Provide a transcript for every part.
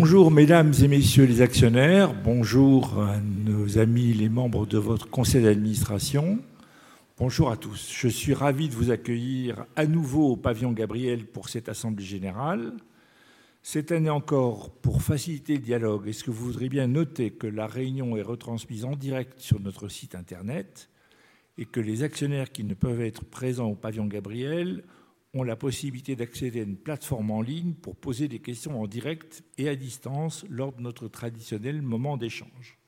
Bonjour Mesdames et Messieurs les actionnaires, bonjour à nos amis, les membres de votre conseil d'administration. Bonjour à tous. Je suis ravi de vous accueillir à nouveau au Pavillon Gabriel pour cette assemblée générale. Cette année encore, pour faciliter le dialogue, est-ce que vous voudriez bien noter que la réunion est retransmise en direct sur notre site Internet et que les actionnaires qui ne peuvent être présents au Pavillon Gabriel ont la possibilité d'accéder à une plateforme en ligne pour poser des questions en direct et à distance lors de notre traditionnel moment d'échange.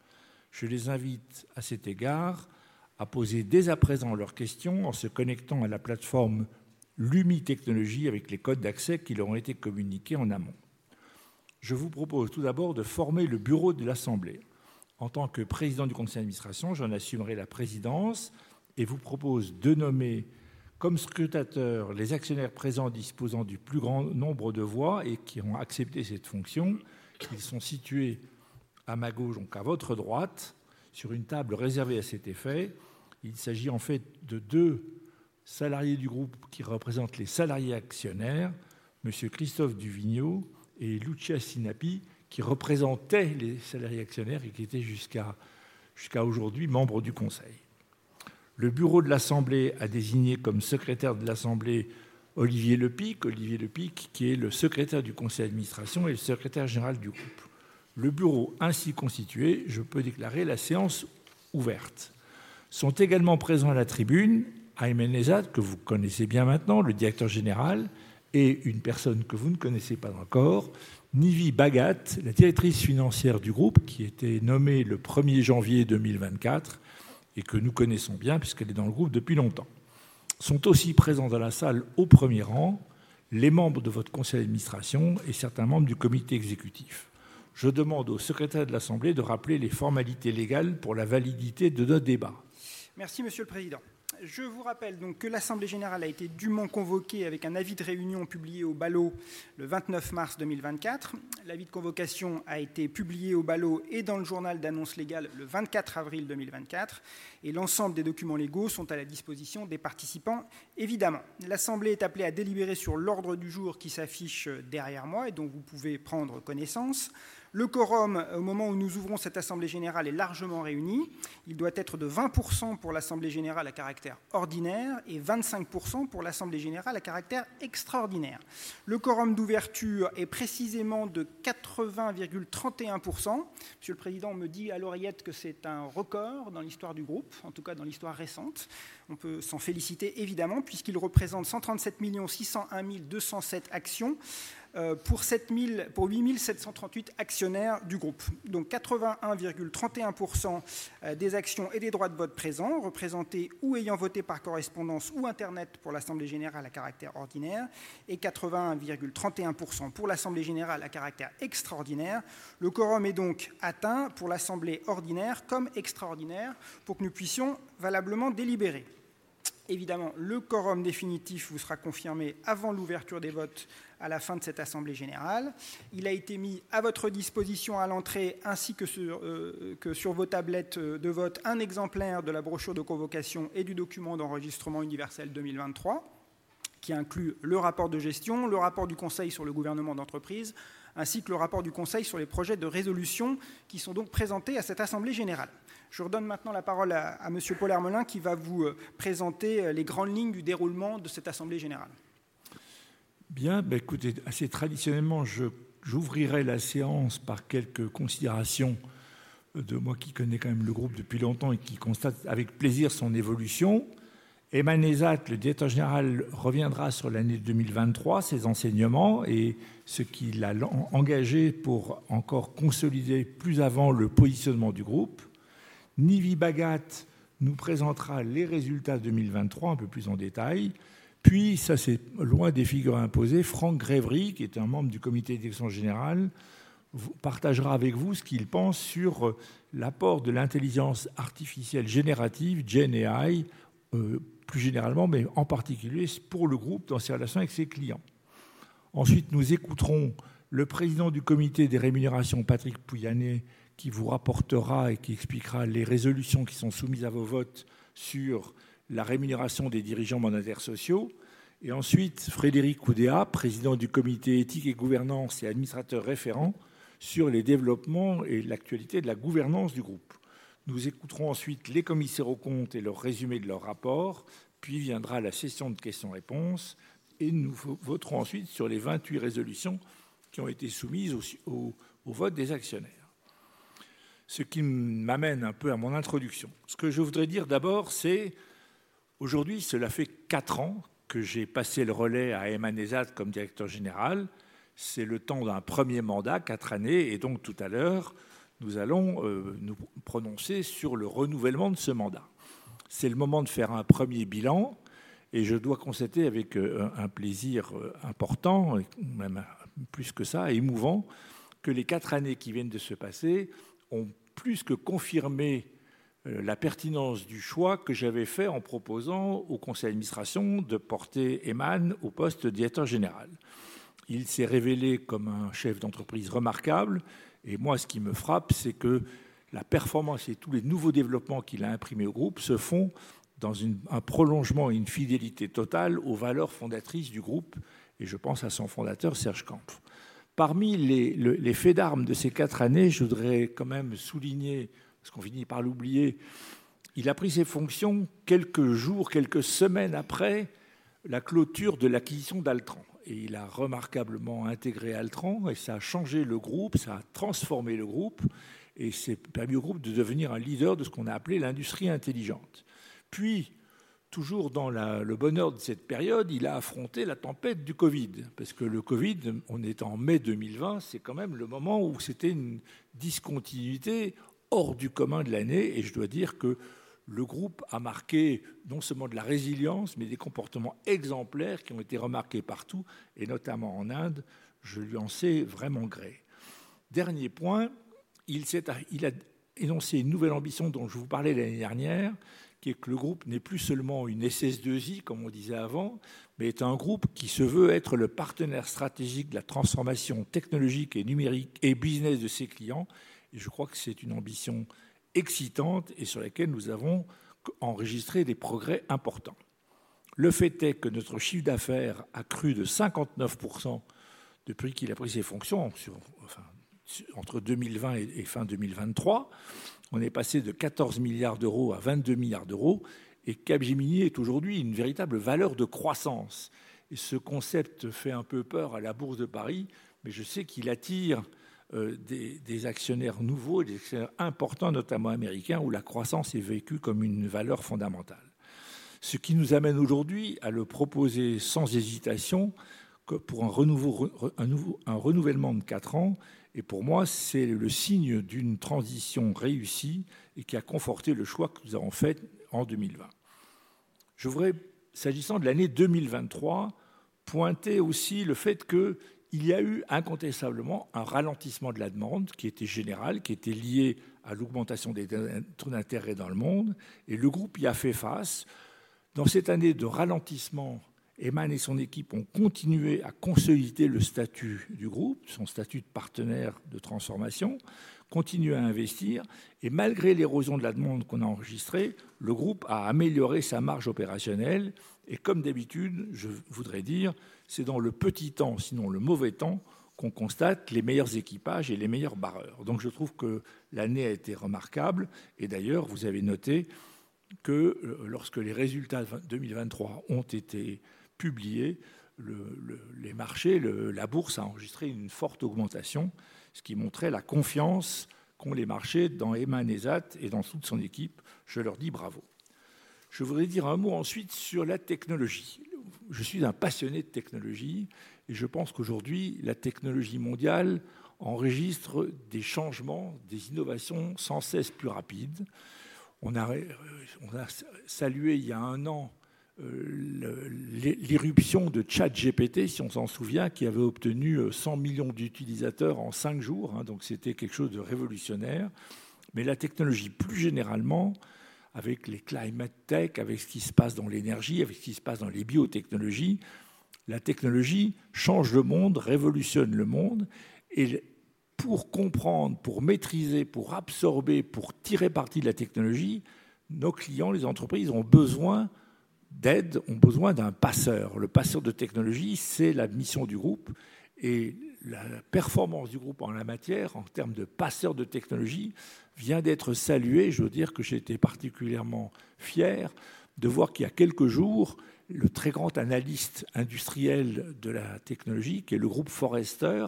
Je les invite, à cet égard, à poser dès à présent leurs questions en se connectant à la plateforme Lumi Technology avec les codes d'accès qui leur ont été communiqués en amont. Je vous propose tout d'abord de former le bureau de l'Assemblée. En tant que président du conseil d'administration, j'en assumerai la présidence et vous propose de nommer comme scrutateurs les actionnaires présents disposant du plus grand nombre de voix et qui ont accepté cette fonction. Ils sont situés à ma gauche, donc à votre droite, sur une table réservée à cet effet. Il s'agit en fait de deux salariés du groupe qui représentent les salariés actionnaires, Monsieur Christophe Duvigneau et Lucia Sinapi, qui représentent les salariés actionnaires et qui étaient jusqu'à aujourd'hui membres du conseil. Le bureau de l'Assemblée a désigné comme secrétaire de l'Assemblée, Olivier Lepic, qui est le secrétaire du conseil d'administration et le secrétaire général du groupe. Le bureau ainsi constitué, je peux déclarer la séance ouverte. Sont également présents à la tribune, Ayman Ezat, que vous connaissez bien maintenant, le Directeur Général, et une personne que vous ne connaissez pas encore, Nivi Bhagat, la Directrice Financière du groupe, qui a été nommée le premier janvier 2024 et que nous connaissons bien puisqu'elle est dans le groupe depuis longtemps. Sont aussi présents dans la salle, au premier rang, les membres de votre conseil d'administration et certains membres du comité exécutif. Je demande au secrétaire de l'Assemblée de rappeler les formalités légales pour la validité de notre débat. Merci Monsieur le Président. Je vous rappelle donc que l'Assemblée générale a été dûment convoquée avec un avis de réunion publié au Bulletin officiel le 29 mars 2024. L'avis de convocation a été publié au Bulletin officiel et dans le journal d'annonce légale le 24 avril 2024. L'ensemble des documents légaux sont à la disposition des participants, évidemment. L'Assemblée est appelée à délibérer sur l'ordre du jour qui s'affiche derrière moi et dont vous pouvez prendre connaissance. Le quorum, au moment où nous ouvrons cette assemblée générale, est largement réuni. Il doit être de 20% pour l'Assemblée générale à caractère ordinaire et 25% pour l'Assemblée générale à caractère extraordinaire. Le quorum d'ouverture est précisément de 80,31%. Monsieur le Président me dit à l'oreillette que c'est un record dans l'histoire du groupe, en tout cas dans l'histoire récente. On peut s'en féliciter évidemment, puisqu'il représente cent trente-sept millions six cent un mille deux cent sept actions pour huit mille sept cent trente-huit actionnaires du groupe. Donc, 81,31% des actions et des droits de vote présents, représentés ou ayant voté par correspondance ou Internet pour l'Assemblée générale à caractère ordinaire et 81,31% pour l'Assemblée générale à caractère extraordinaire. Le quorum est donc atteint pour l'Assemblée ordinaire comme extraordinaire, pour que nous puissions valablement délibérer. Évidemment, le quorum définitif vous sera confirmé avant l'ouverture des votes à la fin de cette assemblée générale. Il a été mis à votre disposition à l'entrée ainsi que sur vos tablettes de vote, un exemplaire de la brochure de convocation et du document d'enregistrement universel 2023, qui inclut le rapport de gestion, le rapport du Conseil sur le gouvernement d'entreprise, ainsi que le rapport du Conseil sur les projets de résolution qui sont donc présentés à cette assemblée générale. Je redonne maintenant la parole à Monsieur Paul Armelin, qui va vous présenter les grandes lignes du déroulement de cette assemblée générale. Bien, écoutez, assez traditionnellement, j'ouvrirai la séance par quelques considérations de moi qui connais quand même le groupe depuis longtemps et qui constate avec plaisir son évolution. Emmanuel Nezat, le directeur général, reviendra sur l'année 2023, ses enseignements et ce qui l'a engagé pour encore consolider plus avant le positionnement du groupe. Nivi Bhagat nous présentera les résultats 2023 un peu plus en détail. Puis, c'est loin des figures imposées, Franck Grévry, qui est un membre du comité d'extension générale, partagera avec vous ce qu'il pense sur l'apport de l'intelligence artificielle générative, Gen AI, plus généralement, mais en particulier pour le groupe dans ses relations avec ses clients. Ensuite, nous écouterons le président du comité des rémunérations, Patrick Pouyanné, qui vous rapportera et qui expliquera les résolutions qui sont soumises à vos votes sur la rémunération des dirigeants mandataires sociaux. Et ensuite, Frédéric Oudéa, Président du Comité Éthique et Gouvernance et administrateur référent sur les développements et l'actualité de la gouvernance du groupe. Nous écouterons ensuite les commissaires aux comptes et leur résumé de leur rapport. Puis viendra la session de questions-réponses et nous voterons ensuite sur les vingt-huit résolutions qui ont été soumises au vote des actionnaires. Ce qui m'amène un peu à mon introduction. Ce que je voudrais dire d'abord, c'est aujourd'hui, cela fait quatre ans que j'ai passé le relais à Ayman Ezat comme Directeur Général. C'est le temps d'un premier mandat, quatre années, et donc tout à l'heure, nous allons nous prononcer sur le renouvellement de ce mandat. C'est le moment de faire un premier bilan et je dois constater avec un plaisir important, même plus que ça, émouvant, que les quatre années qui viennent de se passer ont plus que confirmé la pertinence du choix que j'avais fait en proposant au conseil d'administration de porter Eman au poste de directeur général. Il s'est révélé comme un chef d'entreprise remarquable. Et moi, ce qui me frappe, c'est que la performance et tous les nouveaux développements qu'il a imprimés au groupe se font dans un prolongement et une fidélité totale aux valeurs fondatrices du groupe, et je pense à son fondateur, Serge Kampf. Parmi les faits d'armes de ces quatre années, je voudrais quand même souligner, parce qu'on finit par l'oublier, il a pris ses fonctions quelques jours, quelques semaines après la clôture de l'acquisition d'Altran. Et il a remarquablement intégré Altran et ça a changé le groupe, ça a transformé le groupe et ça a permis au groupe de devenir un leader de ce qu'on a appelé l'industrie intelligente. Puis, toujours dans le bonheur de cette période, il a affronté la tempête du Covid. Parce que le Covid, on est en mai 2020, c'est quand même le moment où c'était une discontinuité hors du commun de l'année. Et je dois dire que le groupe a marqué non seulement de la résilience, mais des comportements exemplaires qui ont été remarqués partout, et notamment en Inde. Je lui en sais vraiment gré. Dernier point, il s'est arrêté, il a énoncé une nouvelle ambition dont je vous parlais l'année dernière, qui est que le groupe n'est plus seulement une SS2I, comme on disait avant, mais est un groupe qui se veut être le partenaire stratégique de la transformation technologique et numérique et business de ses clients. Et je crois que c'est une ambition excitante et sur laquelle nous avons enregistré des progrès importants. Le fait est que notre chiffre d'affaires a crû de 59% depuis qu'il a pris ses fonctions, sur, enfin, entre 2020 et fin 2023. On est passé de €14 milliards à €22 milliards. Et Capgemini est aujourd'hui une véritable valeur de croissance. Et ce concept fait un peu peur à la Bourse de Paris, mais je sais qu'il attire des actionnaires nouveaux, des actionnaires importants, notamment américains, où la croissance est vécue comme une valeur fondamentale. Ce qui nous amène aujourd'hui à le proposer sans hésitation que pour un renouveau, un nouveau, un renouvellement de quatre ans. Et pour moi, c'est le signe d'une transition réussie et qui a conforté le choix que nous avons fait en 2020. Je voudrais, s'agissant de l'année 2023, pointer aussi le fait qu'il y a eu incontestablement un ralentissement de la demande qui était général, qui était lié à l'augmentation des taux d'intérêt dans le monde. Et le groupe y a fait face. Dans cette année de ralentissement, Eman et son équipe ont continué à consolider le statut du groupe, son statut de partenaire de transformation, continué à investir. Et malgré l'érosion de la demande qu'on a enregistrée, le groupe a amélioré sa marge opérationnelle. Et comme d'habitude, je voudrais dire, c'est dans le petit temps, sinon le mauvais temps, qu'on constate les meilleurs équipages et les meilleurs barreurs. Donc, je trouve que l'année a été remarquable. Et d'ailleurs, vous avez noté que lorsque les résultats de 2023 ont été publiés, les marchés, la Bourse a enregistré une forte augmentation, ce qui montrait la confiance qu'ont les marchés dans Eman Nezat et dans toute son équipe. Je leur dis bravo. Je voudrais dire un mot ensuite sur la technologie. Je suis un passionné de technologie et je pense qu'aujourd'hui, la technologie mondiale enregistre des changements, des innovations sans cesse plus rapides. On a salué il y a un an l'irruption de ChatGPT, si on s'en souvient, qui avait obtenu cent millions d'utilisateurs en cinq jours. Donc c'était quelque chose de révolutionnaire. Mais la technologie, plus généralement, avec les climate tech, avec ce qui se passe dans l'énergie, avec ce qui se passe dans les biotechnologies, la technologie change le monde, révolutionne le monde. Et pour comprendre, pour maîtriser, pour absorber, pour tirer parti de la technologie, nos clients, les entreprises, ont besoin d'aide, ont besoin d'un passeur. Le passeur de technologie, c'est la mission du groupe et la performance du groupe en la matière, en termes de passeur de technologie, vient d'être saluée. Je veux dire que j'étais particulièrement fier de voir qu'il y a quelques jours, le très grand analyste industriel de la technologie, qui est le groupe Forrester,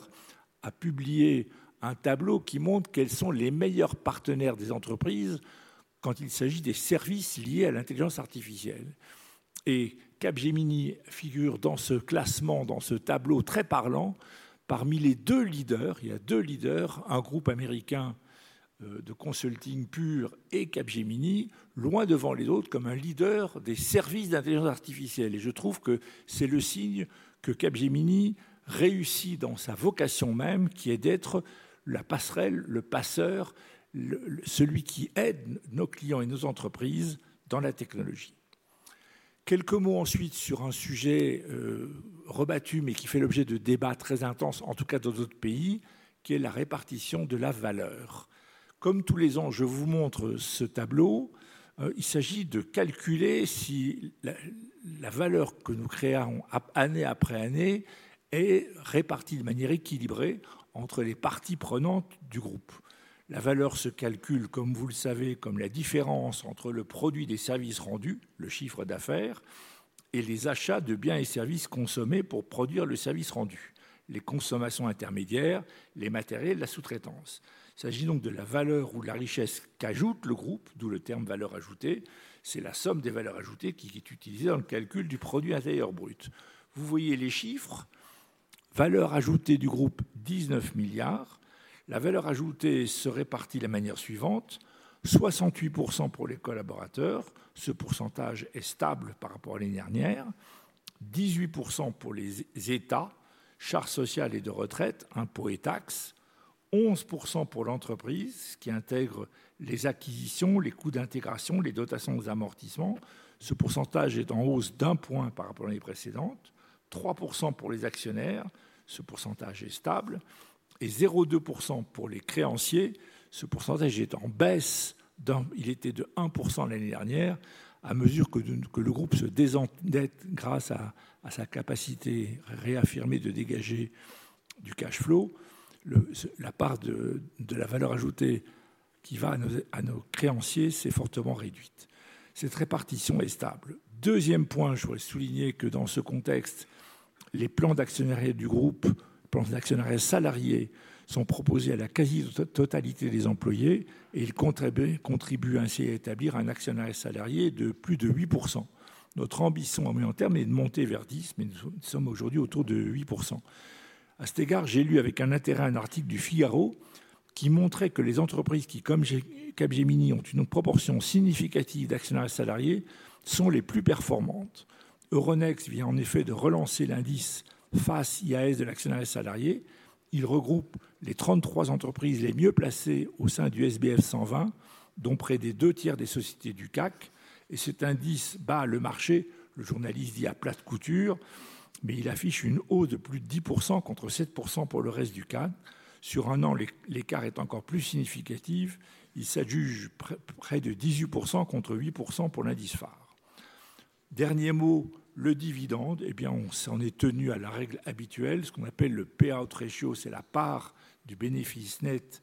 a publié un tableau qui montre quels sont les meilleurs partenaires des entreprises quand il s'agit des services liés à l'intelligence artificielle. Capgemini figure dans ce classement, dans ce tableau très parlant, parmi les deux leaders. Il y a deux leaders, un groupe américain de consulting pur et Capgemini, loin devant les autres, comme un leader des services d'intelligence artificielle. Je trouve que c'est le signe que Capgemini réussit dans sa vocation même, qui est d'être la passerelle, le passeur, celui qui aide nos clients et nos entreprises dans la technologie. Quelques mots ensuite sur un sujet rebattu, mais qui fait l'objet de débats très intenses, en tout cas dans d'autres pays, qui est la répartition de la valeur. Comme tous les ans, je vous montre ce tableau. Il s'agit de calculer si la valeur que nous créons année après année est répartie de manière équilibrée entre les parties prenantes du groupe. La valeur se calcule, comme vous le savez, comme la différence entre le produit des services rendus, le chiffre d'affaires, et les achats de biens et services consommés pour produire le service rendu, les consommations intermédiaires, les matériels, la sous-traitance. Il s'agit donc de la valeur ou de la richesse qu'ajoute le groupe, d'où le terme valeur ajoutée. C'est la somme des valeurs ajoutées qui est utilisée dans le calcul du produit intérieur brut. Vous voyez les chiffres? Valeur ajoutée du groupe: 19 milliards. La valeur ajoutée se répartit de la manière suivante: 68% pour les collaborateurs. Ce pourcentage est stable par rapport à l'année dernière. 18% pour les États, charges sociales et de retraite, impôts et taxes, 11% pour l'entreprise, qui intègrent les acquisitions, les coûts d'intégration, les dotations aux amortissements. Ce pourcentage est en hausse d'un point par rapport à l'année précédente, 3% pour les actionnaires, ce pourcentage est stable, et 0,2% pour les créanciers. Ce pourcentage est en baisse d'un point, il était de 1% l'année dernière. À mesure que le groupe se désendette grâce à sa capacité réaffirmée de dégager du cash flow, la part de la valeur ajoutée qui va à nos créanciers s'est fortement réduite. Cette répartition est stable. Deuxième point, je voudrais souligner que dans ce contexte, les plans d'actionnariat du groupe, plans d'actionnariat salariés, sont proposés à la quasi-totalité des employés et ils contribuent ainsi à établir un actionnariat salarié de plus de 8%. Notre ambition à moyen terme est de monter vers 10%, mais nous sommes aujourd'hui autour de 8%. À cet égard, j'ai lu avec intérêt un article du Figaro, qui montrait que les entreprises qui, comme Capgemini, ont une proportion significative d'actionnaires salariés, sont les plus performantes. Euronext vient en effet de relancer l'indice FEAS de l'actionnariat salarié. Il regroupe les trente-trois entreprises les mieux placées au sein du SBF 120, dont près des deux tiers des sociétés du CAC. Et cet indice bat le marché, le journaliste dit, à plate couture, mais il affiche une hausse de plus de 10% contre 7% pour le reste du CAC. Sur un an, l'écart est encore plus significatif. Il s'adjuge près de 18% contre 8% pour l'indice phare. Dernier mot, le dividende. Eh bien, on s'en est tenu à la règle habituelle, ce qu'on appelle le payout ratio. C'est la part du bénéfice net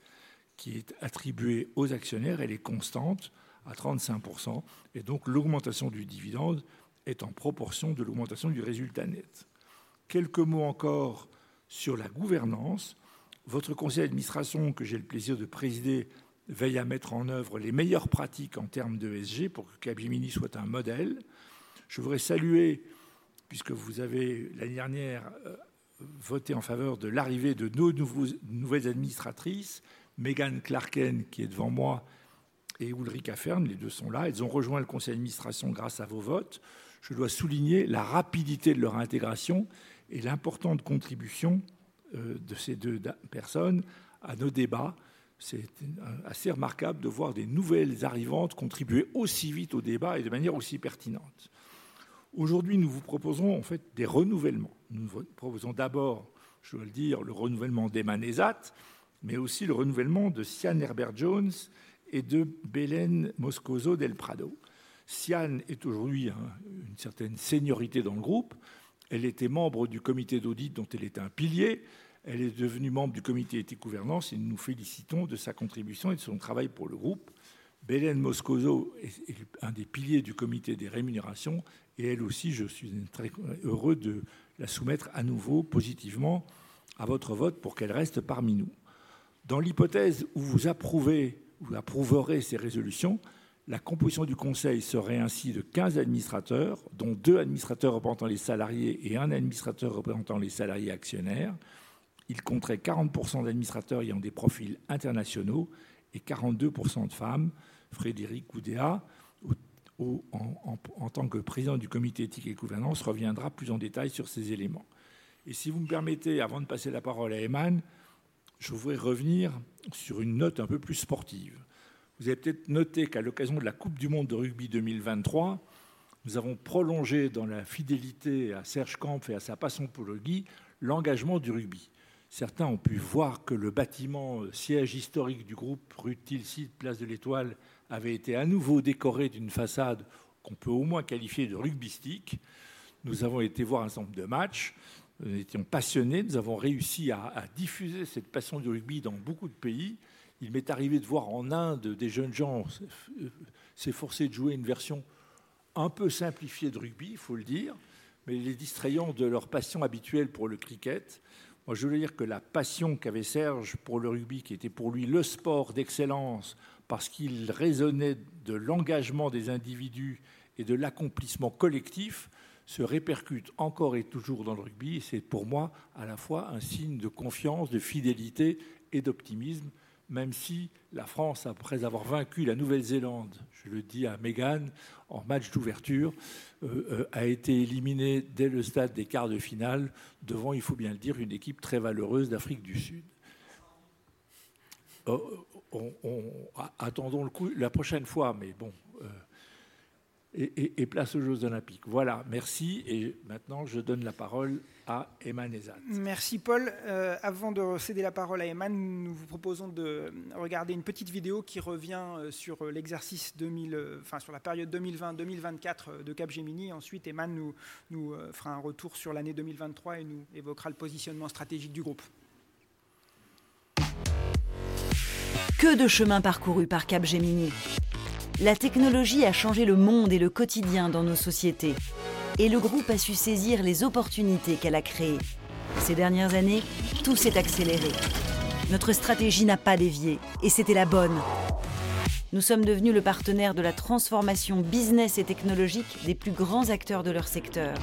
qui est attribué aux actionnaires. Elle est constante à 35% et donc l'augmentation du dividende est en proportion de l'augmentation du résultat net. Quelques mots encore sur la gouvernance. Votre conseil d'administration, que j'ai le plaisir de présider, veille à mettre en œuvre les meilleures pratiques en termes de ESG pour que Capgemini soit un modèle. Je voudrais saluer, puisque vous avez, l'année dernière, voté en faveur de l'arrivée de nos nouveaux, nouvelles administratrices, Megan Clarken, qui est devant moi, et Ulrika Fern, les deux sont là. Elles ont rejoint le conseil d'administration grâce à vos votes. Je dois souligner la rapidité de leur intégration et l'importante contribution de ces deux personnes à nos débats. C'est assez remarquable de voir des nouvelles arrivantes contribuer aussi vite aux débats et de manière aussi pertinente. Aujourd'hui, nous vous proposons en fait des renouvellements. Nous proposons d'abord, je dois le dire, le renouvellement d'Emma Nezat, mais aussi le renouvellement de Sian Herbert Jones et de Belen Moscoso del Prado. Sian a aujourd'hui une certaine séniorité dans le groupe. Elle était membre du comité d'audit, dont elle est un pilier. Elle est devenue membre du comité éthique et gouvernance et nous nous félicitons de sa contribution et de son travail pour le groupe. Belén Moscoso est un des piliers du comité des rémunérations et elle aussi, je suis très heureux de la soumettre à nouveau positivement à votre vote pour qu'elle reste parmi nous. Dans l'hypothèse où vous approuvez ou approuverez ces résolutions, la composition du conseil serait ainsi de quinze administrateurs, dont deux administrateurs représentant les salariés et un administrateur représentant les salariés actionnaires. Il compterait 40% d'administrateurs ayant des profils internationaux et 42% de femmes. Frédéric Goudéa, en tant que Président du comité éthique et gouvernance, reviendra plus en détail sur ces éléments. Et si vous me permettez, avant de passer la parole à Eman, je voudrais revenir sur une note un peu plus sportive. Vous avez peut-être noté qu'à l'occasion de la Coupe du monde de rugby 2023, nous avons prolongé, dans la fidélité à Serge Kampf et à sa passion pour le rugby, l'engagement du rugby. Certains ont pu voir que le bâtiment, siège historique du groupe, rue Tilsitt, place de l'Étoile, avait été à nouveau décoré d'une façade qu'on peut au moins qualifier de rugbystique. Nous avons été voir un certain nombre de matchs. Nous étions passionnés. Nous avons réussi à diffuser cette passion du rugby dans beaucoup de pays. Il m'est arrivé de voir en Inde des jeunes gens s'efforcer de jouer une version un peu simplifiée de rugby, il faut le dire, mais les distrayant de leur passion habituelle pour le cricket. Moi, je veux dire que la passion qu'avait Serge pour le rugby, qui était pour lui le sport d'excellence parce qu'il résonnait de l'engagement des individus et de l'accomplissement collectif, se répercute encore et toujours dans le rugby. C'est pour moi à la fois un signe de confiance, de fidélité et d'optimisme, même si la France, après avoir vaincu la Nouvelle-Zélande, je le dis à Megan, en match d'ouverture, a été éliminée dès le stade des quarts de finale, devant, il faut bien le dire, une équipe très valeureuse d'Afrique du Sud. Attendons le coup, la prochaine fois, mais bon. Et place aux Jeux olympiques. Voilà, merci. Et maintenant, je donne la parole à Emma Nezat. Merci Paul. Euh, avant de céder la parole à Eman, nous vous proposons de regarder une petite vidéo qui revient sur l'exercice 2000, enfin sur la période 2020-2024 de Capgemini. Ensuite, Eman nous fera un retour sur l'année 2023 et nous évoquera le positionnement stratégique du groupe. Que de chemins parcourus par Capgemini! La technologie a changé le monde et le quotidien dans nos sociétés, et le groupe a su saisir les opportunités qu'elle a créées. Ces dernières années, tout s'est accéléré. Notre stratégie n'a pas dévié et c'était la bonne. Nous sommes devenus le partenaire de la transformation business et technologique des plus grands acteurs de leur secteur.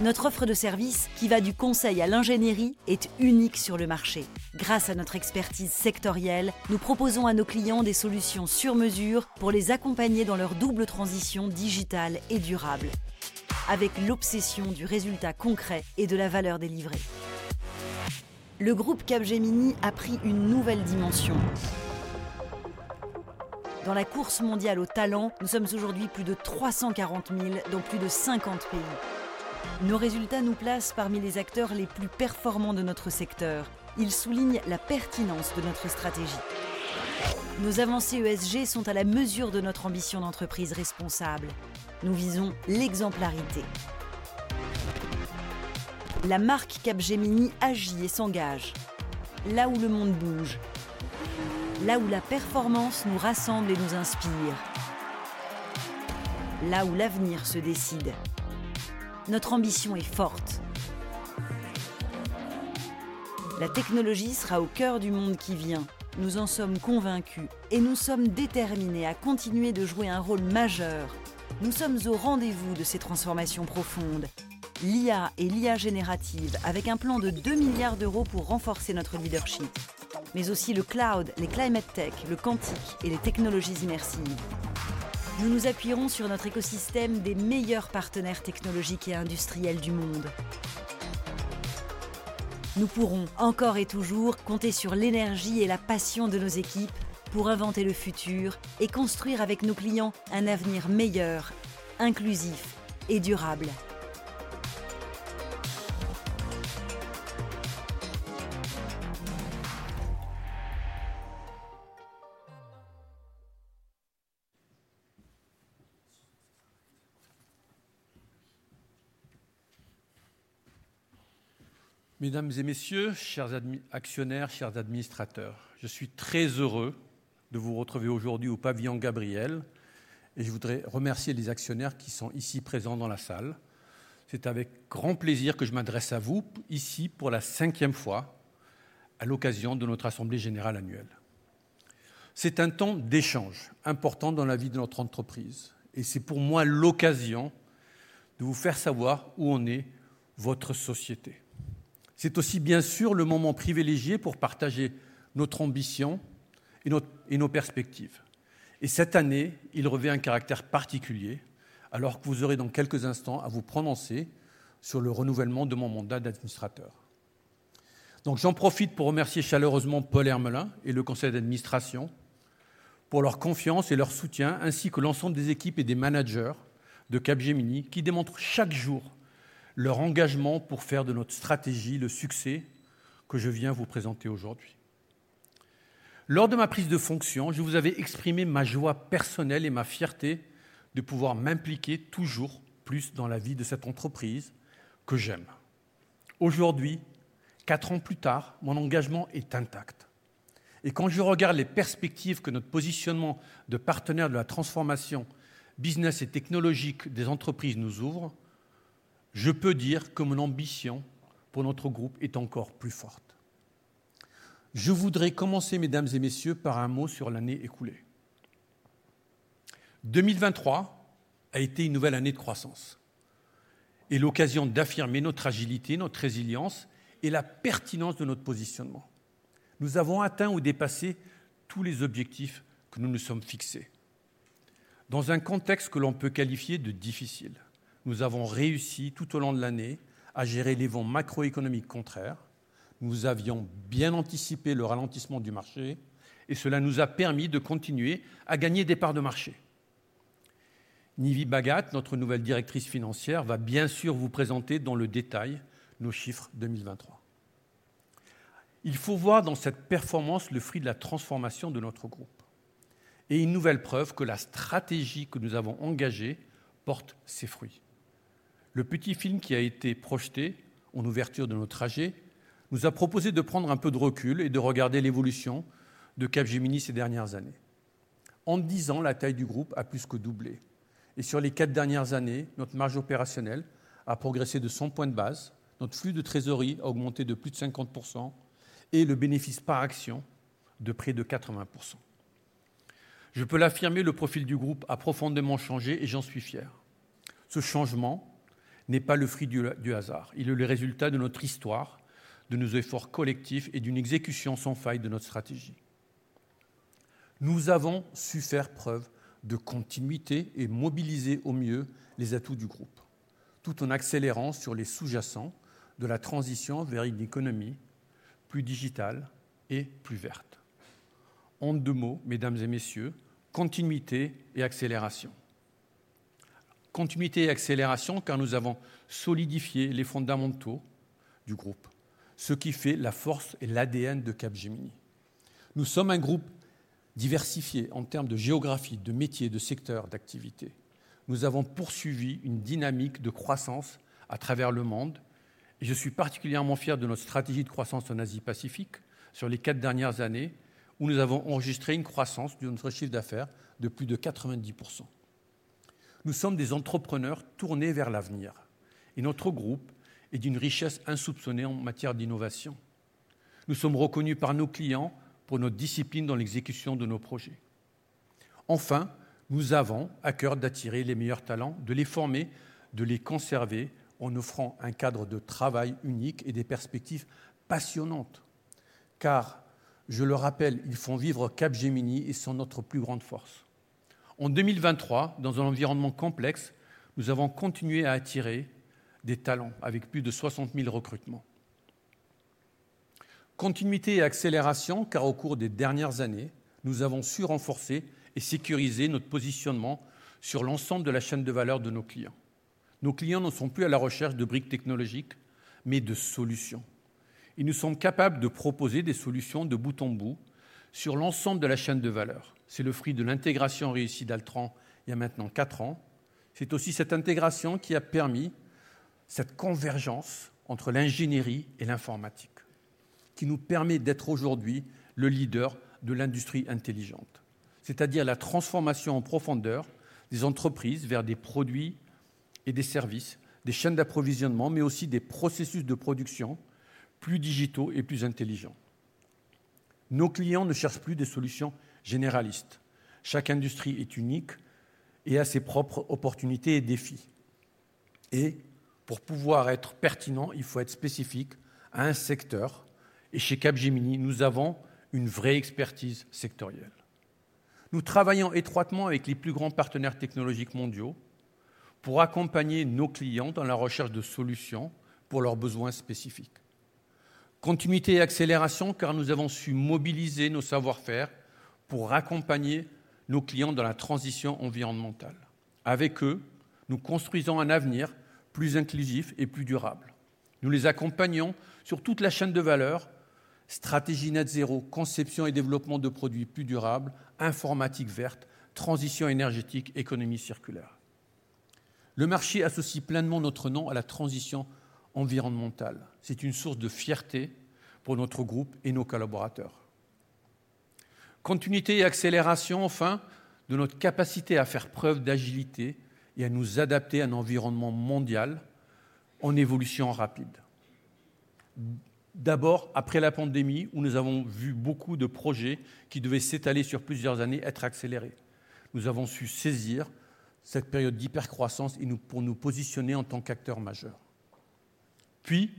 Notre offre de service, qui va du conseil à l'ingénierie, est unique sur le marché. Grâce à notre expertise sectorielle, nous proposons à nos clients des solutions sur mesure pour les accompagner dans leur double transition digitale et durable, avec l'obsession du résultat concret et de la valeur délivrée. Le groupe Capgemini a pris une nouvelle dimension. Dans la course mondiale au talent, nous sommes aujourd'hui plus de 340 000, dans plus de 50 pays. Nos résultats nous placent parmi les acteurs les plus performants de notre secteur. Ils soulignent la pertinence de notre stratégie. Nos avancées ESG sont à la mesure de notre ambition d'entreprise responsable. Nous visons l'exemplarité. La marque Capgemini agit et s'engage, là où le monde bouge, là où la performance nous rassemble et nous inspire, là où l'avenir se décide. Notre ambition est forte. La technologie sera au cœur du monde qui vient. Nous en sommes convaincus et nous sommes déterminés à continuer de jouer un rôle majeur. Nous sommes au rendez-vous de ces transformations profondes. L'IA et l'IA générative, avec un plan de 2 milliards d'euros pour renforcer notre leadership, mais aussi le cloud, les climate tech, le quantique et les technologies immersives. Nous nous appuierons sur notre écosystème des meilleurs partenaires technologiques et industriels du monde. Nous pourrons encore et toujours compter sur l'énergie et la passion de nos équipes pour inventer le futur et construire avec nos clients un avenir meilleur, inclusif et durable. Mesdames et Messieurs, chers administrateurs, actionnaires, chers administrateurs, je suis très heureux de vous retrouver aujourd'hui au Pavillon Gabriel et je voudrais remercier les actionnaires qui sont ici présents dans la salle. C'est avec grand plaisir que je m'adresse à vous, ici, pour la cinquième fois, à l'occasion de notre assemblée générale annuelle. C'est un temps d'échange important dans la vie de notre entreprise et c'est pour moi l'occasion de vous faire savoir où en est votre société. C'est aussi, bien sûr, le moment privilégié pour partager notre ambition et nos perspectives. Et cette année, il revêt un caractère particulier, alors que vous aurez dans quelques instants à vous prononcer sur le renouvellement de mon mandat d'administrateur. Donc j'en profite pour remercier chaleureusement Paul Hermelin et le conseil d'administration pour leur confiance et leur soutien, ainsi que l'ensemble des équipes et des managers de Capgemini, qui démontrent chaque jour leur engagement pour faire de notre stratégie le succès que je viens vous présenter aujourd'hui. Lors de ma prise de fonction, je vous avais exprimé ma joie personnelle et ma fierté de pouvoir m'impliquer toujours plus dans la vie de cette entreprise que j'aime. Aujourd'hui, quatre ans plus tard, mon engagement est intact. Quand je regarde les perspectives que notre positionnement de partenaire de la transformation business et technologique des entreprises nous ouvre, je peux dire que mon ambition pour notre groupe est encore plus forte. Je voudrais commencer, Mesdames et Messieurs, par un mot sur l'année écoulée. 2023 a été une nouvelle année de croissance et l'occasion d'affirmer notre agilité, notre résilience et la pertinence de notre positionnement. Nous avons atteint ou dépassé tous les objectifs que nous nous sommes fixés. Dans un contexte que l'on peut qualifier de difficile, nous avons réussi tout au long de l'année à gérer les vents macroéconomiques contraires. Nous avions bien anticipé le ralentissement du marché et cela nous a permis de continuer à gagner des parts de marché. Nivi Bhagat, notre nouvelle Directrice Financière, va bien sûr vous présenter dans le détail nos chiffres 2023. Il faut voir dans cette performance le fruit de la transformation de notre groupe et une nouvelle preuve que la stratégie que nous avons engagée porte ses fruits. Le petit film qui a été projeté en ouverture de notre trajet nous a proposé de prendre un peu de recul et de regarder l'évolution de Capgemini ces dernières années. En dix ans, la taille du groupe a plus que doublé et sur les quatre dernières années, notre marge opérationnelle a progressé de cent points de base, notre flux de trésorerie a augmenté de plus de 50% et le bénéfice par action de près de 80%. Je peux l'affirmer, le profil du groupe a profondément changé et j'en suis fier. Ce changement n'est pas le fruit du hasard. Il est le résultat de notre histoire, de nos efforts collectifs et d'une exécution sans faille de notre stratégie. Nous avons su faire preuve de continuité et mobiliser au mieux les atouts du groupe, tout en accélérant sur les sous-jacents de la transition vers une économie plus digitale et plus verte. En deux mots, Mesdames et Messieurs, continuité et accélération. Continuité et accélération, car nous avons solidifié les fondamentaux du groupe, ce qui fait la force et l'ADN de Capgemini. Nous sommes un groupe diversifié en termes de géographie, de métiers, de secteurs d'activité. Nous avons poursuivi une dynamique de croissance à travers le monde et je suis particulièrement fier de notre stratégie de croissance en Asie-Pacifique sur les quatre dernières années, où nous avons enregistré une croissance de notre chiffre d'affaires de plus de 90%. Nous sommes des entrepreneurs tournés vers l'avenir et notre groupe est d'une richesse insoupçonnée en matière d'innovation. Nous sommes reconnus par nos clients pour notre discipline dans l'exécution de nos projets. Enfin, nous avons à cœur d'attirer les meilleurs talents, de les former, de les conserver, en offrant un cadre de travail unique et des perspectives passionnantes, car, je le rappelle, ils font vivre Capgemini et sont notre plus grande force. En 2023, dans un environnement complexe, nous avons continué à attirer des talents avec plus de 60 000 recrutements. Continuité et accélération, car au cours des dernières années, nous avons su renforcer et sécuriser notre positionnement sur l'ensemble de la chaîne de valeur de nos clients. Nos clients ne sont plus à la recherche de briques technologiques, mais de solutions. Ils nous sont capables de proposer des solutions de bout en bout sur l'ensemble de la chaîne de valeur. C'est le fruit de l'intégration réussie d'Altran, il y a maintenant quatre ans. C'est aussi cette intégration qui a permis cette convergence entre l'ingénierie et l'informatique, qui nous permet d'être aujourd'hui le leader de l'industrie intelligente, c'est-à-dire la transformation en profondeur des entreprises vers des produits et des services, des chaînes d'approvisionnement, mais aussi des processus de production plus digitaux et plus intelligents. Nos clients ne cherchent plus des solutions généralistes. Chaque industrie est unique et a ses propres opportunités et défis. Pour pouvoir être pertinent, il faut être spécifique à un secteur. Chez Capgemini, nous avons une vraie expertise sectorielle. Nous travaillons étroitement avec les plus grands partenaires technologiques mondiaux pour accompagner nos clients dans la recherche de solutions pour leurs besoins spécifiques. Continuité et accélération, car nous avons su mobiliser nos savoir-faire pour accompagner nos clients dans la transition environnementale. Avec eux, nous construisons un avenir plus inclusif et plus durable. Nous les accompagnons sur toute la chaîne de valeur: stratégie net zéro, conception et développement de produits plus durables, informatique verte, transition énergétique, économie circulaire. Le marché associe pleinement notre nom à la transition environnementale. C'est une source de fierté pour notre groupe et nos collaborateurs. Continuité et accélération, enfin, de notre capacité à faire preuve d'agilité et à nous adapter à un environnement mondial en évolution rapide. D'abord, après la pandémie, où nous avons vu beaucoup de projets qui devaient s'étaler sur plusieurs années, être accélérés. Nous avons su saisir cette période d'hypercroissance et nous positionner en tant qu'acteur majeur. Puis,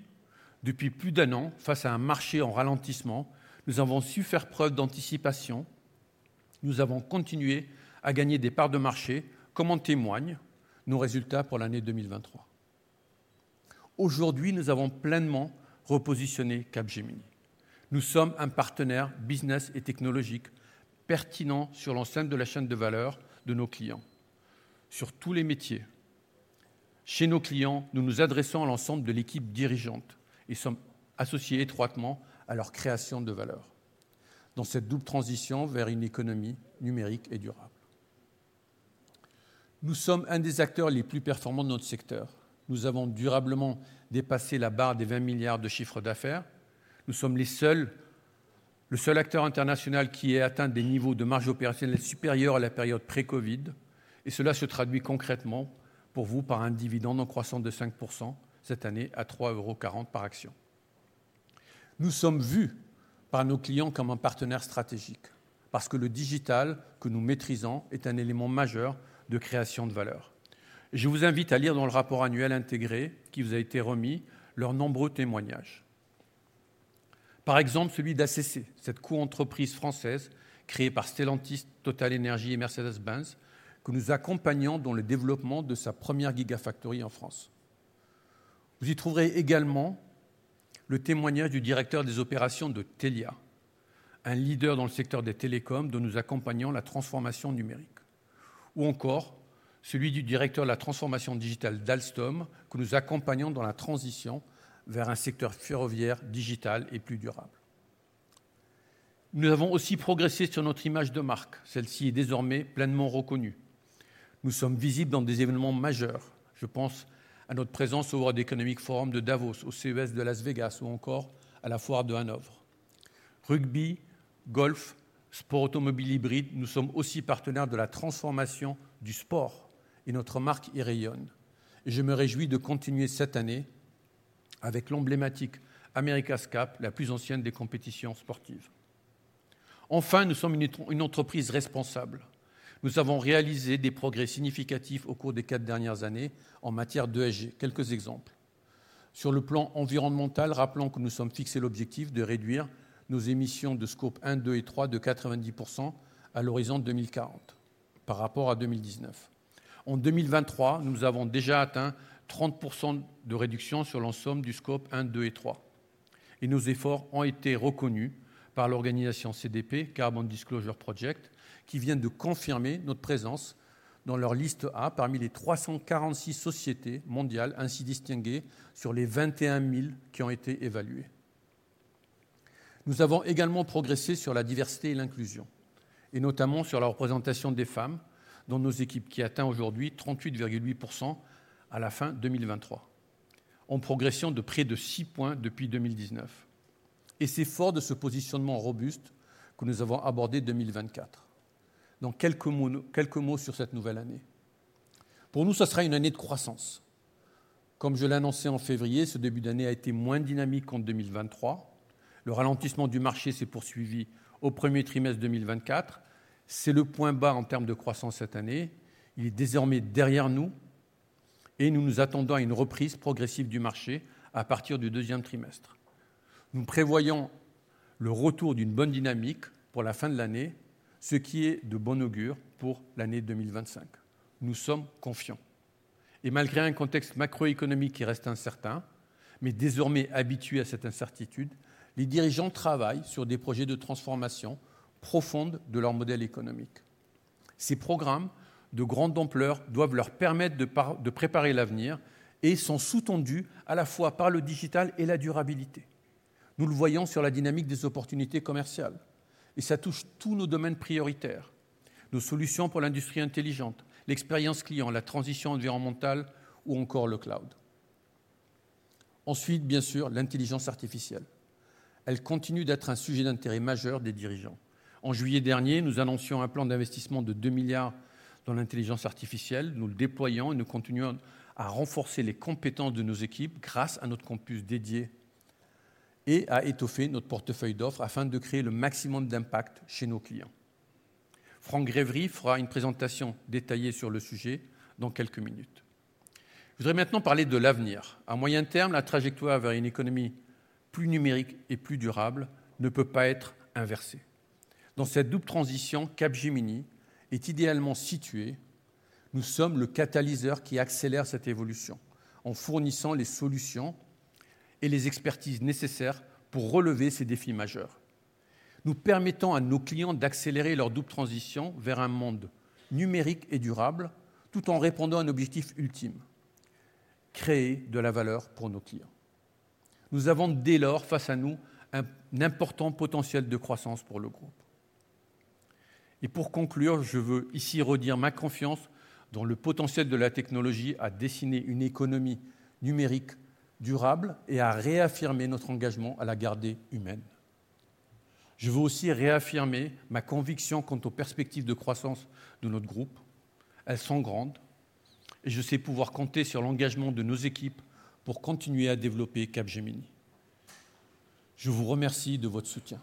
depuis plus d'un an, face à un marché en ralentissement, nous avons su faire preuve d'anticipation. Nous avons continué à gagner des parts de marché, comme en témoignent nos résultats pour l'année 2023. Aujourd'hui, nous avons pleinement repositionné Capgemini. Nous sommes un partenaire business et technologique pertinent sur l'ensemble de la chaîne de valeur de nos clients, sur tous les métiers. Chez nos clients, nous nous adressons à l'ensemble de l'équipe dirigeante et sommes associés étroitement à leur création de valeur, dans cette double transition vers une économie numérique et durable. Nous sommes un des acteurs les plus performants de notre secteur. Nous avons durablement dépassé la barre des 20 milliards d'euros de chiffre d'affaires. Nous sommes le seul acteur international qui ait atteint des niveaux de marge opérationnelle supérieurs à la période pré-Covid. Cela se traduit concrètement pour vous par un dividende en croissance de 5% cette année, à 3,40 € par action. Nous sommes vus par nos clients comme un partenaire stratégique, parce que le digital, que nous maîtrisons, est un élément majeur de création de valeur. Je vous invite à lire dans le rapport annuel intégré, qui vous a été remis, leurs nombreux témoignages. Par exemple, celui d'ACC, cette coentreprise française créée par Stellantis, Total Energy et Mercedes-Benz, que nous accompagnons dans le développement de sa première gigafactory en France. Vous y trouverez également le témoignage du Directeur des Opérations de Telia, un leader dans le secteur des télécoms, dont nous accompagnons la transformation numérique, ou encore celui du Directeur de la Transformation Digitale d'Alstom, que nous accompagnons dans la transition vers un secteur ferroviaire, digital et plus durable. Nous avons aussi progressé sur notre image de marque. Celle-ci est désormais pleinement reconnue. Nous sommes visibles dans des événements majeurs. Je pense à notre présence au World Economic Forum de Davos, au CES de Las Vegas ou encore à la Foire de Hanovre. Rugby, golf, sport automobile hybride, nous sommes aussi partenaires de la transformation du sport et notre marque y rayonne. Je me réjouis de continuer cette année avec l'emblématique America's Cup, la plus ancienne des compétitions sportives. Enfin, nous sommes une entreprise responsable. Nous avons réalisé des progrès significatifs au cours des quatre dernières années en matière d'ESG. Quelques exemples. Sur le plan environnemental, rappelons que nous nous sommes fixés l'objectif de réduire nos émissions de scope un, deux et trois, de 90% à l'horizon 2040, par rapport à 2019. En 2023, nous avons déjà atteint 30% de réduction sur l'ensemble du scope un, deux et trois. Et nos efforts ont été reconnus par l'organisation CDP, Carbon Disclosure Project, qui vient de confirmer notre présence dans leur liste A parmi les 346 sociétés mondiales ainsi distinguées sur les 21 000 qui ont été évaluées. Nous avons également progressé sur la diversité et l'inclusion, et notamment sur la représentation des femmes dans nos équipes, qui atteint aujourd'hui 38,8% à la fin 2023, en progression de près de six points depuis 2019. C'est fort de ce positionnement robuste que nous avons abordé 2024. Quelques mots sur cette nouvelle année. Pour nous, ce sera une année de croissance. Comme je l'annonçais en février, ce début d'année a été moins dynamique qu'en 2023. Le ralentissement du marché s'est poursuivi au premier trimestre 2024. C'est le point bas en termes de croissance cette année. Il est désormais derrière nous et nous nous attendons à une reprise progressive du marché à partir du deuxième trimestre. Nous prévoyons le retour d'une bonne dynamique pour la fin de l'année, ce qui est de bon augure pour l'année 2025. Nous sommes confiants. Et malgré un contexte macroéconomique qui reste incertain, mais désormais habitué à cette incertitude, les dirigeants travaillent sur des projets de transformation profonde de leur modèle économique. Ces programmes de grande ampleur doivent leur permettre de préparer l'avenir et sont sous-tendus à la fois par le digital et la durabilité. Nous le voyons sur la dynamique des opportunités commerciales et ça touche tous nos domaines prioritaires, nos solutions pour l'industrie intelligente, l'expérience client, la transition environnementale ou encore le cloud. Ensuite, bien sûr, l'intelligence artificielle. Elle continue d'être un sujet d'intérêt majeur des dirigeants. En juillet dernier, nous annoncions un plan d'investissement de deux milliards dans l'intelligence artificielle. Nous le déployons et nous continuons à renforcer les compétences de nos équipes grâce à notre campus dédié et à étoffer notre portefeuille d'offres afin de créer le maximum d'impact chez nos clients. Franck Grévy fera une présentation détaillée sur le sujet dans quelques minutes. Je voudrais maintenant parler de l'avenir. À moyen terme, la trajectoire vers une économie plus numérique et plus durable ne peut pas être inversée. Dans cette double transition, Capgemini est idéalement situé. Nous sommes le catalyseur qui accélère cette évolution en fournissant les solutions et les expertises nécessaires pour relever ces défis majeurs. Nous permettons à nos clients d'accélérer leur double transition vers un monde numérique et durable, tout en répondant à un objectif ultime: créer de la valeur pour nos clients. Nous avons dès lors face à nous un important potentiel de croissance pour le groupe. Et pour conclure, je veux ici redire ma confiance dans le potentiel de la technologie à dessiner une économie numérique, durable et à réaffirmer notre engagement à la garder humaine. Je veux aussi réaffirmer ma conviction quant aux perspectives de croissance de notre groupe. Elles sont grandes et je sais pouvoir compter sur l'engagement de nos équipes pour continuer à développer Capgemini. Je vous remercie de votre soutien.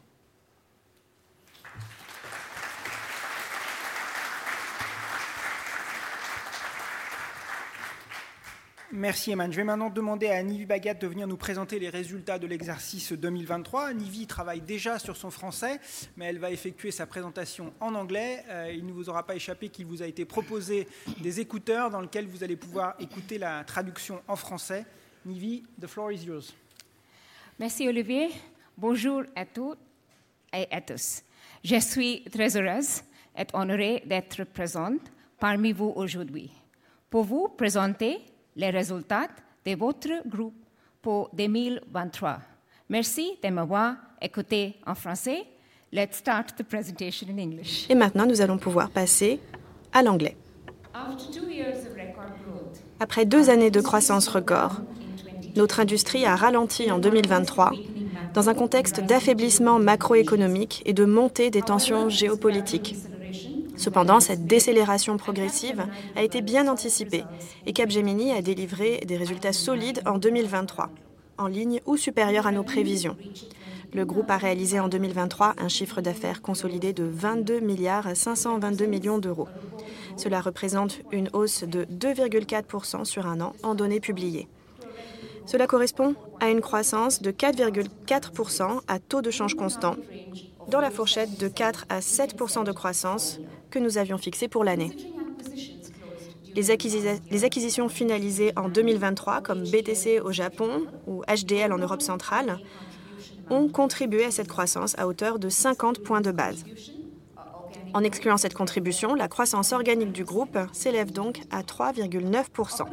Merci, Emmanuel. Je vais maintenant demander à Nivi Bhagat de venir nous présenter les résultats de l'exercice 2023. Nivi travaille déjà sur son français, mais elle va effectuer sa présentation en anglais. Il ne vous aura pas échappé qu'il vous a été proposé des écouteurs dans lesquels vous allez pouvoir écouter la traduction en français. Nivi, the floor is yours. Merci Olivier. Bonjour à toutes et à tous. Je suis très heureuse et honorée d'être présente parmi vous aujourd'hui pour vous présenter les résultats de votre groupe pour 2023. Merci de m'avoir écoutée en français. Let's start the presentation in English. Et maintenant, nous allons pouvoir passer à l'anglais. Après deux années de croissance record, notre industrie a ralenti en 2023, dans un contexte d'affaiblissement macroéconomique et de montée des tensions géopolitiques. Cependant, cette décélération progressive a été bien anticipée et Capgemini a délivré des résultats solides en 2023, en ligne ou supérieur à nos prévisions. Le groupe a réalisé en 2023 un chiffre d'affaires consolidé de €22,522 millions. Cela représente une hausse de 2,4% sur un an en données publiées. Cela correspond à une croissance de 4,4% à taux de change constant dans la fourchette de 4% à 7% de croissance que nous avions fixée pour l'année. Les acquisitions finalisées en 2023, comme BTC au Japon ou HDL en Europe centrale, ont contribué à cette croissance à hauteur de 50 points de base. En excluant cette contribution, la croissance organique du groupe s'élève donc à 3,9%.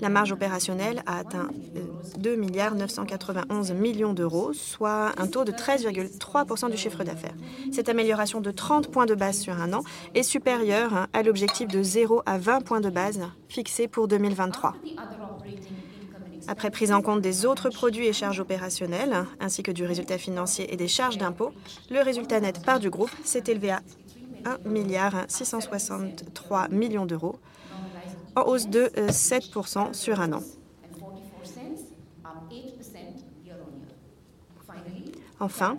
La marge opérationnelle a atteint €2,991 millions, soit un taux de 13,3% du chiffre d'affaires. Cette amélioration de 30 points de base sur un an est supérieure à l'objectif de 0% à 20 points de base fixé pour 2023. Après prise en compte des autres produits et charges opérationnelles ainsi que du résultat financier et des charges d'impôts, le résultat net part du groupe s'est élevé à €1,663 millions, en hausse de 7% sur un an. Enfin,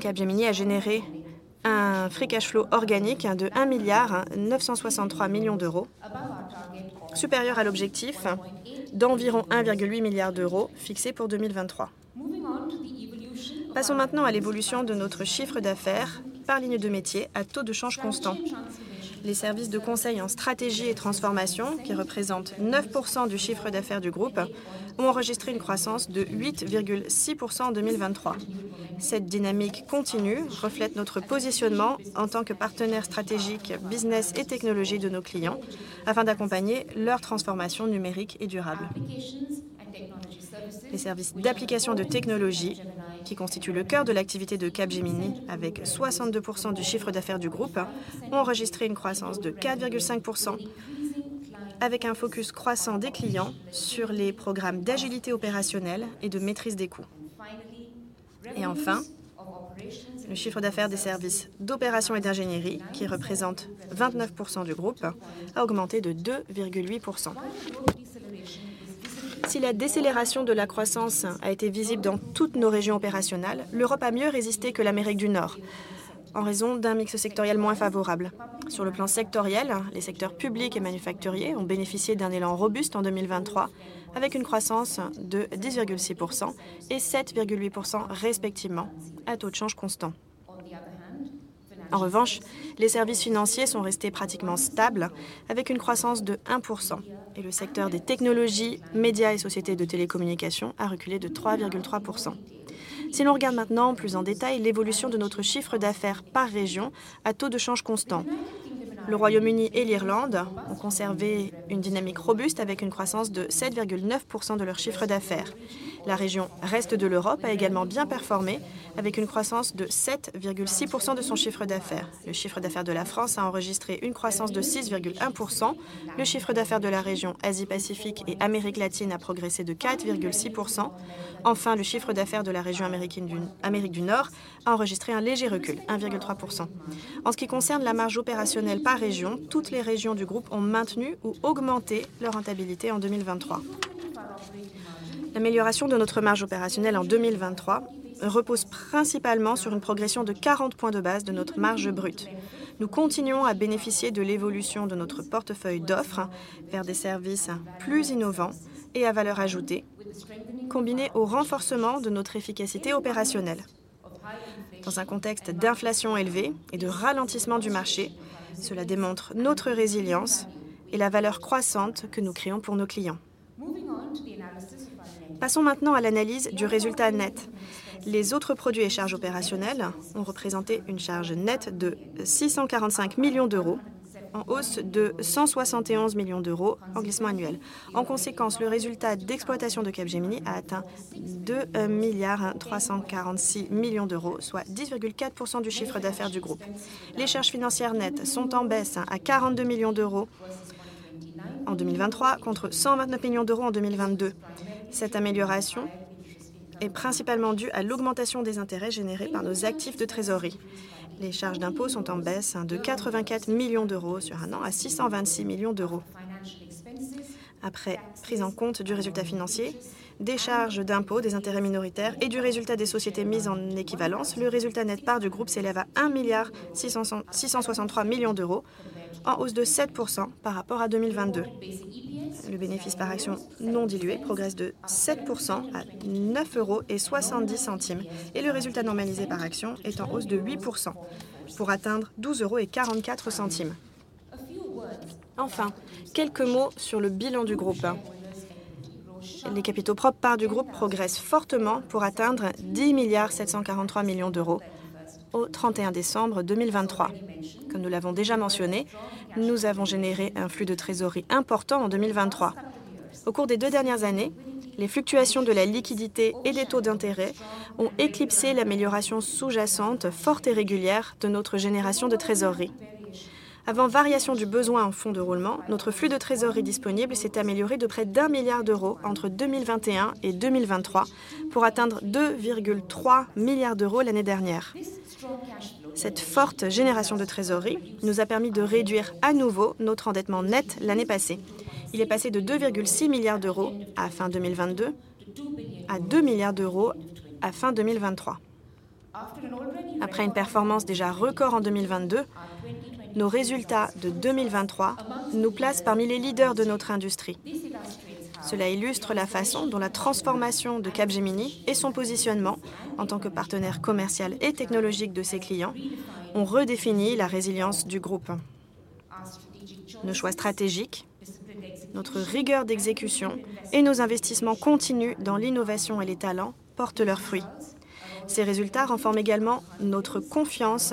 Capgemini a généré un free cash flow organique de €1,963 millions, supérieur à l'objectif d'environ €1,8 milliard fixé pour 2023. Passons maintenant à l'évolution de notre chiffre d'affaires par ligne de métier, à taux de change constant. Les services de conseil en stratégie et transformation, qui représentent 9% du chiffre d'affaires du groupe, ont enregistré une croissance de 8,6% en 2023. Cette dynamique continue reflète notre positionnement en tant que partenaire stratégique, business et technologie de nos clients, afin d'accompagner leur transformation numérique et durable. Les services d'applications de technologie, qui constituent le cœur de l'activité de Capgemini, avec 62% du chiffre d'affaires du groupe, ont enregistré une croissance de 4,5%, avec un focus croissant des clients sur les programmes d'agilité opérationnelle et de maîtrise des coûts. Le chiffre d'affaires des services d'opération et d'ingénierie, qui représente 29% du groupe, a augmenté de 2,8%. Si la décélération de la croissance a été visible dans toutes nos régions opérationnelles, l'Europe a mieux résisté que l'Amérique du Nord, en raison d'un mix sectoriel moins favorable. Sur le plan sectoriel, les secteurs publics et manufacturiers ont bénéficié d'un élan robuste en 2023, avec une croissance de 10,6% et 7,8% respectivement, à taux de change constant. En revanche, les services financiers sont restés pratiquement stables, avec une croissance de 1%. Le secteur des technologies, médias et sociétés de télécommunication a reculé de 3,3%. Si l'on regarde maintenant plus en détail l'évolution de notre chiffre d'affaires par région à taux de change constant, le Royaume-Uni et l'Irlande ont conservé une dynamique robuste avec une croissance de 7,9% de leur chiffre d'affaires. La région Reste de l'Europe a également bien performé avec une croissance de 7,6% de son chiffre d'affaires. Le chiffre d'affaires de la France a enregistré une croissance de 6,1%. Le chiffre d'affaires de la région Asie-Pacifique et Amérique latine a progressé de 4,6%. Enfin, le chiffre d'affaires de la région américaine d'Amérique du Nord a enregistré un léger recul: 1,3%. En ce qui concerne la marge opérationnelle par région, toutes les régions du groupe ont maintenu ou augmenté leur rentabilité en 2023. L'amélioration de notre marge opérationnelle en 2023 repose principalement sur une progression de 40 points de base de notre marge brute. Nous continuons à bénéficier de l'évolution de notre portefeuille d'offres vers des services plus innovants et à valeur ajoutée, combinée au renforcement de notre efficacité opérationnelle. Dans un contexte d'inflation élevée et de ralentissement du marché, cela démontre notre résilience et la valeur croissante que nous créons pour nos clients. Passons maintenant à l'analyse du résultat net. Les autres produits et charges opérationnelles ont représenté une charge nette de 645 millions d'euros, en hausse de 171 millions d'euros en glissement annuel. En conséquence, le résultat d'exploitation de Capgemini a atteint 2,346 millions d'euros, soit 10,4% du chiffre d'affaires du groupe. Les charges financières nettes sont en baisse à 42 millions d'euros en 2023, contre 129 millions d'euros en 2022. Cette amélioration est principalement due à l'augmentation des intérêts générés par nos actifs de trésorerie. Les charges d'impôts sont en baisse de 84 millions d'euros sur un an, à 626 millions d'euros. Après prise en compte du résultat financier, des charges d'impôts, des intérêts minoritaires et du résultat des sociétés mises en équivalence, le résultat net part du groupe s'élève à €1,663 millions, en hausse de 7% par rapport à 2022. Le bénéfice par action non dilué progresse de 7% à €9,70 et le résultat normalisé par action est en hausse de 8% pour atteindre €12,44. Enfin, quelques mots sur le bilan du groupe. Les capitaux propres parts du groupe progressent fortement pour atteindre €10,743 millions au 31 décembre 2023. Comme nous l'avons déjà mentionné, nous avons généré un flux de trésorerie important en 2023. Au cours des deux dernières années, les fluctuations de la liquidité et les taux d'intérêt ont éclipsé l'amélioration sous-jacente, forte et régulière de notre génération de trésorerie. Avant variation du besoin en fonds de roulement, notre flux de trésorerie disponible s'est amélioré de près d'€1 milliard entre 2021 et 2023, pour atteindre €2,3 milliards l'année dernière. Cette forte génération de trésorerie nous a permis de réduire à nouveau notre endettement net l'année passée. Il est passé de €2,6 milliards à fin 2022, à €2 milliards à fin 2023. Après une performance déjà record en 2022, nos résultats de 2023 nous placent parmi les leaders de notre industrie. Cela illustre la façon dont la transformation de Capgemini et son positionnement en tant que partenaire commercial et technologique de ses clients, ont redéfini la résilience du groupe. Nos choix stratégiques, notre rigueur d'exécution et nos investissements continus dans l'innovation et les talents portent leurs fruits. Ces résultats renforcent également notre confiance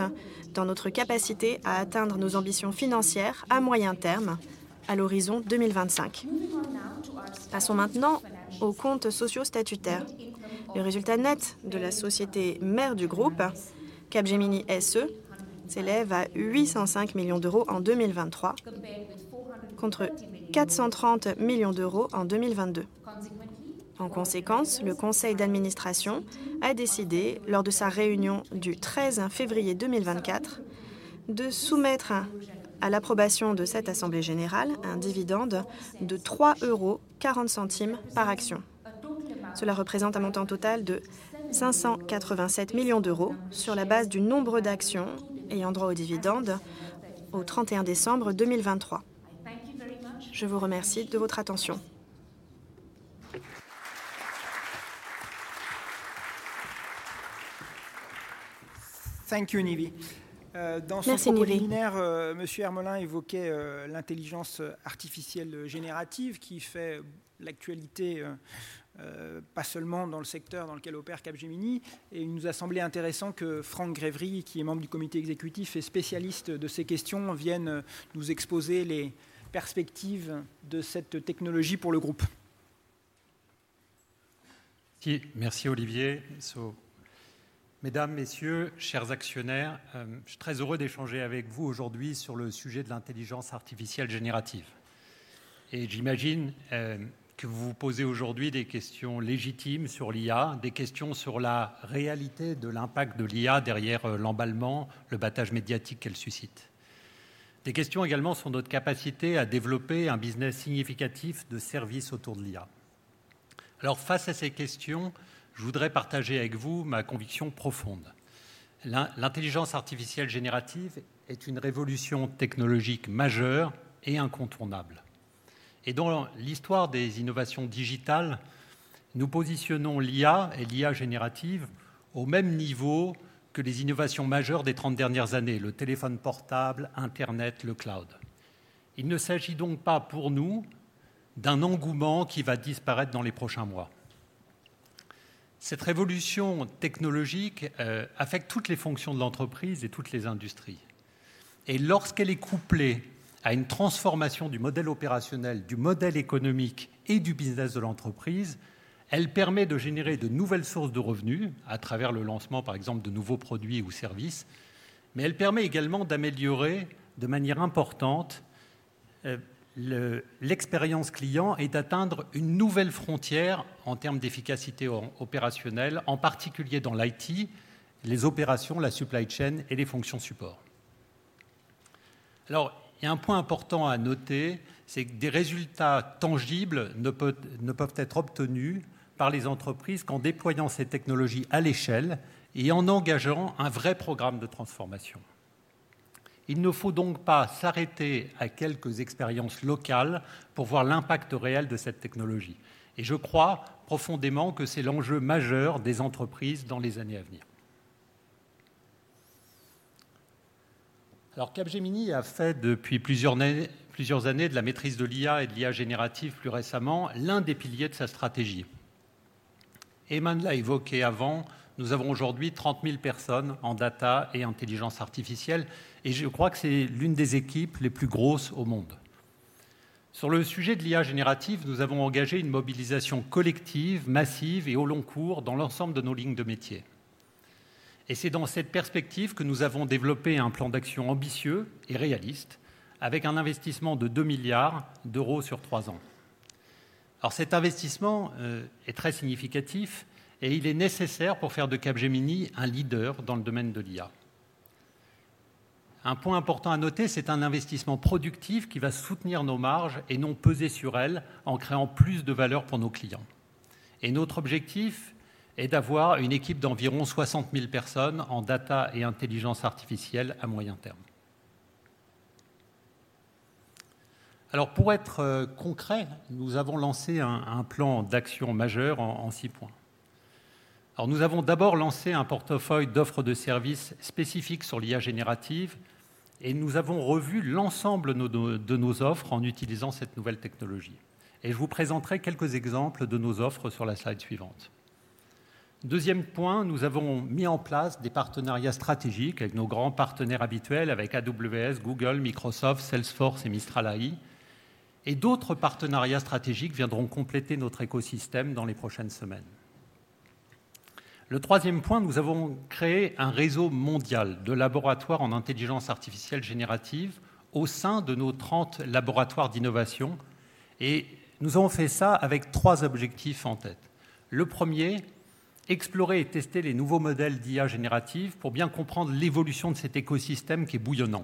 dans notre capacité à atteindre nos ambitions financières à moyen terme, à l'horizon 2025. Passons maintenant aux comptes sociaux statutaires. Le résultat net de la société mère du groupe, Capgemini SE, s'élève à €805 millions en 2023, contre €430 millions en 2022. En conséquence, le conseil d'administration a décidé, lors de sa réunion du 13 février 2024, de soumettre à l'approbation de cette assemblée générale un dividende de €3,40 par action. Cela représente un montant total de €587 millions, sur la base du nombre d'actions ayant droit au dividende au 31 décembre 2023. Je vous remercie de votre attention. Merci, Nivi. Dans son propos liminaire, monsieur Hermelin évoquait l'intelligence artificielle générative qui fait l'actualité, pas seulement dans le secteur dans lequel opère Capgemini. Il nous a semblé intéressant que Franck Grévy, qui est membre du comité exécutif et spécialiste de ces questions, vienne nous exposer les perspectives de cette technologie pour le groupe. Merci Olivier. Mesdames, Messieurs, chers actionnaires, je suis très heureux d'échanger avec vous aujourd'hui sur le sujet de l'intelligence artificielle générative. Et j'imagine que vous vous posez aujourd'hui des questions légitimes sur l'IA, des questions sur la réalité de l'impact de l'IA derrière l'emballement, le battage médiatique qu'elle suscite. Des questions également sur notre capacité à développer un business significatif de services autour de l'IA. Alors, face à ces questions, je voudrais partager avec vous ma conviction profonde. L'intelligence artificielle générative est une révolution technologique majeure et incontournable. Dans l'histoire des innovations digitales, nous positionnons l'IA et l'IA générative au même niveau que les innovations majeures des trente dernières années: le téléphone portable, Internet, le cloud. Il ne s'agit donc pas pour nous d'un engouement qui va disparaître dans les prochains mois. Cette révolution technologique affecte toutes les fonctions de l'entreprise et toutes les industries. Et lorsqu'elle est couplée à une transformation du modèle opérationnel, du modèle économique et du business de l'entreprise, elle permet de générer de nouvelles sources de revenus, à travers le lancement, par exemple, de nouveaux produits ou services, mais elle permet également d'améliorer de manière importante l'expérience client et d'atteindre une nouvelle frontière en termes d'efficacité opérationnelle, en particulier dans l'IT, les opérations, la supply chain et les fonctions support. Alors, il y a un point important à noter, c'est que des résultats tangibles ne peuvent être obtenus par les entreprises qu'en déployant ces technologies à l'échelle et en engageant un vrai programme de transformation. Il ne faut donc pas s'arrêter à quelques expériences locales pour voir l'impact réel de cette technologie. Et je crois profondément que c'est l'enjeu majeur des entreprises dans les années à venir. Alors, Capgemini a fait depuis plusieurs années de la maîtrise de l'IA et de l'IA générative, plus récemment, l'un des piliers de sa stratégie. Eman l'a évoqué avant, nous avons aujourd'hui trente mille personnes en data et intelligence artificielle et je crois que c'est l'une des équipes les plus grosses au monde. Sur le sujet de l'IA générative, nous avons engagé une mobilisation collective, massive et au long cours dans l'ensemble de nos lignes de métier. C'est dans cette perspective que nous avons développé un plan d'action ambitieux et réaliste, avec un investissement de €2 milliards sur trois ans. Alors, cet investissement est très significatif et il est nécessaire pour faire de Capgemini un leader dans le domaine de l'IA. Un point important à noter, c'est un investissement productif qui va soutenir nos marges et non peser sur elles en créant plus de valeur pour nos clients. Notre objectif est d'avoir une équipe d'environ soixante mille personnes en data et intelligence artificielle à moyen terme. Alors, pour être concret, nous avons lancé un plan d'action majeur en six points. Nous avons d'abord lancé un portefeuille d'offres de services spécifiques sur l'IA générative et nous avons revu l'ensemble de nos offres en utilisant cette nouvelle technologie. Je vous présenterai quelques exemples de nos offres sur la slide suivante. Deuxième point, nous avons mis en place des partenariats stratégiques avec nos grands partenaires habituels, avec AWS, Google, Microsoft, Salesforce et Mistral AI. D'autres partenariats stratégiques viendront compléter notre écosystème dans les prochaines semaines. Le troisième point, nous avons créé un réseau mondial de laboratoires en intelligence artificielle générative au sein de nos trente laboratoires d'innovation. Nous avons fait ça avec trois objectifs en tête. Le premier: explorer et tester les nouveaux modèles d'IA générative pour bien comprendre l'évolution de cet écosystème qui est bouillonnant.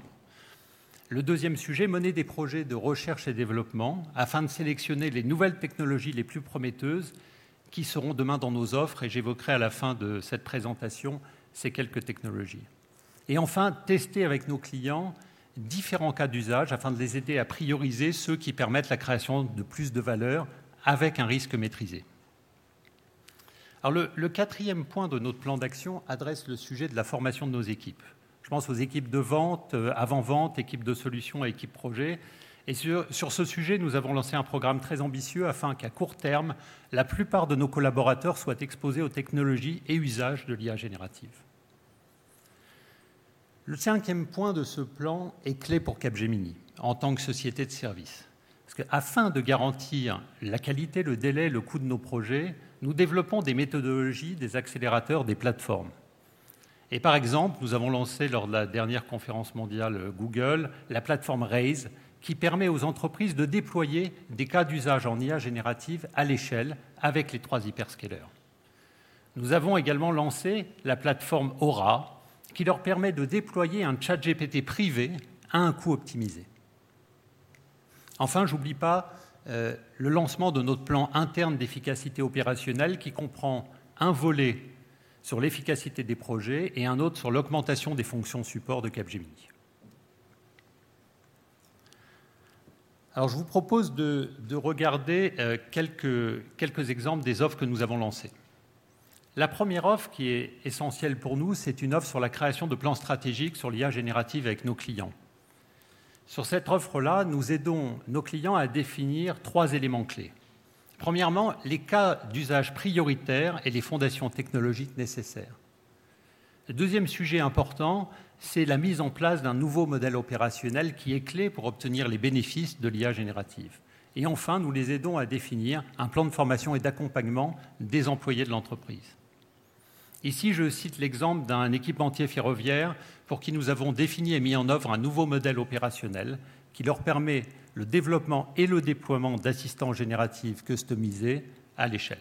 Le deuxième sujet: mener des projets de recherche et développement afin de sélectionner les nouvelles technologies les plus prometteuses qui seront demain dans nos offres. J'évoquerai à la fin de cette présentation ces quelques technologies. Enfin, tester avec nos clients différents cas d'usage afin de les aider à prioriser ceux qui permettent la création de plus de valeur avec un risque maîtrisé. Le quatrième point de notre plan d'action adresse le sujet de la formation de nos équipes. Je pense aux équipes de vente, avant-vente, équipes de solutions et équipes projets. Et sur ce sujet, nous avons lancé un programme très ambitieux afin qu'à court terme, la plupart de nos collaborateurs soient exposés aux technologies et usages de l'IA générative. Le cinquième point de ce plan est clé pour Capgemini, en tant que société de services. Parce que afin de garantir la qualité, le délai, le coût de nos projets, nous développons des méthodologies, des accélérateurs, des plateformes. Et par exemple, nous avons lancé lors de la dernière conférence mondiale Google, la plateforme Raise, qui permet aux entreprises de déployer des cas d'usage en IA générative à l'échelle avec les trois hyperscalers. Nous avons également lancé la plateforme Aura, qui leur permet de déployer un ChatGPT privé à un coût optimisé. Enfin, je n'oublie pas le lancement de notre plan interne d'efficacité opérationnelle, qui comprend un volet sur l'efficacité des projets et un autre sur l'augmentation des fonctions support de Capgemini. Alors, je vous propose de regarder quelques exemples des offres que nous avons lancées. La première offre, qui est essentielle pour nous, c'est une offre sur la création de plans stratégiques sur l'IA générative avec nos clients. Sur cette offre-là, nous aidons nos clients à définir trois éléments clés. Premièrement, les cas d'usage prioritaires et les fondations technologiques nécessaires. Le deuxième sujet important, c'est la mise en place d'un nouveau modèle opérationnel qui est clé pour obtenir les bénéfices de l'IA générative. Et enfin, nous les aidons à définir un plan de formation et d'accompagnement des employés de l'entreprise. Ici, je cite l'exemple d'un équipementier ferroviaire pour qui nous avons défini et mis en œuvre un nouveau modèle opérationnel qui leur permet le développement et le déploiement d'assistants génératifs customisés à l'échelle.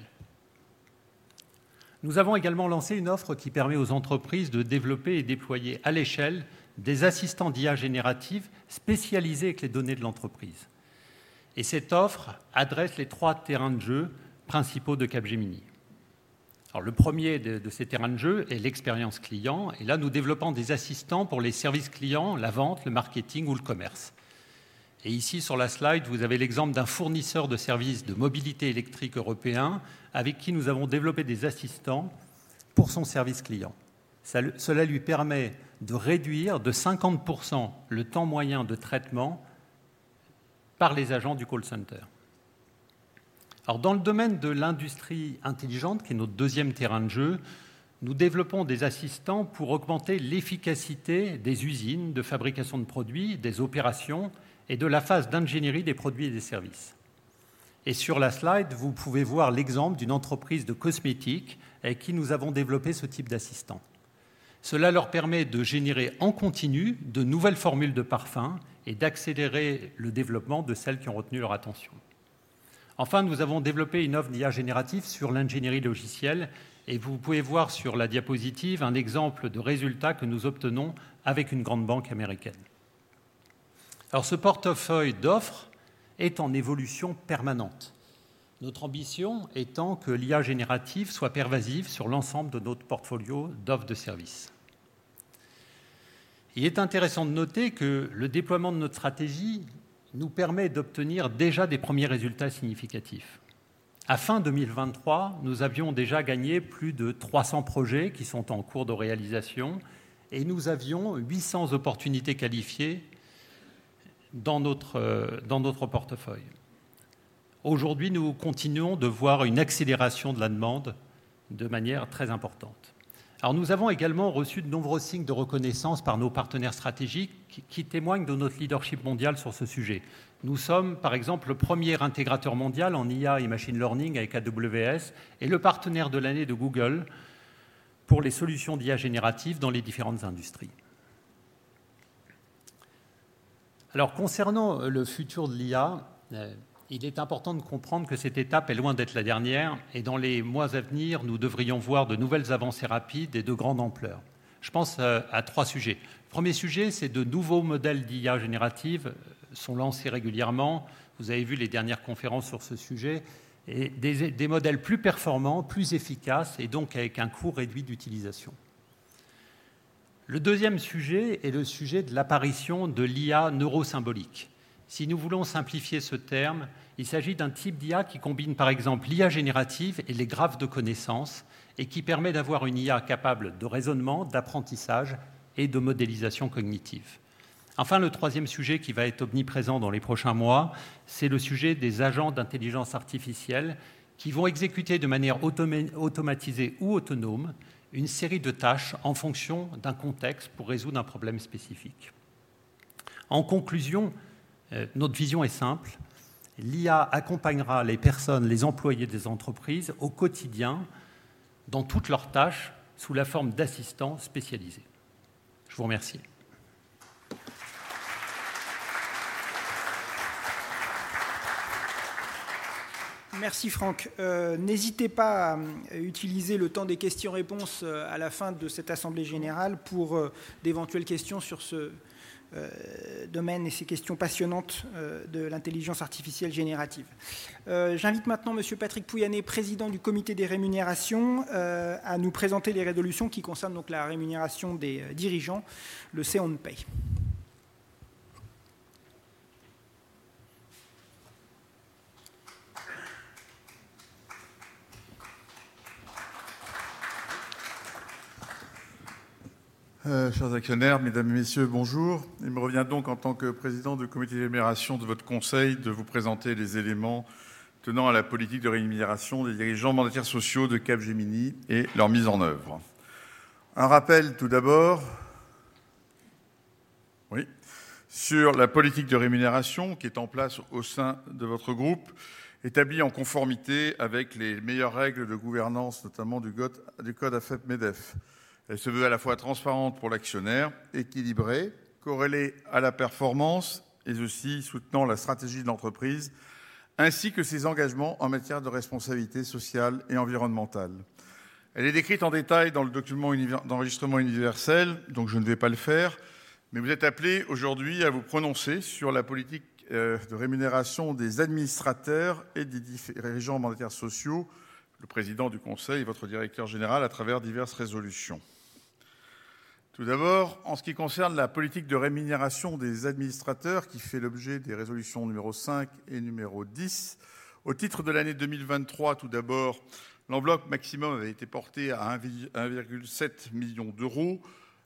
Nous avons également lancé une offre qui permet aux entreprises de développer et déployer à l'échelle des assistants d'IA générative spécialisés avec les données de l'entreprise. Cette offre adresse les trois terrains de jeu principaux de Capgemini. Le premier de ces terrains de jeu est l'expérience client. Là, nous développons des assistants pour les services clients, la vente, le marketing ou le commerce. Ici, sur la slide, vous avez l'exemple d'un fournisseur de services de mobilité électrique européen, avec qui nous avons développé des assistants pour son service client. Cela lui permet de réduire de 50% le temps moyen de traitement par les agents du call center. Alors, dans le domaine de l'industrie intelligente, qui est notre deuxième terrain de jeu, nous développons des assistants pour augmenter l'efficacité des usines de fabrication de produits, des opérations et de la phase d'ingénierie des produits et des services. Et sur la slide, vous pouvez voir l'exemple d'une entreprise de cosmétiques avec qui nous avons développé ce type d'assistant. Cela leur permet de générer en continu de nouvelles formules de parfum et d'accélérer le développement de celles qui ont retenu leur attention. Enfin, nous avons développé une offre d'IA générative sur l'ingénierie logicielle et vous pouvez voir sur la diapositive un exemple de résultat que nous obtenons avec une grande banque américaine. Ce portefeuille d'offres est en évolution permanente. Notre ambition étant que l'IA générative soit pervasive sur l'ensemble de notre portfolio d'offres de services. Il est intéressant de noter que le déploiement de notre stratégie nous permet d'obtenir déjà des premiers résultats significatifs. À fin 2023, nous avions déjà gagné plus de 300 projets qui sont en cours de réalisation et nous avions 800 opportunités qualifiées dans notre portefeuille. Aujourd'hui, nous continuons de voir une accélération de la demande de manière très importante. Nous avons également reçu de nombreux signes de reconnaissance par nos partenaires stratégiques, qui témoignent de notre leadership mondial sur ce sujet. Nous sommes par exemple le premier intégrateur mondial en IA et machine learning avec AWS et le partenaire de l'année de Google pour les solutions d'IA générative dans les différentes industries. Alors, concernant le futur de l'IA, il est important de comprendre que cette étape est loin d'être la dernière et dans les mois à venir, nous devrions voir de nouvelles avancées rapides et de grande ampleur. Je pense à trois sujets. Premier sujet, c'est de nouveaux modèles d'IA générative sont lancés régulièrement. Vous avez vu les dernières conférences sur ce sujet, et des modèles plus performants, plus efficaces et donc avec un coût réduit d'utilisation. Le deuxième sujet est le sujet de l'apparition de l'IA neurosymbolique. Si nous voulons simplifier ce terme, il s'agit d'un type d'IA qui combine par exemple l'IA générative et les graphes de connaissances et qui permet d'avoir une IA capable de raisonnement, d'apprentissage et de modélisation cognitive. Enfin, le troisième sujet qui va être omniprésent dans les prochains mois, c'est le sujet des agents d'intelligence artificielle qui vont exécuter de manière automatisée ou autonome une série de tâches en fonction d'un contexte pour résoudre un problème spécifique. En conclusion, notre vision est simple: l'IA accompagnera les personnes, les employés des entreprises au quotidien, dans toutes leurs tâches, sous la forme d'assistants spécialisés. Je vous remercie. Merci Franck. N'hésitez pas à utiliser le temps des questions-réponses à la fin de cette assemblée générale pour d'éventuelles questions sur ce domaine et ces questions passionnantes de l'intelligence artificielle générative. J'invite maintenant Monsieur Patrick Pouyanné, Président du Comité des Rémunérations, à nous présenter les résolutions qui concernent donc la rémunération des dirigeants, le say on pay. Chers actionnaires, mesdames et messieurs, bonjour. Il me revient donc, en tant que président du Comité de rémunération de votre conseil, de vous présenter les éléments tenant à la politique de rémunération des dirigeants mandataires sociaux de Capgemini et leur mise en œuvre. Un rappel, tout d'abord, sur la politique de rémunération qui est en place au sein de votre groupe, établie en conformité avec les meilleures règles de gouvernance, notamment du code AFEP-MEDEF. Elle se veut à la fois transparente pour l'actionnaire, équilibrée, corrélée à la performance et soutenant la stratégie de l'entreprise, ainsi que ses engagements en matière de responsabilité sociale et environnementale. Elle est décrite en détail dans le document d'enregistrement universel, donc je ne vais pas le faire, mais vous êtes appelés aujourd'hui à vous prononcer sur la politique de rémunération des administrateurs et des dirigeants mandataires sociaux, le Président du Conseil et votre Directeur Général, à travers diverses résolutions. Tout d'abord, en ce qui concerne la politique de rémunération des administrateurs, qui fait l'objet des résolutions numéro 5 et numéro 10, au titre de l'année 2023, tout d'abord, l'enveloppe maximum avait été portée à €1,7 million.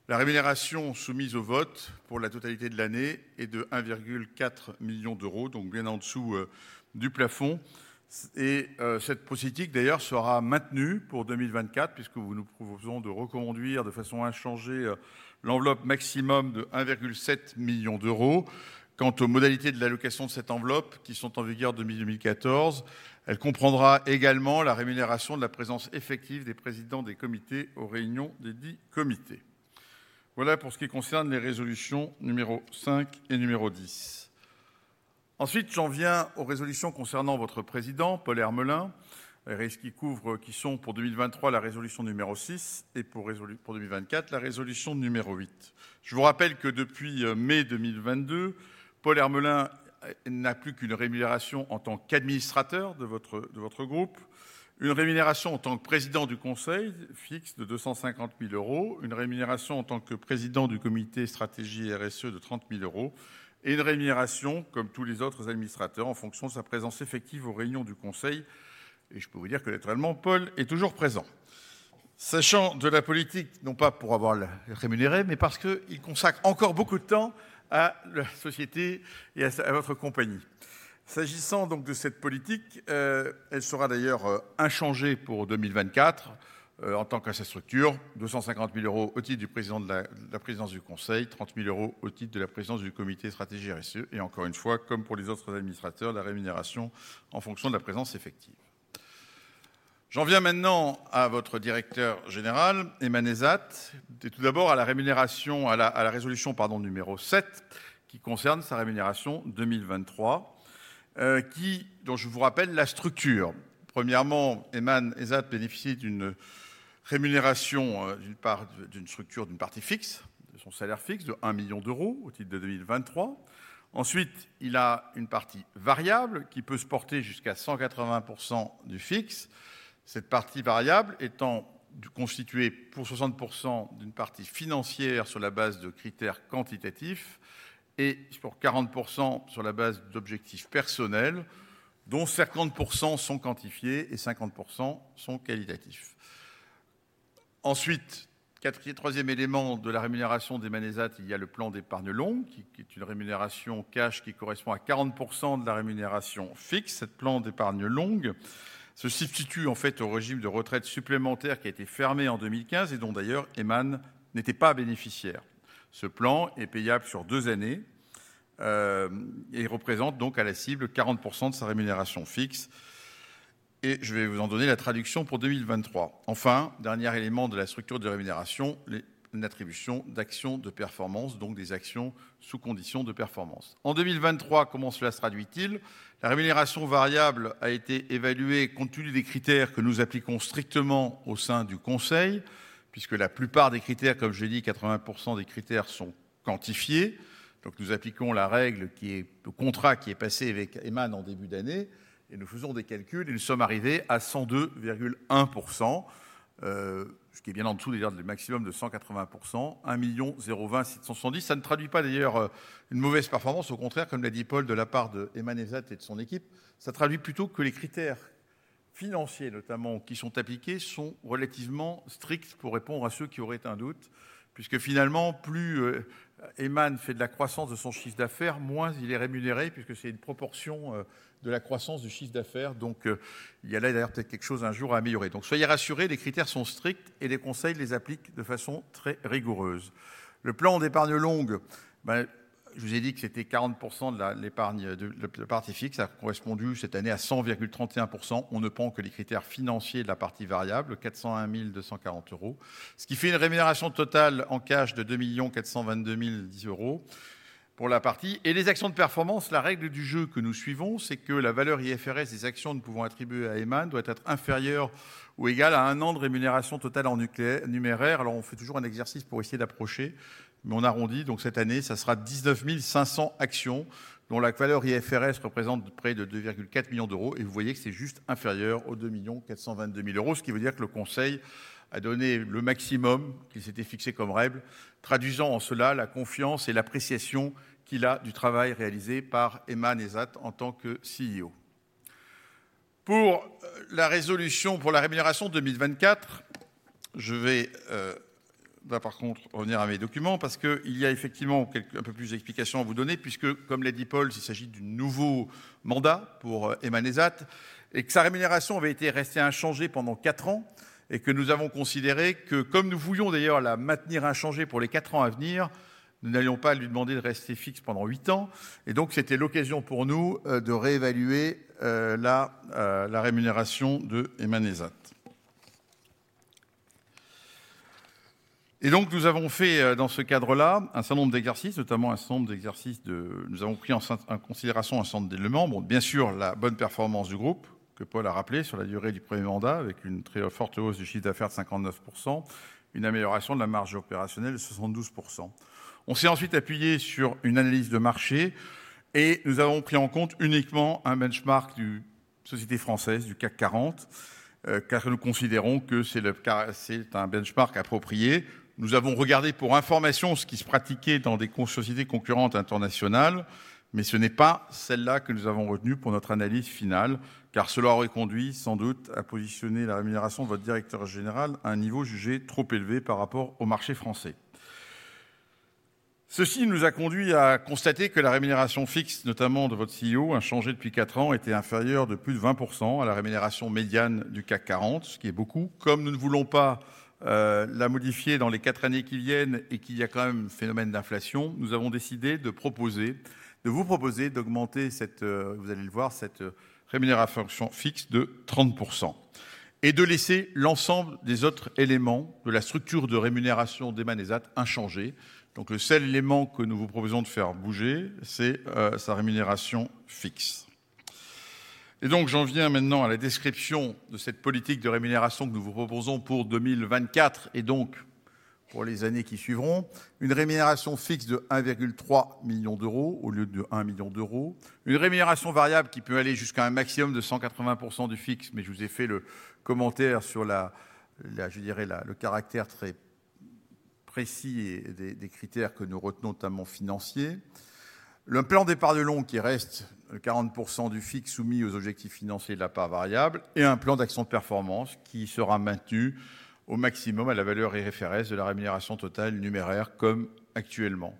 La rémunération soumise au vote pour la totalité de l'année est de €1,4 million, donc bien en dessous du plafond. Cette politique, d'ailleurs, sera maintenue pour 2024, puisque nous proposons de reconduire de façon inchangée l'enveloppe maximum de €1,7 million. Quant aux modalités de l'allocation de cette enveloppe, qui sont en vigueur depuis 2014, elle comprendra également la rémunération de la présence effective des présidents des comités aux réunions desdits comités. Voilà pour ce qui concerne les résolutions numéro 5 et numéro 10. Ensuite, j'en viens aux résolutions concernant votre Président, Paul Hermelin, et ce qui couvre, qui sont pour 2023, la résolution numéro 6 et pour 2024, la résolution numéro 8. Je vous rappelle que depuis mai 2022, Paul Hermelin n'a plus qu'une rémunération en tant qu'administrateur de votre groupe, une rémunération en tant que Président du Conseil fixe de €250 000, une rémunération en tant que Président du Comité Stratégie RSE de €30 000 et une rémunération, comme tous les autres administrateurs, en fonction de sa présence effective aux réunions du conseil. Et je peux vous dire que littéralement, Paul est toujours présent. Sachant de la politique, non pas pour avoir la, être rémunéré, mais parce qu'il consacre encore beaucoup de temps à la société et à votre compagnie. S'agissant donc de cette politique, elle sera d'ailleurs inchangée pour 2024, en tant que à sa structure: 250 000 € au titre du président de la présidence du Conseil, 30 000 € au titre de la présidence du Comité Stratégie RSE. Et encore une fois, comme pour les autres administrateurs, la rémunération en fonction de la présence effective. J'en viens maintenant à votre directeur général, Emmanuel Ezzat, et tout d'abord à la rémunération, à la résolution, pardon, numéro sept, qui concerne sa rémunération 2023, qui, dont je vous rappelle la structure. Premièrement, Emmanuel Ezzat bénéficie d'une rémunération d'une part, d'une structure, d'une partie fixe, de son salaire fixe, de €1 million au titre de 2023. Ensuite, il a une partie variable qui peut se porter jusqu'à 180% du fixe. Cette partie variable étant constituée pour 60% d'une partie financière sur la base de critères quantitatifs et pour 40% sur la base d'objectifs personnels, dont 50% sont quantifiés et 50% sont qualitatifs. Ensuite, quatrième, troisième élément de la rémunération d'Emmanuel Ezzat, il y a le plan d'épargne longue, qui est une rémunération cash qui correspond à 40% de la rémunération fixe. Ce plan d'épargne longue, ceci se situe en fait au régime de retraite supplémentaire qui a été fermé en 2015 et dont d'ailleurs, Emmanuel n'était pas bénéficiaire. Ce plan est payable sur deux années et représente donc à la cible 40% de sa rémunération fixe. Je vais vous en donner la traduction pour 2023. Enfin, dernier élément de la structure de rémunération, l'attribution d'actions de performance, donc des actions sous conditions de performance. En 2023, comment cela se traduit-il? La rémunération variable a été évaluée compte tenu des critères que nous appliquons strictement au sein du conseil, puisque la plupart des critères, comme je l'ai dit, 80% des critères sont quantifiés. Donc, nous appliquons la règle qui est au contrat qui est passé avec Emmanuel en début d'année et nous faisons des calculs et nous sommes arrivés à 102,1%, ce qui est bien en dessous d'ailleurs du maximum de 180%, €1 026 670. Ça ne traduit pas d'ailleurs une mauvaise performance, au contraire, comme l'a dit Paul, de la part d'Emmanuel Ezzat et de son équipe. Ça traduit plutôt que les critères financiers, notamment, qui sont appliqués, sont relativement stricts pour répondre à ceux qui auraient un doute. Puisque finalement, plus Emmanuel fait de la croissance de son chiffre d'affaires, moins il est rémunéré, puisque c'est une proportion de la croissance du chiffre d'affaires. Donc, il y a là d'ailleurs peut-être quelque chose un jour à améliorer. Donc, soyez rassurés, les critères sont stricts et les conseils les appliquent de façon très rigoureuse. Le plan d'épargne longue, ben, je vous ai dit que c'était 40% de l'épargne, de la partie fixe. Ça a correspondu cette année à 131%. On ne prend que les critères financiers de la partie variable, €401 240, ce qui fait une rémunération totale en cash de €2 422 010 pour la partie. Et les actions de performance, la règle du jeu que nous suivons, c'est que la valeur IFRS des actions que nous pouvons attribuer à Emmanuel doit être inférieure ou égale à un an de rémunération totale en numéraire. Alors, on fait toujours un exercice pour essayer d'approcher, mais on arrondit. Donc cette année, ça sera 19 500 actions dont la valeur IFRS représente près de €2,4 millions. Et vous voyez que c'est juste inférieur aux 2,422,000 €, ce qui veut dire que le conseil a donné le maximum qu'il s'était fixé comme règle, traduisant en cela la confiance et l'appréciation qu'il a du travail réalisé par Emmanuel Ezzat en tant que CEO. Pour la résolution, pour la rémunération 2024, je vais par contre revenir à mes documents parce qu'il y a effectivement quelques, un peu plus d'explications à vous donner, puisque comme l'a dit Paul, il s'agit du nouveau mandat pour Emmanuel Ezzat et que sa rémunération avait été restée inchangée pendant quatre ans et que nous avons considéré que comme nous voulions d'ailleurs la maintenir inchangée pour les quatre ans à venir, nous n'allions pas lui demander de rester fixe pendant huit ans. Et donc, c'était l'occasion pour nous de réévaluer la rémunération d'Emmanuel Ezzat. Et donc, nous avons fait dans ce cadre-là, un certain nombre d'exercices, notamment un certain nombre d'exercices de... Nous avons pris en considération un certain nombre d'éléments. Bien sûr, la bonne performance du groupe, que Paul a rappelé sur la durée du premier mandat, avec une très forte hausse du chiffre d'affaires de 59%, une amélioration de la marge opérationnelle de 72%. On s'est ensuite appuyé sur une analyse de marché et nous avons pris en compte uniquement un benchmark des sociétés françaises, du CAC 40, car nous considérons que c'est un benchmark approprié. Nous avons regardé pour information ce qui se pratiquait dans des sociétés concurrentes internationales, mais ce n'est pas celles-là que nous avons retenues pour notre analyse finale, car cela aurait conduit sans doute à positionner la rémunération de votre Directeur Général à un niveau jugé trop élevé par rapport au marché français. Ceci nous a conduit à constater que la rémunération fixe, notamment de votre CEO, inchangée depuis quatre ans, était inférieure de plus de 20% à la rémunération médiane du CAC 40, ce qui est beaucoup. Comme nous ne voulons pas la modifier dans les quatre années qui viennent et qu'il y a quand même un phénomène d'inflation, nous avons décidé de proposer, de vous proposer d'augmenter cette, vous allez le voir, cette rémunération fixe de 30% et de laisser l'ensemble des autres éléments de la structure de rémunération d'Emmanuel Ezzat inchangée. Donc le seul élément que nous vous proposons de faire bouger, c'est sa rémunération fixe. Et donc j'en viens maintenant à la description de cette politique de rémunération que nous vous proposons pour 2024 et donc pour les années qui suivront. Une rémunération fixe de 1,3 million d'euros au lieu de 1 million d'euros, une rémunération variable qui peut aller jusqu'à un maximum de 180% du fixe, mais je vous ai fait le commentaire sur le caractère très précis des critères que nous retenons, notamment financiers. Le plan départ de long qui reste 40% du fixe soumis aux objectifs financiers de la part variable et un plan d'action de performance qui sera maintenu au maximum à la valeur IFRS de la rémunération totale numéraire, comme actuellement.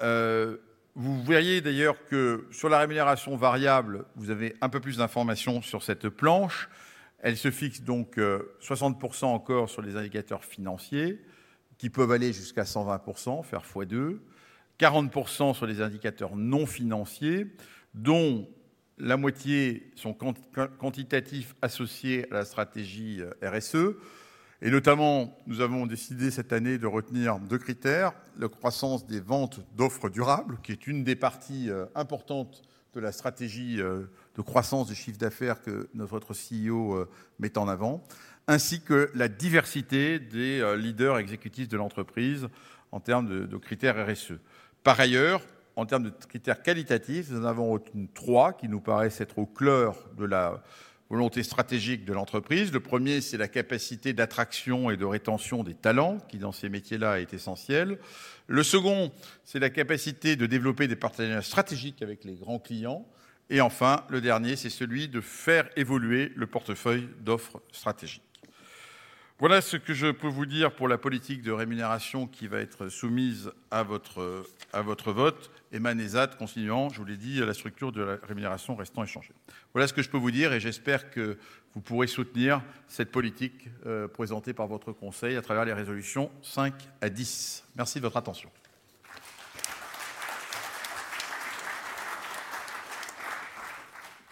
Vous voyez d'ailleurs que sur la rémunération variable, vous avez un peu plus d'informations sur cette planche. Elle se fixe donc 60% encore sur les indicateurs financiers, qui peuvent aller jusqu'à 120%, faire fois deux, 40% sur les indicateurs non financiers, dont la moitié sont quantitatifs, associés à la stratégie RSE. Et notamment, nous avons décidé cette année de retenir deux critères: la croissance des ventes d'offres durables, qui est une des parties importantes de la stratégie de croissance du chiffre d'affaires que notre CEO met en avant, ainsi que la diversité des leaders exécutifs de l'entreprise en termes de critères RSE. Par ailleurs, en termes de critères qualitatifs, nous en avons trois qui nous paraissent être au cœur de la volonté stratégique de l'entreprise. Le premier, c'est la capacité d'attraction et de rétention des talents qui, dans ces métiers-là, est essentielle. Le second, c'est la capacité de développer des partenariats stratégiques avec les grands clients. Et enfin, le dernier, c'est celui de faire évoluer le portefeuille d'offres stratégiques. Voilà ce que je peux vous dire pour la politique de rémunération qui va être soumise à votre vote. En amendant, continuant, je vous l'ai dit, la structure de la rémunération restant inchangée. Voilà ce que je peux vous dire et j'espère que vous pourrez soutenir cette politique présentée par votre conseil à travers les résolutions cinq à dix. Merci de votre attention.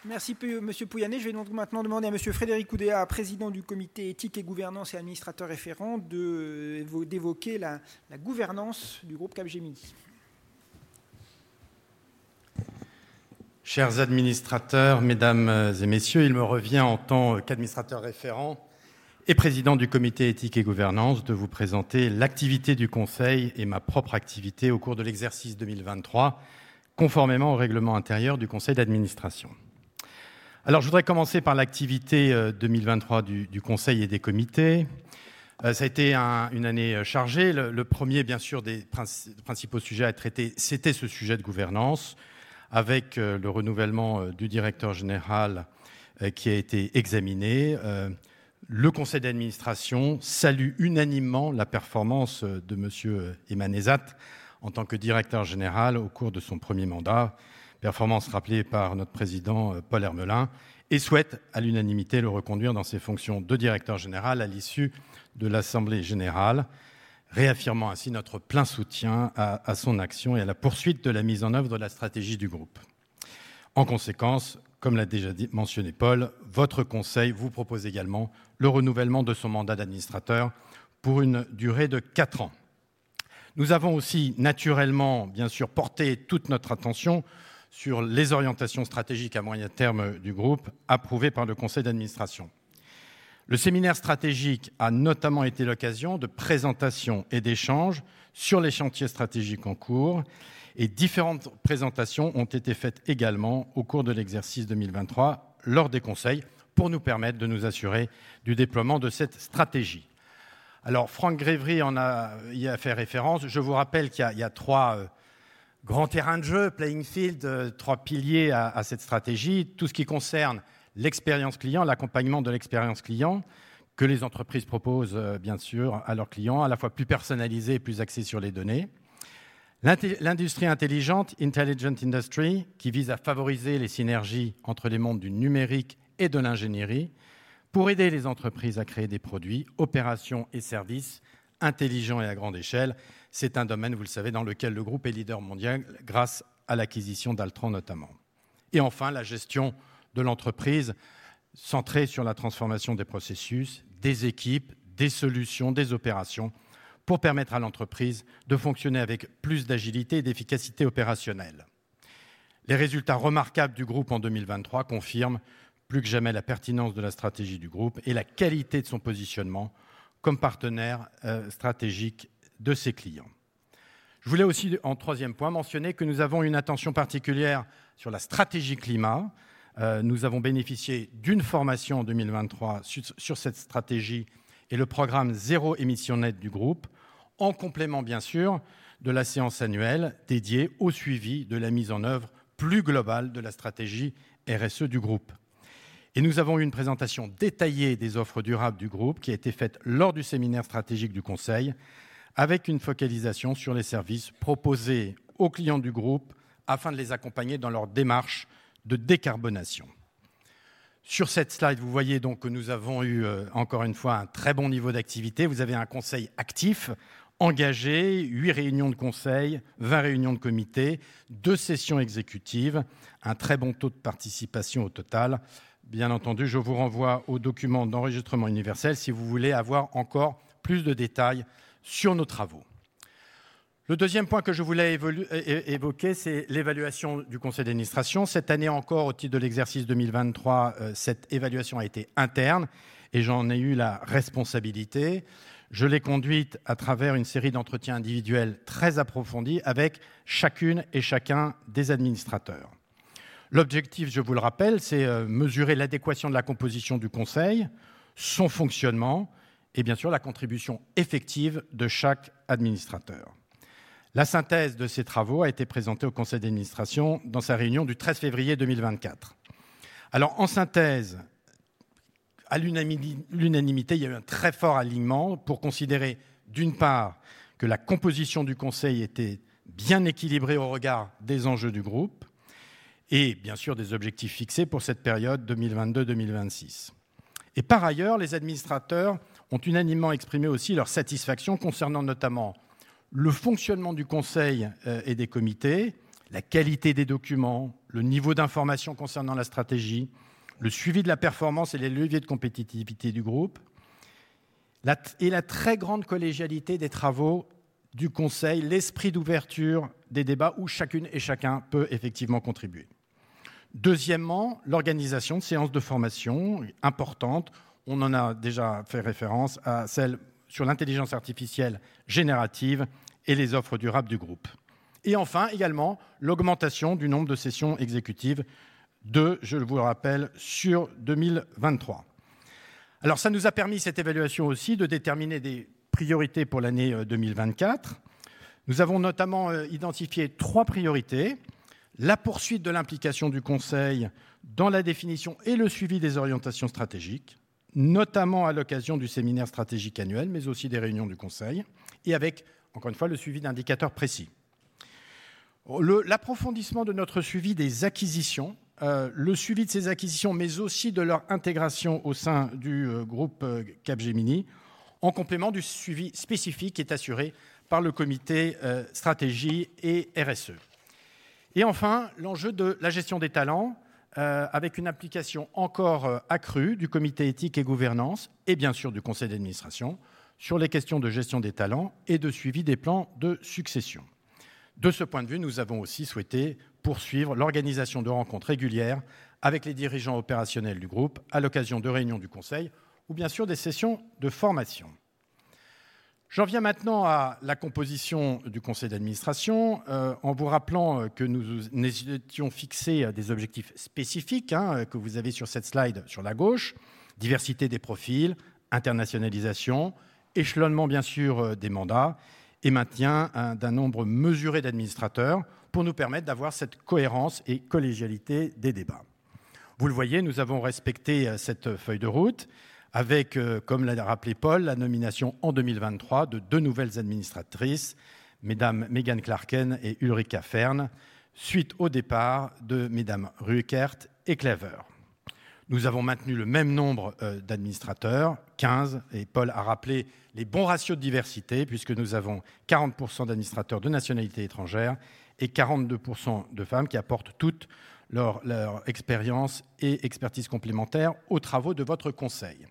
Merci Monsieur Pouyanné. Je vais donc maintenant demander à Monsieur Frédéric Oudéa, Président du Comité Éthique et Gouvernance et Administrateur Référent, d'évoquer la gouvernance du groupe Capgemini. Chers administrateurs, mesdames et messieurs, il me revient, en tant qu'administrateur référent et Président du Comité Éthique et Gouvernance, de vous présenter l'activité du conseil et ma propre activité au cours de l'exercice 2023, conformément au règlement intérieur du conseil d'administration. Je voudrais commencer par l'activité 2023 du conseil et des comités. Ça a été une année chargée. Le premier des principaux sujets à traiter, c'était ce sujet de gouvernance, avec le renouvellement du Directeur Général qui a été examiné. Le conseil d'administration salue unanimement la performance de Monsieur Emanezad en tant que Directeur Général au cours de son premier mandat, performance rappelée par notre Président Paul Hermelin, et souhaite, à l'unanimité, le reconduire dans ses fonctions de Directeur Général à l'issue de l'assemblée générale, réaffirmant ainsi notre plein soutien à son action et à la poursuite de la mise en œuvre de la stratégie du groupe. En conséquence, comme l'a déjà mentionné Paul, votre conseil vous propose également le renouvellement de son mandat d'administrateur pour une durée de quatre ans. Nous avons aussi naturellement porté toute notre attention sur les orientations stratégiques à moyen terme du groupe, approuvées par le conseil d'administration. Le séminaire stratégique a notamment été l'occasion de présentations et d'échanges sur les chantiers stratégiques en cours et différentes présentations ont été faites également au cours de l'exercice 2023, lors des conseils, pour nous permettre de nous assurer du déploiement de cette stratégie. Alors, Franck Grévy y a fait référence. Je vous rappelle qu'il y a trois grands terrains de jeu, playing field, trois piliers à cette stratégie. Tout ce qui concerne l'expérience client, l'accompagnement de l'expérience client, que les entreprises proposent bien sûr à leurs clients, à la fois plus personnalisés et plus axés sur les données. L'industrie intelligente, intelligent industry, qui vise à favoriser les synergies entre les mondes du numérique et de l'ingénierie pour aider les entreprises à créer des produits, opérations et services intelligents et à grande échelle. C'est un domaine, vous le savez, dans lequel le groupe est leader mondial grâce à l'acquisition d'Altran, notamment. Et enfin, la gestion de l'entreprise, centrée sur la transformation des processus, des équipes, des solutions, des opérations, pour permettre à l'entreprise de fonctionner avec plus d'agilité et d'efficacité opérationnelle. Les résultats remarquables du groupe en 2023 confirment plus que jamais la pertinence de la stratégie du groupe et la qualité de son positionnement comme partenaire stratégique de ses clients. Je voulais aussi, en troisième point, mentionner que nous avons une attention particulière sur la stratégie climat. Nous avons bénéficié d'une formation en 2023 sur cette stratégie et le programme Zéro Émission Net du groupe, en complément bien sûr de la séance annuelle dédiée au suivi de la mise en œuvre plus globale de la stratégie RSE du groupe. Et nous avons eu une présentation détaillée des offres durables du groupe qui a été faite lors du séminaire stratégique du Conseil, avec une focalisation sur les services proposés aux clients du groupe afin de les accompagner dans leur démarche de décarbonation. Sur cette slide, vous voyez donc que nous avons eu, encore une fois, un très bon niveau d'activité. Vous avez un conseil actif, engagé, huit réunions de conseil, vingt réunions de comité, deux sessions exécutives, un très bon taux de participation au total. Bien entendu, je vous renvoie au document d'enregistrement universel si vous voulez avoir encore plus de détails sur nos travaux. Le deuxième point que je voulais évoquer, c'est l'évaluation du conseil d'administration. Cette année encore, au titre de l'exercice 2023, cette évaluation a été interne et j'en ai eu la responsabilité. Je l'ai conduite à travers une série d'entretiens individuels très approfondis avec chacune et chacun des administrateurs. L'objectif, je vous le rappelle, c'est mesurer l'adéquation de la composition du Conseil, son fonctionnement et bien sûr, la contribution effective de chaque administrateur. La synthèse de ces travaux a été présentée au Conseil d'administration dans sa réunion du 13 février 2024. Alors, en synthèse, à l'unanimité, il y a eu un très fort alignement pour considérer, d'une part, que la composition du Conseil était bien équilibrée au regard des enjeux du groupe et bien sûr, des objectifs fixés pour cette période 2022-2026. Et par ailleurs, les administrateurs ont unanimement exprimé aussi leur satisfaction concernant notamment le fonctionnement du Conseil et des comités, la qualité des documents, le niveau d'information concernant la stratégie, le suivi de la performance et les leviers de compétitivité du groupe, et la très grande collégialité des travaux du Conseil, l'esprit d'ouverture des débats où chacune et chacun peut effectivement contribuer. Deuxièmement, l'organisation de séances de formation importantes. On en a déjà fait référence à celles sur l'intelligence artificielle générative et les offres durables du groupe. Et enfin, également, l'augmentation du nombre de sessions exécutives de, je le vous rappelle, sur 2023. Alors, ça nous a permis, cette évaluation aussi, de déterminer des priorités pour l'année 2024. Nous avons notamment identifié trois priorités: la poursuite de l'implication du Conseil dans la définition et le suivi des orientations stratégiques, notamment à l'occasion du séminaire stratégique annuel, mais aussi des réunions du Conseil, et avec, encore une fois, le suivi d'indicateurs précis. L'approfondissement de notre suivi des acquisitions, le suivi de ces acquisitions, mais aussi de leur intégration au sein du groupe Capgemini, en complément du suivi spécifique qui est assuré par le Comité Stratégie et RSE. Et enfin, l'enjeu de la gestion des talents, avec une application encore accrue du Comité Éthique et Gouvernance et bien sûr, du Conseil d'Administration, sur les questions de gestion des talents et de suivi des plans de succession. De ce point de vue, nous avons aussi souhaité poursuivre l'organisation de rencontres régulières avec les dirigeants opérationnels du groupe, à l'occasion de réunions du conseil ou bien sûr, des sessions de formation. J'en viens maintenant à la composition du conseil d'administration, en vous rappelant que nous nous étions fixé des objectifs spécifiques, que vous avez sur cette slide, sur la gauche: diversité des profils, internationalisation, échelonnement bien sûr, des mandats et maintien d'un nombre mesuré d'administrateurs pour nous permettre d'avoir cette cohérence et collégialité des débats. Vous le voyez, nous avons respecté cette feuille de route avec, comme l'a rappelé Paul, la nomination en 2023 de deux nouvelles administratrices, Mesdames Megan Clarken et Ulrika Fern, suite au départ de Mesdames Rueckert et Claver. Nous avons maintenu le même nombre d'administrateurs, quinze, et Paul a rappelé les bons ratios de diversité, puisque nous avons 40% d'administrateurs de nationalité étrangère et 42% de femmes qui apportent toutes leur expérience et expertise complémentaire aux travaux de votre conseil.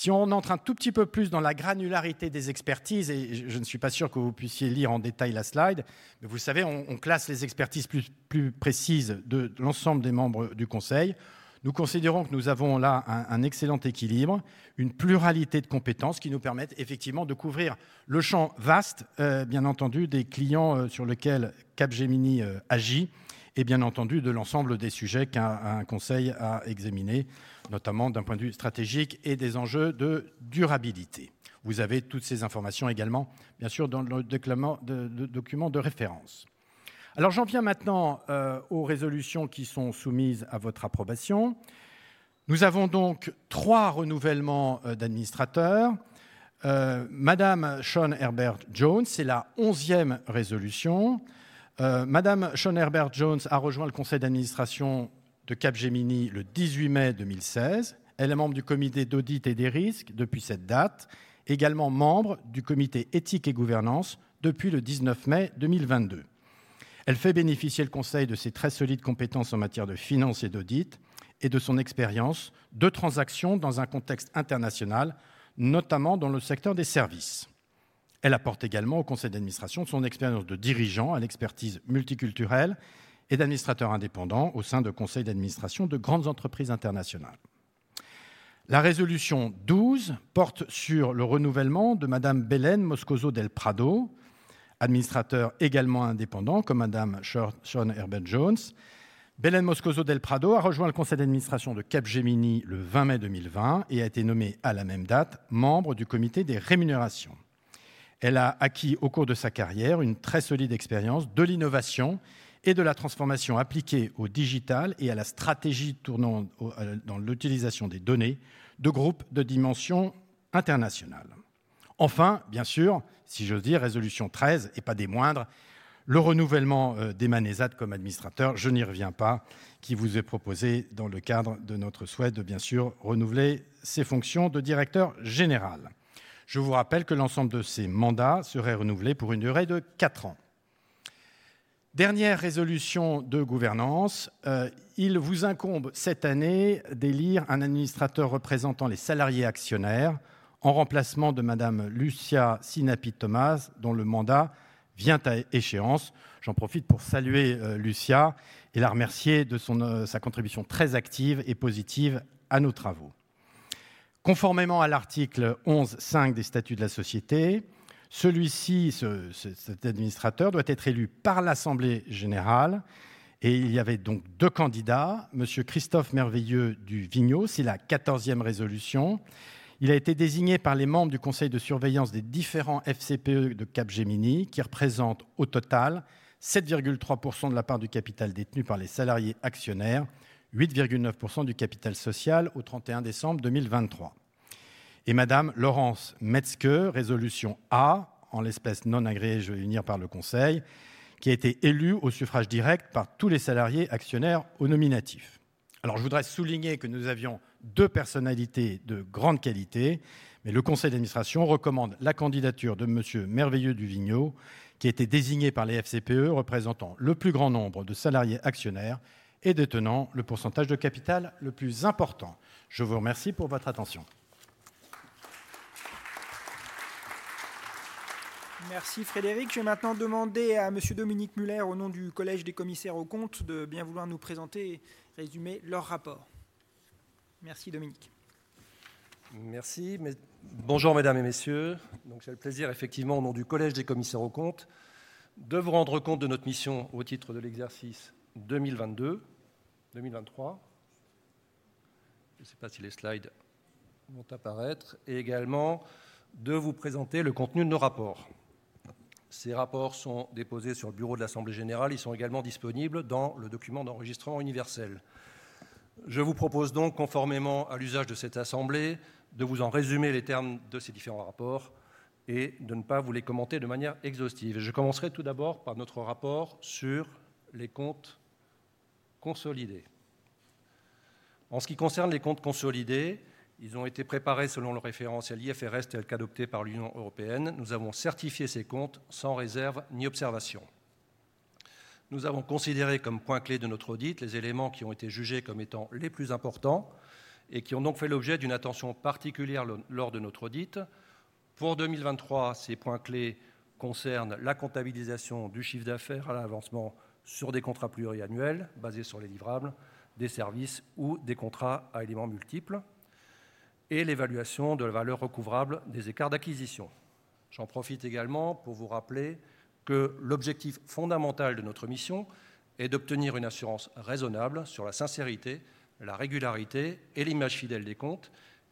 Si on entre un tout petit peu plus dans la granularité des expertises, et je ne suis pas sûr que vous puissiez lire en détail la slide, vous savez, on classe les expertises plus précises de l'ensemble des membres du conseil. Nous considérons que nous avons là un excellent équilibre, une pluralité de compétences qui nous permettent effectivement de couvrir le champ vaste, bien entendu, des clients sur lequel Capgemini agit et bien entendu, de l'ensemble des sujets qu'un conseil a à examiner, notamment d'un point de vue stratégique et des enjeux de durabilité. Vous avez toutes ces informations également, bien sûr, dans le document de référence. Alors, j'en viens maintenant aux résolutions qui sont soumises à votre approbation. Nous avons donc trois renouvellements d'administrateurs. Madame Sean Herbert Jones, c'est la onzième résolution. Madame Sean Herbert Jones a rejoint le Conseil d'administration de Capgemini le 18 mai 2016. Elle est membre du Comité d'audit et des risques depuis cette date, également membre du Comité Éthique et Gouvernance depuis le 19 mai 2022. Elle fait bénéficier le Conseil de ses très solides compétences en matière de finance et d'audit et de son expérience de transactions dans un contexte international, notamment dans le secteur des services. Elle apporte également au Conseil d'administration son expérience de dirigeant, à l'expertise multiculturelle et d'administrateur indépendant au sein de conseils d'administration de grandes entreprises internationales. La résolution douze porte sur le renouvellement de Madame Belén Moscoso del Prado, administrateur également indépendant, comme Madame Sean Herbert Jones. Belén Moscoso del Prado a rejoint le conseil d'administration de Capgemini le 20 mai 2020 et a été nommée à la même date membre du comité des rémunérations. Elle a acquis, au cours de sa carrière, une très solide expérience de l'innovation et de la transformation appliquée au digital et à la stratégie tournant dans l'utilisation des données de groupes de dimensions internationales. Enfin, bien sûr, résolution treize, et pas des moindres, le renouvellement d'Emmanuel Sadde comme administrateur, qui vous est proposé dans le cadre de notre souhait de renouveler ses fonctions de Directeur Général. Je vous rappelle que l'ensemble de ces mandats seraient renouvelés pour une durée de 4 ans. Dernière résolution de gouvernance, il vous incombe cette année d'élire un administrateur représentant les salariés actionnaires en remplacement de Madame Lucia Sinapi-Tomas, dont le mandat vient à échéance. J'en profite pour saluer Lucia et la remercier de sa contribution très active et positive à nos travaux. Conformément à l'article 11.5 des statuts de la société, cet administrateur doit être élu par l'Assemblée générale et il y avait donc deux candidats, Monsieur Christophe Merveilleux du Vignaud, c'est la quatorzième résolution. Il a été désigné par les membres du conseil de surveillance des différents FCPE de Capgemini, qui représentent au total 7,3% de la part du capital détenu par les salariés actionnaires, 8,9% du capital social au 31 décembre 2023. Et Madame Laurence Metzke, résolution A, en l'espèce non agréée, je vais venir, par le Conseil, qui a été élue au suffrage direct par tous les salariés actionnaires au nominatif. Alors, je voudrais souligner que nous avions deux personnalités de grande qualité, mais le Conseil d'Administration recommande la candidature de Monsieur Merveilleux du Vignaud, qui a été désigné par les FCPE, représentant le plus grand nombre de salariés actionnaires et détenant le pourcentage de capital le plus important. Je vous remercie pour votre attention. Merci Frédéric. Je vais maintenant demander à Monsieur Dominique Müller, au nom du Collège des commissaires aux comptes, de bien vouloir nous présenter et résumer leur rapport. Merci Dominique. Merci. Bonjour, Mesdames et Messieurs. J'ai le plaisir, effectivement, au nom du Collège des commissaires aux comptes, de vous rendre compte de notre mission au titre de l'exercice 2022-2023. Je ne sais pas si les slides vont apparaître, et également de vous présenter le contenu de nos rapports. Ces rapports sont déposés sur le bureau de l'Assemblée générale. Ils sont également disponibles dans le document d'enregistrement universel. Je vous propose donc, conformément à l'usage de cette assemblée, de vous en résumer les termes de ces différents rapports et de ne pas vous les commenter de manière exhaustive. Je commencerai tout d'abord par notre rapport sur les comptes consolidés. En ce qui concerne les comptes consolidés, ils ont été préparés selon le référentiel IFRS, tel qu'adopté par l'Union européenne. Nous avons certifié ces comptes sans réserve ni observation. Nous avons considéré comme points clés de notre audit les éléments qui ont été jugés comme étant les plus importants et qui ont donc fait l'objet d'une attention particulière lors de notre audit. Pour 2023, ces points clés concernent la comptabilisation du chiffre d'affaires à l'avancement sur des contrats pluriannuels basés sur les livrables des services ou des contrats à éléments multiples et l'évaluation de la valeur recouvrable des écarts d'acquisition. J'en profite également pour vous rappeler que l'objectif fondamental de notre mission est d'obtenir une assurance raisonnable sur la sincérité, la régularité et l'image fidèle des comptes,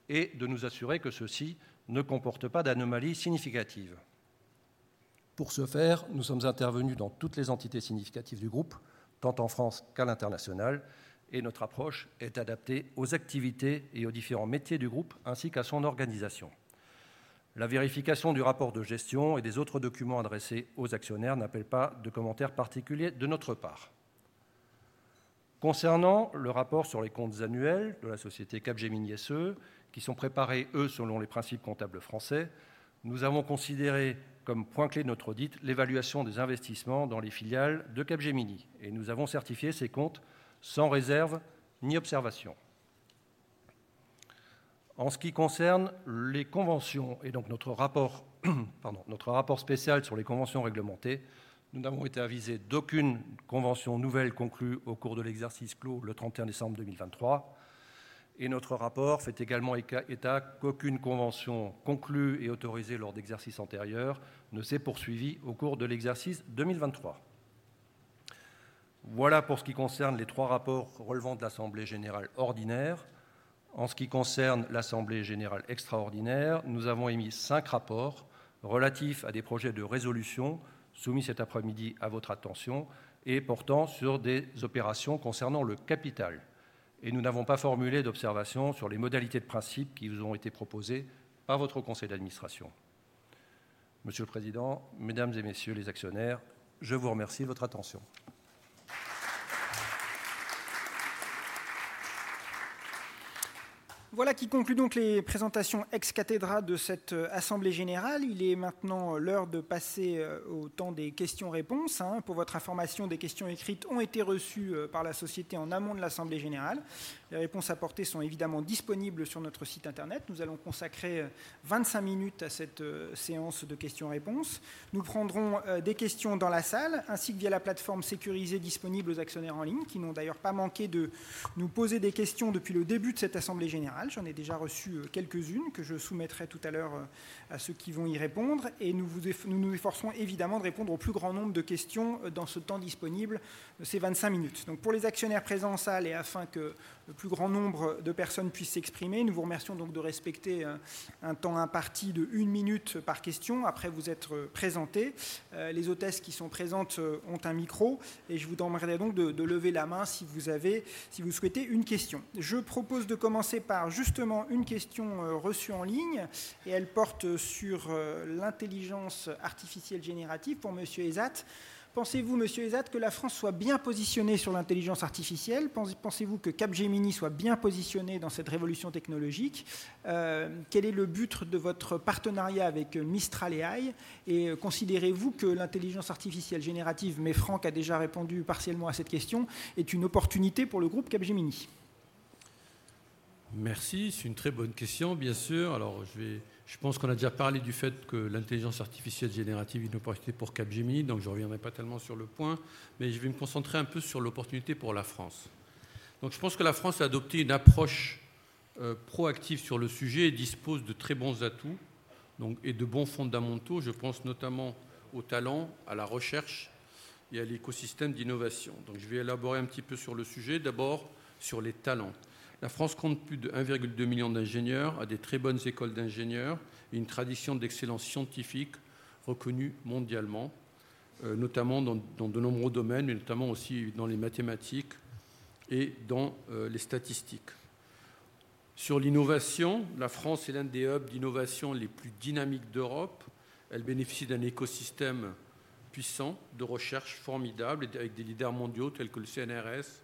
et de nous assurer que ceux-ci ne comportent pas d'anomalies significatives. Pour ce faire, nous sommes intervenus dans toutes les entités significatives du groupe, tant en France qu'à l'international, et notre approche est adaptée aux activités et aux différents métiers du groupe ainsi qu'à son organisation. La vérification du rapport de gestion et des autres documents adressés aux actionnaires n'appelle pas de commentaires particuliers de notre part. Concernant le rapport sur les comptes annuels de la société Capgemini SE, qui sont préparés selon les principes comptables français, nous avons considéré comme point clé de notre audit l'évaluation des investissements dans les filiales de Capgemini et nous avons certifié ces comptes sans réserve ni observation. En ce qui concerne les conventions et notre rapport spécial sur les conventions réglementées, nous n'avons été avisés d'aucune convention nouvelle conclue au cours de l'exercice clos le 31 décembre 2023. Notre rapport fait également état qu'aucune convention conclue et autorisée lors d'exercices antérieurs ne s'est poursuivie au cours de l'exercice 2023. Voilà pour ce qui concerne les trois rapports relevant de l'Assemblée générale ordinaire. En ce qui concerne l'Assemblée générale extraordinaire, nous avons émis cinq rapports relatifs à des projets de résolution soumis cet après-midi à votre attention et portant sur des opérations concernant le capital. Et nous n'avons pas formulé d'observations sur les modalités de principe qui vous ont été proposées par votre conseil d'administration. Monsieur le Président, Mesdames et Messieurs les actionnaires, je vous remercie de votre attention. Voilà qui conclut donc les présentations ex cathedra de cette assemblée générale. Il est maintenant l'heure de passer au temps des questions-réponses. Pour votre information, des questions écrites ont été reçues par la société en amont de l'Assemblée générale. Les réponses apportées sont évidemment disponibles sur notre site Internet. Nous allons consacrer vingt-cinq minutes à cette séance de questions-réponses. Nous prendrons des questions dans la salle ainsi que via la plateforme sécurisée disponible aux actionnaires en ligne, qui n'ont d'ailleurs pas manqué de nous poser des questions depuis le début de cette assemblée générale. J'en ai déjà reçu quelques-unes que je soumettrai tout à l'heure à ceux qui vont y répondre. Nous nous efforçons évidemment de répondre au plus grand nombre de questions dans ce temps disponible, ces vingt-cinq minutes. Donc, pour les actionnaires présents en salle et afin que le plus grand nombre de personnes puissent s'exprimer, nous vous remercions donc de respecter un temps imparti de une minute par question après vous être présenté. Les hôtesses qui sont présentes ont un micro et je vous demanderais donc de lever la main si vous souhaitez poser une question. Je propose de commencer par justement une question reçue en ligne et elle porte sur l'intelligence artificielle générative pour Monsieur Ezat. Pensez-vous, Monsieur Ezat, que la France soit bien positionnée sur l'intelligence artificielle? Pensez-vous que Capgemini soit bien positionnée dans cette révolution technologique? Quel est le but de votre partenariat avec Mistral AI? Et considérez-vous que l'intelligence artificielle générative, mais Franck a déjà répondu partiellement à cette question, est une opportunité pour le groupe Capgemini? Merci, c'est une très bonne question, bien sûr. Alors, je vais, je pense qu'on a déjà parlé du fait que l'intelligence artificielle générative est une opportunité pour Capgemini, donc je ne reviendrai pas tellement sur le point, mais je vais me concentrer un peu sur l'opportunité pour la France. Donc, je pense que la France a adopté une approche proactive sur le sujet et dispose de très bons atouts, donc, et de bons fondamentaux. Je pense notamment au talent, à la recherche et à l'écosystème d'innovation. Donc, je vais élaborer un petit peu sur le sujet. D'abord, sur les talents. La France compte plus de 1,2 million d'ingénieurs, a des très bonnes écoles d'ingénieurs et une tradition d'excellence scientifique reconnue mondialement, notamment dans de nombreux domaines, et notamment aussi dans les mathématiques et dans les statistiques. Sur l'innovation, la France est l'un des hubs d'innovation les plus dynamiques d'Europe. Elle bénéficie d'un écosystème puissant, de recherches formidables, avec des leaders mondiaux tels que le CNRS,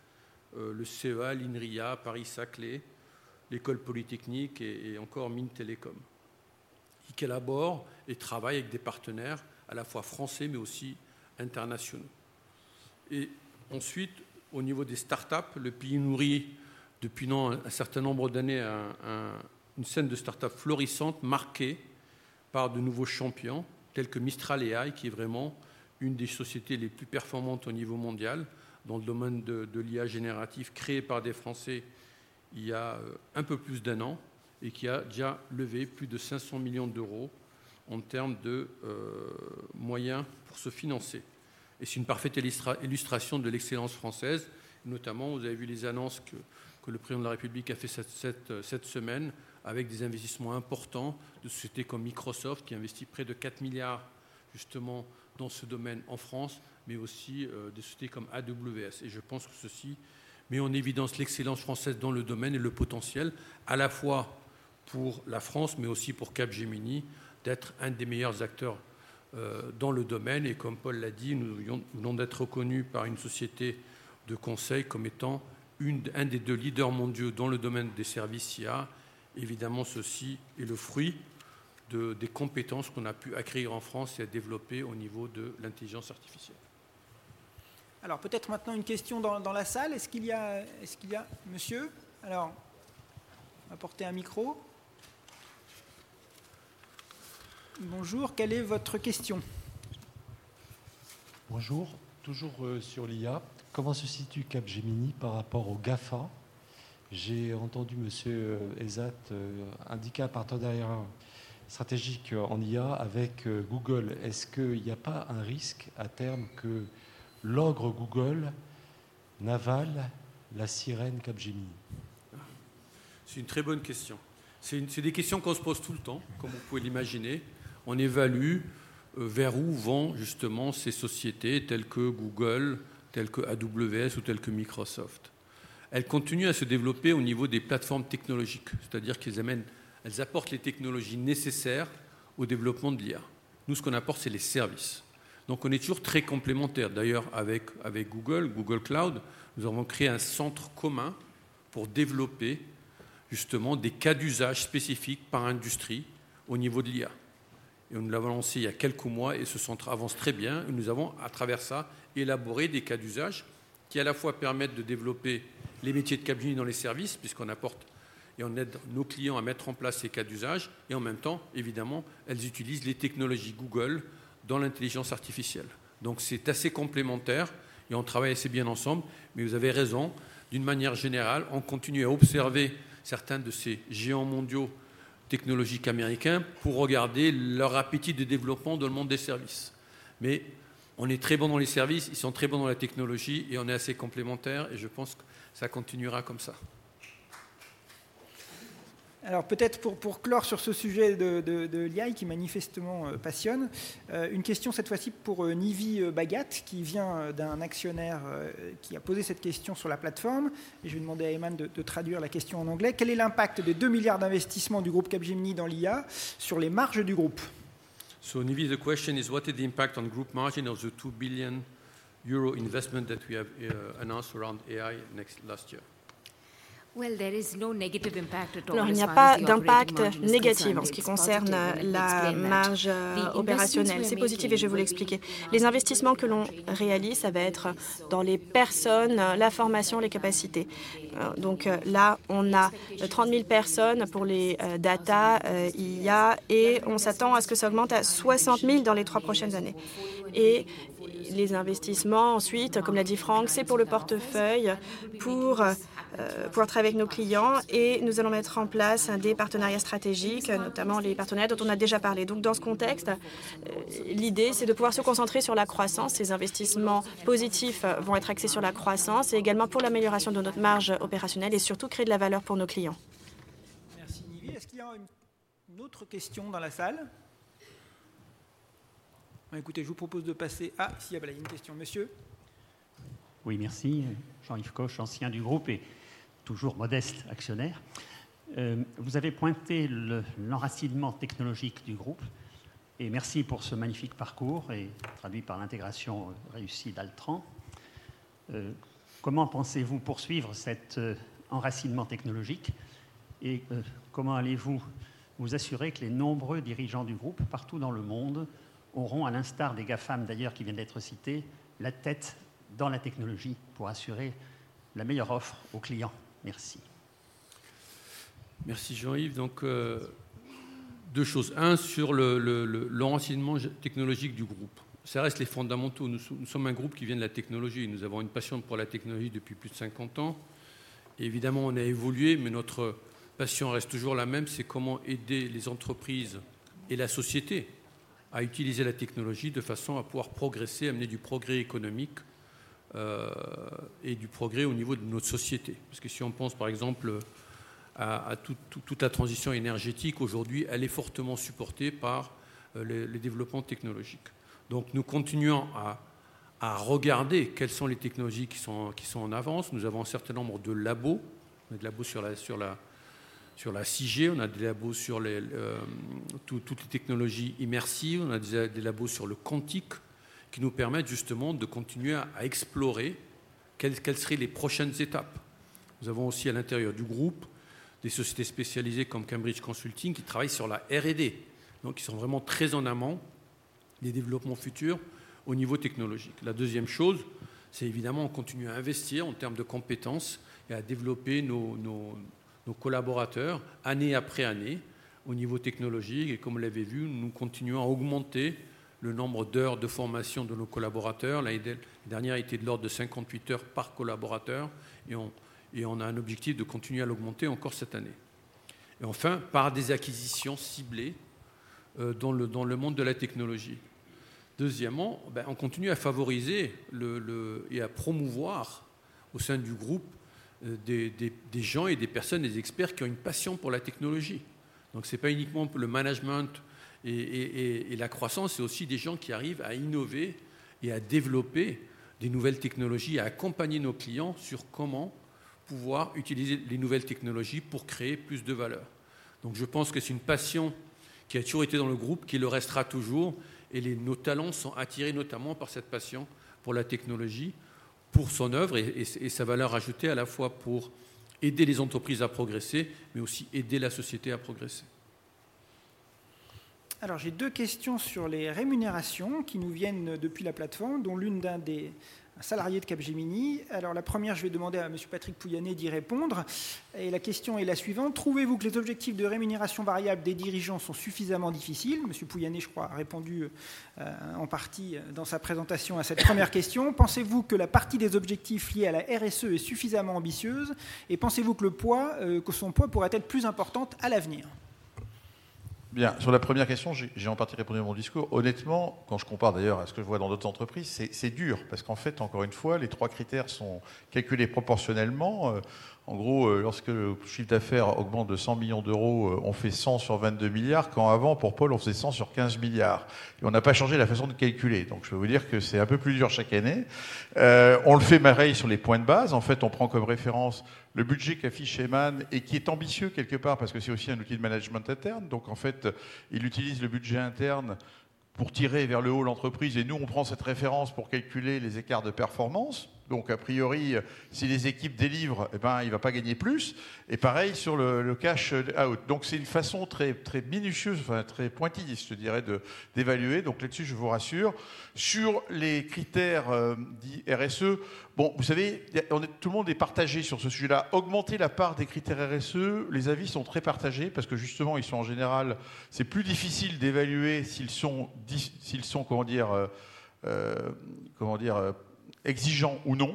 le CEA, l'INRIA, Paris-Saclay, l'École polytechnique et encore Mines Télécom, qui collaborent et travaillent avec des partenaires à la fois français, mais aussi internationaux. Au niveau des start-up, le pays nourrit depuis maintenant un certain nombre d'années une scène de start-up florissante marquée par de nouveaux champions tels que Mistral AI, qui est vraiment une des sociétés les plus performantes au niveau mondial dans le domaine de l'IA générative, créée par des Français il y a un peu plus d'un an, et qui a déjà levé plus de 500 millions d'euros en termes de moyens pour se financer. C'est une parfaite illustration de l'excellence française. Notamment, vous avez vu les annonces que le président de la République a fait cette semaine, avec des investissements importants de sociétés comme Microsoft, qui investit près de quatre milliards justement dans ce domaine en France, mais aussi des sociétés comme AWS. Et je pense que ceci met en évidence l'excellence française dans le domaine et le potentiel, à la fois pour la France, mais aussi pour Capgemini, d'être un des meilleurs acteurs dans le domaine. Et comme Paul l'a dit, nous venons d'être reconnus par une société de conseil comme étant un des deux leaders mondiaux dans le domaine des services IA. Évidemment, ceci est le fruit des compétences qu'on a pu acquérir en France et développer au niveau de l'intelligence artificielle. Alors, peut-être maintenant une question dans la salle. Est-ce qu'il y a...? Monsieur. Alors, on va porter un micro. Bonjour, quelle est votre question? Bonjour. Toujours sur l'IA, comment se situe Capgemini par rapport aux GAFA? J'ai entendu Monsieur Ezzat indiquer un partenariat stratégique en IA avec Google. Est-ce qu'il n'y a pas un risque à terme que l'ogre Google n'avale la sirène Capgemini? C'est une très bonne question. C'est des questions qu'on se pose tout le temps, comme vous pouvez l'imaginer. On évalue vers où vont justement ces sociétés telles que Google, telles que AWS ou telles que Microsoft. Elles continuent à se développer au niveau des plateformes technologiques, c'est-à-dire qu'elles amènent, elles apportent les technologies nécessaires au développement de l'IA. Nous, ce qu'on apporte, c'est les services. Donc, on est toujours très complémentaires. D'ailleurs, avec Google, Google Cloud, nous avons créé un centre commun pour développer justement des cas d'usage spécifiques par industrie au niveau de l'IA. On l'a annoncé il y a quelques mois et ce centre avance très bien. Nous avons, à travers ça, élaboré des cas d'usage qui à la fois permettent de développer les métiers de Capgemini dans les services, puisqu'on apporte et on aide nos clients à mettre en place ces cas d'usage, et en même temps, évidemment, elles utilisent les technologies Google dans l'intelligence artificielle. Donc c'est assez complémentaire et on travaille assez bien ensemble. Mais vous avez raison, d'une manière générale, on continue à observer certains de ces géants mondiaux technologiques américains pour regarder leur appétit de développement dans le monde des services. Mais on est très bon dans les services, ils sont très bons dans la technologie et on est assez complémentaires et je pense que ça continuera comme ça. Alors peut-être pour clore sur ce sujet de l'IA, qui manifestement passionne, une question cette fois-ci pour Nivi Bhagat, qui vient d'un actionnaire qui a posé cette question sur la plateforme. Je vais demander à Emmanuel de traduire la question en anglais: Quel est l'impact des deux milliards d'investissements du groupe Capgemini dans l'IA sur les marges du groupe? Non, il n'y a pas d'impact négatif en ce qui concerne la marge opérationnelle. C'est positif et je vais vous l'expliquer. Les investissements que l'on réalise, ça va être dans les personnes, la formation, les capacités. Donc là, on a 30 000 personnes pour les data, IA, et on s'attend à ce que ça augmente à 60 000 dans les trois prochaines années. Et les investissements, ensuite, comme l'a dit Franck, c'est pour le portefeuille, pour travailler avec nos clients. Et nous allons mettre en place des partenariats stratégiques, notamment les partenariats dont on a déjà parlé. Donc, dans ce contexte, l'idée, c'est de pouvoir se concentrer sur la croissance. Ces investissements positifs vont être axés sur la croissance et également pour l'amélioration de notre marge opérationnelle et surtout créer de la valeur pour nos clients. Merci Nivi. Est-ce qu'il y a une autre question dans la salle? Écoutez, je vous propose de passer à... S'il y a bien une question, monsieur. Oui, merci. Jean-Yves Koch, ancien du groupe et toujours modeste actionnaire. Vous avez pointé l'enracinement technologique du groupe et merci pour ce magnifique parcours, traduit par l'intégration réussie d'Altran. Comment pensez-vous poursuivre cet enracinement technologique? Et comment allez-vous vous assurer que les nombreux dirigeants du groupe, partout dans le monde, auront, à l'instar des GAFAM, d'ailleurs, qui viennent d'être cités, la tête dans la technologie pour assurer la meilleure offre aux clients? Merci. Merci Jean-Yves. Donc, deux choses. Un, sur le renseignement technologique du groupe. Ça reste les fondamentaux. Nous sommes un groupe qui vient de la technologie. Nous avons une passion pour la technologie depuis plus de cinquante ans. Évidemment, on a évolué, mais notre passion reste toujours la même, c'est comment aider les entreprises et la société à utiliser la technologie de façon à pouvoir progresser, amener du progrès économique et du progrès au niveau de notre société. Parce que si on pense, par exemple, à toute la transition énergétique, aujourd'hui, elle est fortement supportée par les développements technologiques. Donc, nous continuons à regarder quelles sont les technologies qui sont en avance. Nous avons un certain nombre de labos. On a des labos sur la 6G, on a des labos sur les toutes les technologies immersives, on a des labos sur le quantique, qui nous permettent justement de continuer à explorer quelles seraient les prochaines étapes. Nous avons aussi, à l'intérieur du groupe, des sociétés spécialisées comme Cambridge Consulting, qui travaillent sur la R&D. Donc ils sont vraiment très en amont des développements futurs au niveau technologique. La deuxième chose, c'est évidemment continuer à investir en termes de compétences et à développer nos collaborateurs, année après année, au niveau technologique. Et comme vous l'avez vu, nous continuons à augmenter le nombre d'heures de formation de nos collaborateurs. L'année dernière était de l'ordre de cinquante-huit heures par collaborateur et on a un objectif de continuer à l'augmenter encore cette année. Et enfin, par des acquisitions ciblées dans le monde de la technologie. Deuxièmement, on continue à favoriser et à promouvoir au sein du groupe des gens et des personnes, des experts qui ont une passion pour la technologie. Donc, ce n'est pas uniquement le management et la croissance, c'est aussi des gens qui arrivent à innover et à développer des nouvelles technologies, à accompagner nos clients sur comment pouvoir utiliser les nouvelles technologies pour créer plus de valeur. Donc, je pense que c'est une passion qui a toujours été dans le groupe, qui le restera toujours et nos talents sont attirés notamment par cette passion pour la technologie, pour son œuvre et sa valeur ajoutée, à la fois pour aider les entreprises à progresser, mais aussi aider la société à progresser. Alors, j'ai deux questions sur les rémunérations qui nous viennent depuis la plateforme, dont l'une d'un des salariés de Capgemini. La première, je vais demander à Monsieur Patrick Pouyanné d'y répondre. La question est la suivante: Trouvez-vous que les objectifs de rémunération variable des dirigeants sont suffisamment difficiles? Monsieur Pouyanné, je crois, a répondu en partie dans sa présentation à cette première question. Pensez-vous que la partie des objectifs liés à la RSE est suffisamment ambitieuse? Pensez-vous que le poids pourra être plus important à l'avenir? Bien. Sur la première question, j'ai en partie répondu dans mon discours. Honnêtement, quand je compare d'ailleurs à ce que je vois dans d'autres entreprises, c'est dur. Parce qu'en fait, encore une fois, les trois critères sont calculés proportionnellement. En gros, lorsque le chiffre d'affaires augmente de €100 millions, on fait 100 sur €22 milliards, quand avant, pour Paul, on faisait 100 sur €15 milliards. On n'a pas changé la façon de calculer. Donc, je peux vous dire que c'est un peu plus dur chaque année. On le fait pareil sur les points de base. En fait, on prend comme référence le budget qu'affiche Eman et qui est ambitieux quelque part, parce que c'est aussi un outil de management interne. Donc en fait, il utilise le budget interne pour tirer vers le haut l'entreprise et nous, on prend cette référence pour calculer les écarts de performance. Donc, a priori, si les équipes délivrent, eh bien, il ne va pas gagner plus. Et pareil sur le cash out. Donc, c'est une façon très, très minutieuse, enfin très pointilleuse, je te dirais, d'évaluer. Donc, là-dessus, je vous rassure. Sur les critères dits RSE, bon, vous savez, tout le monde est partagé sur ce sujet-là. Augmenter la part des critères RSE, les avis sont très partagés parce que justement, ils sont en général... C'est plus difficile d'évaluer s'ils sont, s'ils sont, comment dire, exigeants ou non.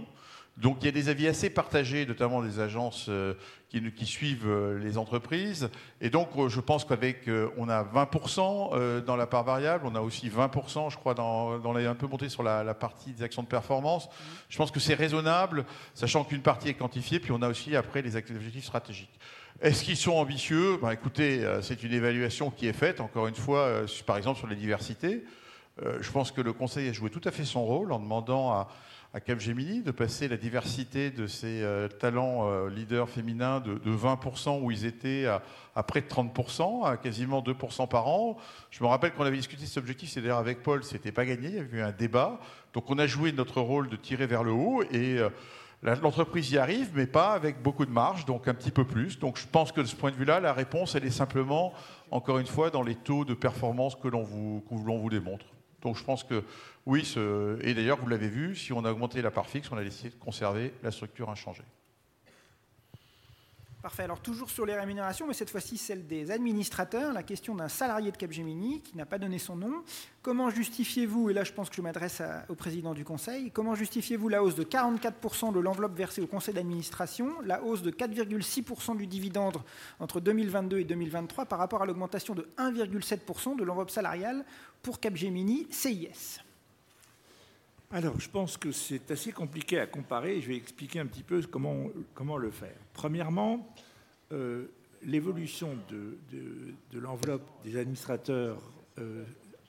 Donc, il y a des avis assez partagés, notamment des agences qui nous, qui suivent les entreprises. Et donc, je pense qu'avec, on a 20% dans la part variable. On a aussi 20%, je crois, dans, dans les, un peu monté sur la partie des actions de performance. Je pense que c'est raisonnable, sachant qu'une partie est quantifiée, puis on a aussi après les actes objectifs stratégiques. Est-ce qu'ils sont ambitieux? Écoutez, c'est une évaluation qui est faite, encore une fois, par exemple, sur la diversité. Je pense que le conseil a joué tout à fait son rôle en demandant à Capgemini de passer la diversité de ses talents, leaders féminins, de 20%, où ils étaient, à près de 30%, à quasiment 2% par an. Je me rappelle qu'on avait discuté de cet objectif, c'est-à-dire avec Paul, ce n'était pas gagné, il y avait eu un débat. Donc on a joué notre rôle de tirer vers le haut et l'entreprise y arrive, mais pas avec beaucoup de marge, donc un petit peu plus. Donc je pense que de ce point de vue-là, la réponse, elle est simplement, encore une fois, dans les taux de performance que l'on vous démontre. Donc, je pense que oui, ce... Et d'ailleurs, vous l'avez vu, si on a augmenté la part fixe, on a décidé de conserver la structure inchangée. Parfait. Alors, toujours sur les rémunérations, mais cette fois-ci, celles des administrateurs. La question d'un salarié de Capgemini, qui n'a pas donné son nom: Comment justifiez-vous, et là, je pense que je m'adresse au président du conseil, comment justifiez-vous la hausse de 44% de l'enveloppe versée au conseil d'administration, la hausse de 4,6% du dividende entre 2022 et 2023 par rapport à l'augmentation de 1,7% de l'enveloppe salariale pour Capgemini CIS? Alors, je pense que c'est assez compliqué à comparer. Je vais expliquer un petit peu comment le faire. Premièrement, l'évolution de l'enveloppe des administrateurs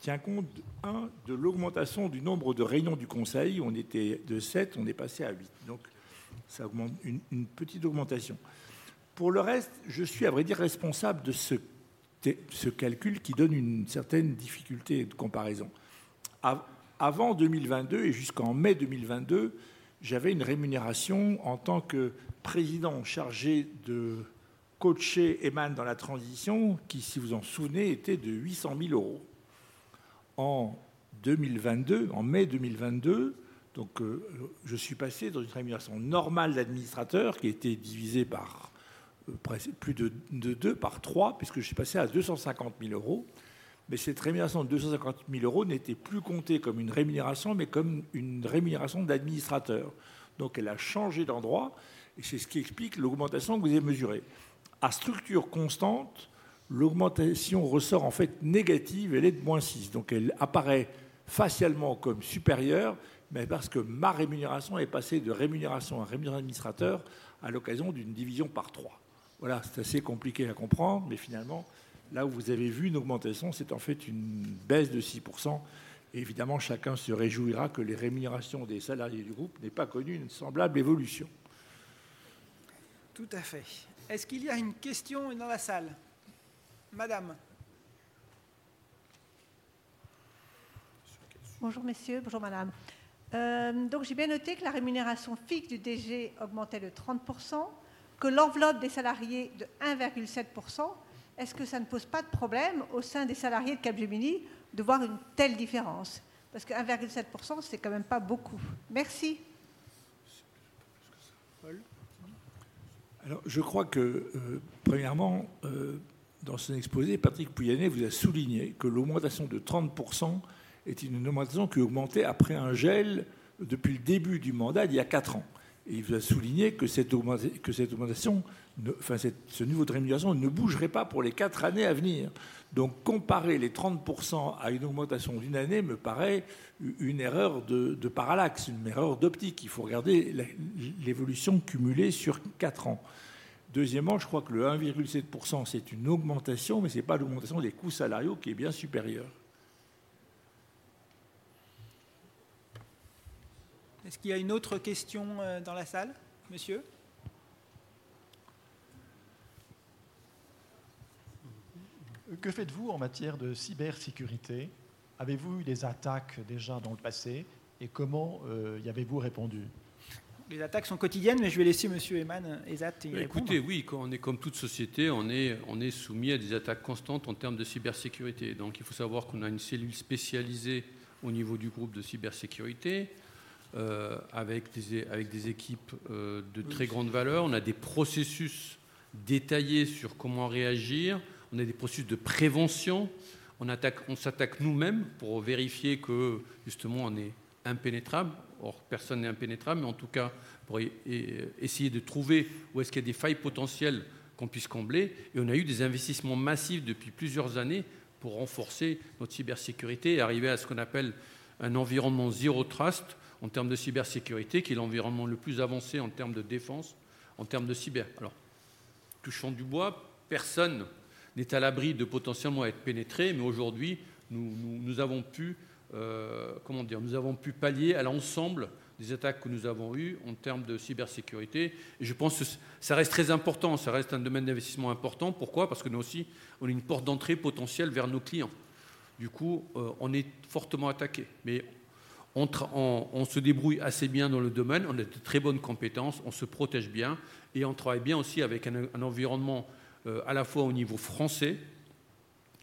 tient compte, un, de l'augmentation du nombre de réunions du conseil. On était de sept, on est passé à huit. Donc, ça augmente, une petite augmentation. Pour le reste, je suis, à vrai dire, responsable de ce qui- Ce calcul qui donne une certaine difficulté de comparaison. Avant 2022 et jusqu'en mai 2022, j'avais une rémunération en tant que président chargé de coacher Eman dans la transition, qui, si vous vous en souvenez, était de 800 000 €. En 2022, en mai 2022, donc, je suis passé dans une rémunération normale d'administrateur, qui était divisée par presque plus de deux, par trois, puisque je suis passé à 250 000 €. Mais cette rémunération de 250 000 € n'était plus comptée comme une rémunération, mais comme une rémunération d'administrateur. Donc elle a changé d'endroit, et c'est ce qui explique l'augmentation que vous avez mesurée. À structure constante, l'augmentation ressort en fait négative, elle est de moins 6%. Donc elle apparaît facialement comme supérieure, mais parce que ma rémunération est passée de rémunération à rémunération d'administrateur à l'occasion d'une division par trois. Voilà, c'est assez compliqué à comprendre, mais finalement, là où vous avez vu une augmentation, c'est en fait une baisse de 6%. Évidemment, chacun se réjouira que les rémunérations des salariés du groupe n'aient pas connu une semblable évolution. Tout à fait. Est-ce qu'il y a une question dans la salle? Madame. Bonjour messieurs, bonjour madame. J'ai bien noté que la rémunération fixe du DG augmentait de 30%, que l'enveloppe des salariés de 1,7%. Est-ce que ça ne pose pas de problème au sein des salariés de Capgemini de voir une telle différence? Parce que 1,7%, ce n'est quand même pas beaucoup. Merci. Alors, je crois que, premièrement, dans son exposé, Patrick Pouyanné vous a souligné que l'augmentation de 30% est une augmentation qui a augmenté après un gel depuis le début du mandat, il y a quatre ans. Il vous a souligné que cette augmentation, que cette augmentation, enfin, ce niveau de rémunération ne bougerait pas pour les quatre années à venir. Donc, comparer les 30% à une augmentation d'une année me paraît une erreur de parallaxe, une erreur d'optique. Il faut regarder l'évolution cumulée sur quatre ans. Deuxièmement, je crois que le 1,7%, c'est une augmentation, mais ce n'est pas l'augmentation des coûts salariaux, qui est bien supérieure. Est-ce qu'il y a une autre question dans la salle, monsieur? Que faites-vous en matière de cybersécurité? Avez-vous eu des attaques déjà dans le passé et comment y avez-vous répondu? Les attaques sont quotidiennes, mais je vais laisser monsieur Eman Ezat y répondre. Écoutez, oui, comme toute société, on est soumis à des attaques constantes en termes de cybersécurité. Donc, il faut savoir qu'on a une cellule spécialisée au niveau du groupe de cybersécurité, avec des équipes de très grande valeur. On a des processus détaillés sur comment réagir. On a des processus de prévention. On s'attaque nous-mêmes pour vérifier que, justement, on est impénétrable. Or, personne n'est impénétrable, mais en tout cas, pour essayer de trouver où est-ce qu'il y a des failles potentielles qu'on puisse combler. On a eu des investissements massifs depuis plusieurs années pour renforcer notre cybersécurité et arriver à ce qu'on appelle un environnement zero trust en termes de cybersécurité, qui est l'environnement le plus avancé en termes de défense, en termes de cyber. Alors, touchons du bois, personne n'est à l'abri de potentiellement être pénétré, mais aujourd'hui, nous avons pu pallier à l'ensemble des attaques que nous avons eues en termes de cybersécurité. Je pense que ça reste très important, ça reste un domaine d'investissement important. Pourquoi? Parce que nous aussi, on est une porte d'entrée potentielle vers nos clients. Du coup, on est fortement attaqué, mais on se débrouille assez bien dans le domaine, on a de très bonnes compétences, on se protège bien et on travaille bien aussi avec un environnement à la fois au niveau français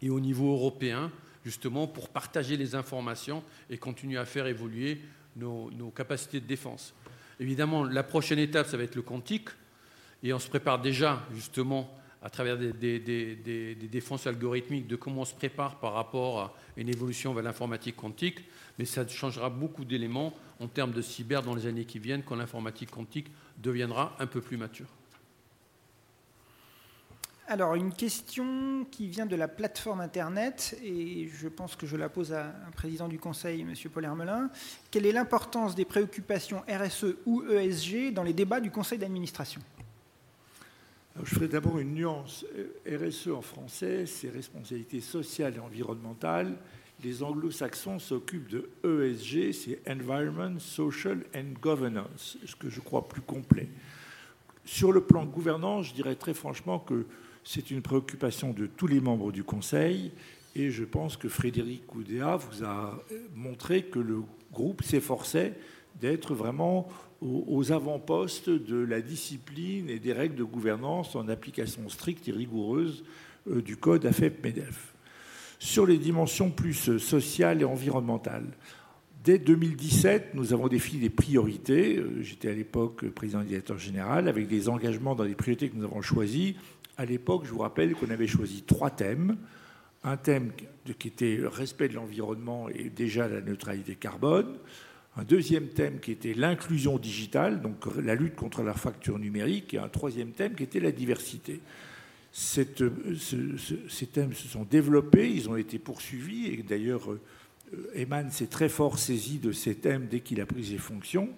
et au niveau européen, justement pour partager les informations et continuer à faire évoluer nos capacités de défense. Évidemment, la prochaine étape, ça va être le quantique et on se prépare déjà, justement, à travers des défenses algorithmiques, de comment on se prépare par rapport à une évolution vers l'informatique quantique. Mais ça changera beaucoup d'éléments en termes de cyber dans les années qui viennent, quand l'informatique quantique deviendra un peu plus mature. Alors, une question qui vient de la plateforme Internet, et je pense que je la pose à un Président du Conseil, Monsieur Paul Hermelin: quelle est l'importance des préoccupations RSE ou ESG dans les débats du conseil d'administration? Je ferai d'abord une nuance. RSE, en français, c'est Responsabilité Sociale et Environnementale. Les Anglo-Saxons s'occupent de ESG, c'est Environment, Social and Governance, ce que je crois plus complet. Sur le plan gouvernance, je dirais très franchement que c'est une préoccupation de tous les membres du conseil et je pense que Frédéric Goudéa vous a montré que le groupe s'efforçait d'être vraiment aux avant-postes de la discipline et des règles de gouvernance en application stricte et rigoureuse du code AFEP-MEDEF. Sur les dimensions plus sociales et environnementales, dès 2017, nous avons défini des priorités. J'étais à l'époque Président Directeur Général, avec des engagements dans les priorités que nous avons choisies. À l'époque, je vous rappelle qu'on avait choisi trois thèmes. Un thème qui était le respect de l'environnement et déjà la neutralité carbone. Un deuxième thème qui était l'inclusion digitale, donc la lutte contre la fracture numérique et un troisième thème qui était la diversité. Ces thèmes se sont développés, ils ont été poursuivis. D'ailleurs, Eman s'est très fort saisi de ces thèmes dès qu'il a pris ses fonctions.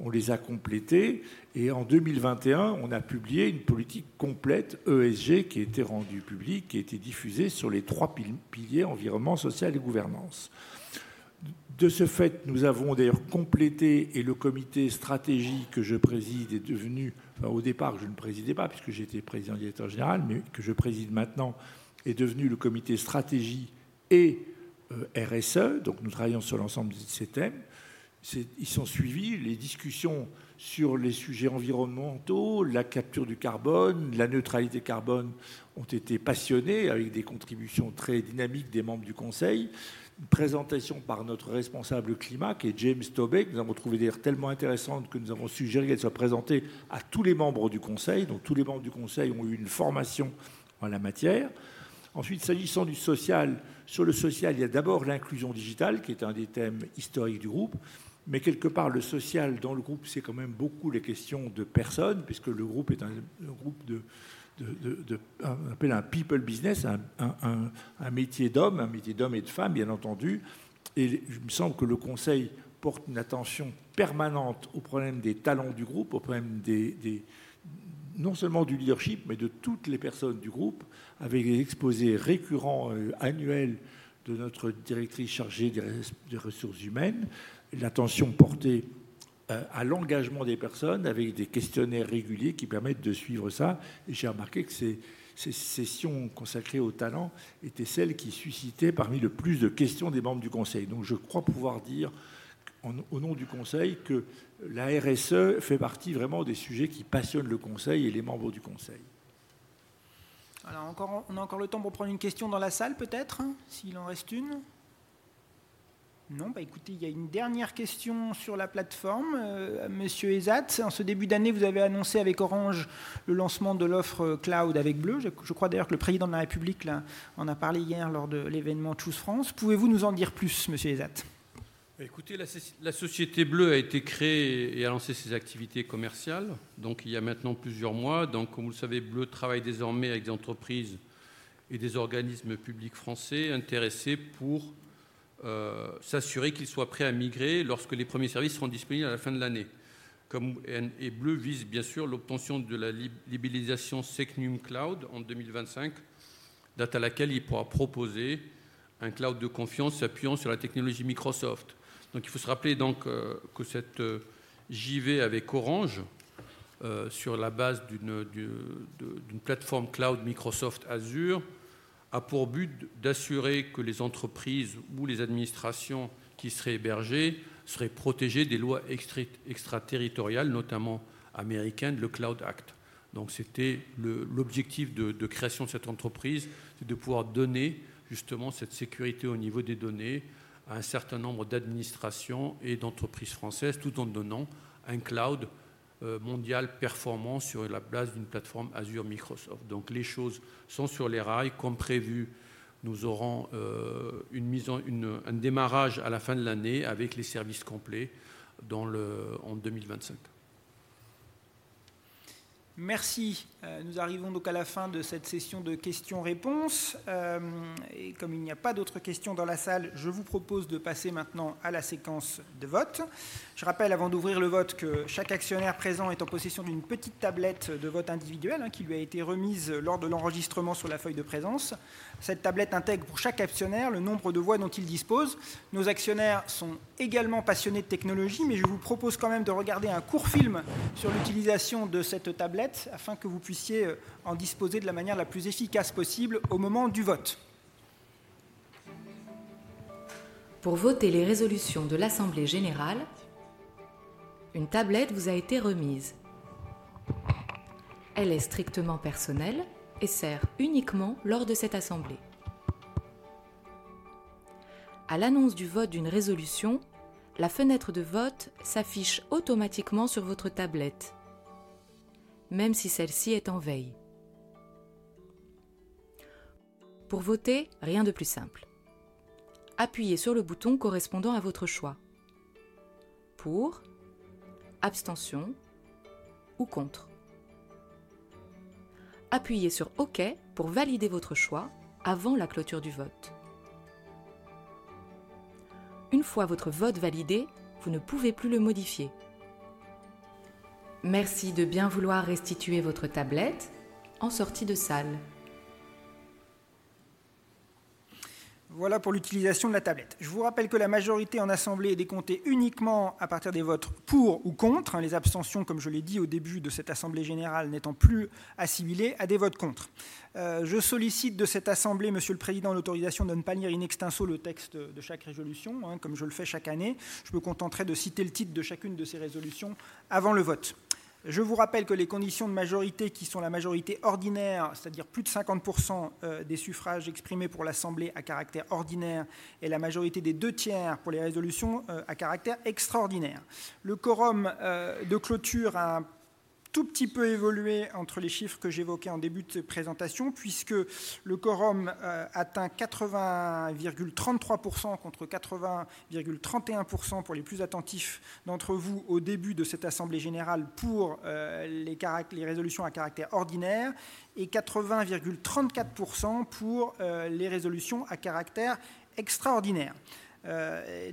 On les a complétés et en 2021, on a publié une politique complète ESG, qui était rendue publique, qui a été diffusée sur les trois piliers: environnement, social et gouvernance. De ce fait, nous avons d'ailleurs complété, et le comité stratégie que je préside est devenu, enfin, au départ, je ne présidais pas, puisque j'étais Président-Directeur Général, mais que je préside maintenant, est devenu le comité Stratégie et RSE. Donc, nous travaillons sur l'ensemble de ces thèmes. C'est, y sont suivis les discussions sur les sujets environnementaux, la capture du carbone, la neutralité carbone ont été passionnées, avec des contributions très dynamiques des membres du conseil. Une présentation par notre responsable climat, qui est James Tobey, que nous avons trouvée d'ailleurs tellement intéressante que nous avons suggéré qu'elle soit présentée à tous les membres du conseil. Donc, tous les membres du conseil ont eu une formation en la matière. Ensuite, s'agissant du social, sur le social, il y a d'abord l'inclusion digitale, qui est un des thèmes historiques du groupe. Mais quelque part, le social dans le groupe, c'est quand même beaucoup les questions de personnes, puisque le groupe est un groupe de, de, de, on appelle un people business, un, un, un métier d'homme, un métier d'homme et de femme, bien entendu. Et il me semble que le conseil porte une attention permanente aux problèmes des talents du groupe, aux problèmes non seulement du leadership, mais de toutes les personnes du groupe, avec des exposés récurrents annuels de notre directrice chargée des ressources humaines. L'attention portée à l'engagement des personnes, avec des questionnaires réguliers qui permettent de suivre ça. Et j'ai remarqué que ces sessions consacrées aux talents étaient celles qui suscitaient parmi le plus de questions des membres du conseil. Donc, je crois pouvoir dire, au nom du conseil, que la RSE fait partie vraiment des sujets qui passionnent le conseil et les membres du conseil. Alors, encore, on a encore le temps pour prendre une question dans la salle, peut-être, s'il en reste une? Non, bah écoutez, il y a une dernière question sur la plateforme. Monsieur Ezat, en ce début d'année, vous avez annoncé avec Orange le lancement de l'offre Cloud avec Bleu. Je crois d'ailleurs que le Président de la République en a parlé hier lors de l'événement Choose France. Pouvez-vous nous en dire plus, Monsieur Ezat? Écoutez, la société Bleu a été créée et a lancé ses activités commerciales, donc il y a maintenant plusieurs mois. Donc, comme vous le savez, Bleu travaille désormais avec des entreprises et des organismes publics français intéressés pour s'assurer qu'ils soient prêts à migrer lorsque les premiers services seront disponibles à la fin de l'année. Bleu vise bien sûr l'obtention de la labellisation SecNumCloud en 2025, date à laquelle il pourra proposer un cloud de confiance s'appuyant sur la technologie Microsoft. Donc il faut se rappeler que cette joint-venture avec Orange, sur la base d'une plateforme cloud Microsoft Azure, a pour but d'assurer que les entreprises ou les administrations qui seraient hébergées seraient protégées des lois extraterritoriales, notamment américaines, le Cloud Act. Donc, c'était l'objectif de création de cette entreprise, c'est de pouvoir donner justement cette sécurité au niveau des données à un certain nombre d'administrations et d'entreprises françaises, tout en donnant un cloud mondial performant sur la base d'une plateforme Azure Microsoft. Donc, les choses sont sur les rails comme prévu. Nous aurons une mise en service, un démarrage à la fin de l'année avec les services complets en 2025. Merci. Nous arrivons donc à la fin de cette session de questions-réponses et comme il n'y a pas d'autres questions dans la salle, je vous propose de passer maintenant à la séquence de vote. Je rappelle, avant d'ouvrir le vote, que chaque actionnaire présent est en possession d'une petite tablette de vote individuelle qui lui a été remise lors de l'enregistrement sur la feuille de présence. Cette tablette intègre, pour chaque actionnaire, le nombre de voix dont il dispose. Nos actionnaires sont également passionnés de technologie, mais je vous propose quand même de regarder un court film sur l'utilisation de cette tablette afin que vous puissiez en disposer de la manière la plus efficace possible au moment du vote. Pour voter les résolutions de l'Assemblée générale, une tablette vous a été remise. Elle est strictement personnelle et sert uniquement lors de cette assemblée. À l'annonce du vote d'une résolution, la fenêtre de vote s'affiche automatiquement sur votre tablette, même si celle-ci est en veille. Pour voter, rien de plus simple: appuyez sur le bouton correspondant à votre choix. Pour, abstention ou contre. Appuyez sur OK pour valider votre choix avant la clôture du vote. Une fois votre vote validé, vous ne pouvez plus le modifier. Merci de bien vouloir restituer votre tablette en sortie de salle. Voilà pour l'utilisation de la tablette. Je vous rappelle que la majorité en assemblée est décomptée uniquement à partir des votes pour ou contre. Les abstentions, comme je l'ai dit au début de cette assemblée générale, n'étant plus assimilées à des votes contre. Je sollicite de cette assemblée, Monsieur le Président, l'autorisation de ne pas lire in extenso le texte de chaque résolution, comme je le fais chaque année. Je me contenterai de citer le titre de chacune de ces résolutions avant le vote. Je vous rappelle que les conditions de majorité, qui sont la majorité ordinaire, c'est-à-dire plus de 50% des suffrages exprimés pour l'Assemblée à caractère ordinaire et la majorité des deux tiers pour les résolutions à caractère extraordinaire. Le quorum de clôture a un tout petit peu évolué entre les chiffres que j'évoquais en début de présentation, puisque le quorum atteint 80,33% contre 80,31% pour les plus attentifs d'entre vous au début de cette assemblée générale pour les résolutions à caractère ordinaire et 80,34% pour les résolutions à caractère extraordinaire.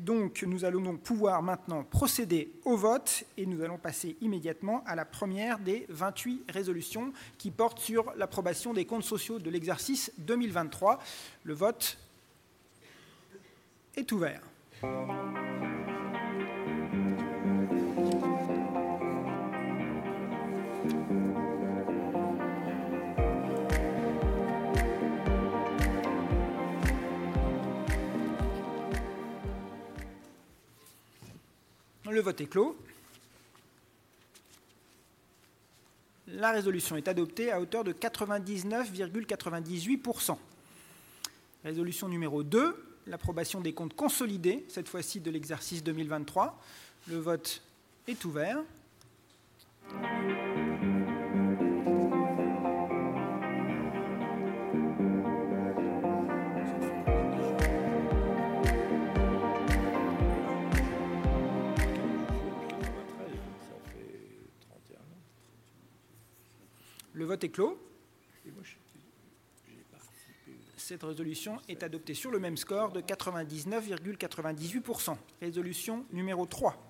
Donc, nous allons pouvoir maintenant procéder au vote et nous allons passer immédiatement à la première des vingt-huit résolutions qui portent sur l'approbation des comptes sociaux de l'exercice 2023. Le vote est ouvert. Le vote est clos. La résolution est adoptée à hauteur de 99,98%. Résolution numéro deux: l'approbation des comptes consolidés, cette fois-ci, de l'exercice 2023. Le vote est ouvert. Le vote est clos. Cette résolution est adoptée sur le même score de 99,98%. Résolution numéro trois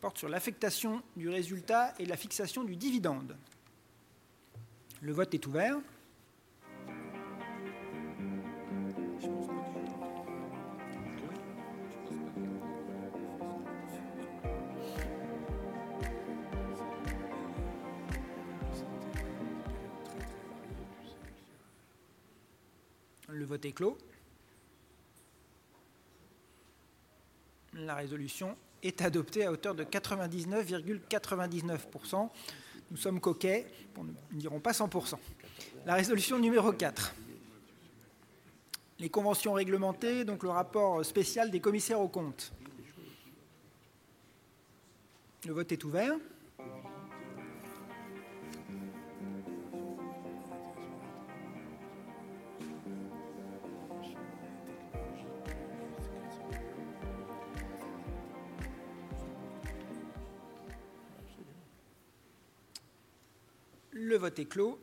porte sur l'affectation du résultat et la fixation du dividende. Le vote est ouvert. Le vote est clos. La résolution est adoptée à hauteur de 99,99%. Nous sommes coquets, nous ne dirons pas 100%. La résolution numéro quatre: les conventions réglementées, donc le rapport spécial des commissaires aux comptes. Le vote est ouvert. Le vote est clos.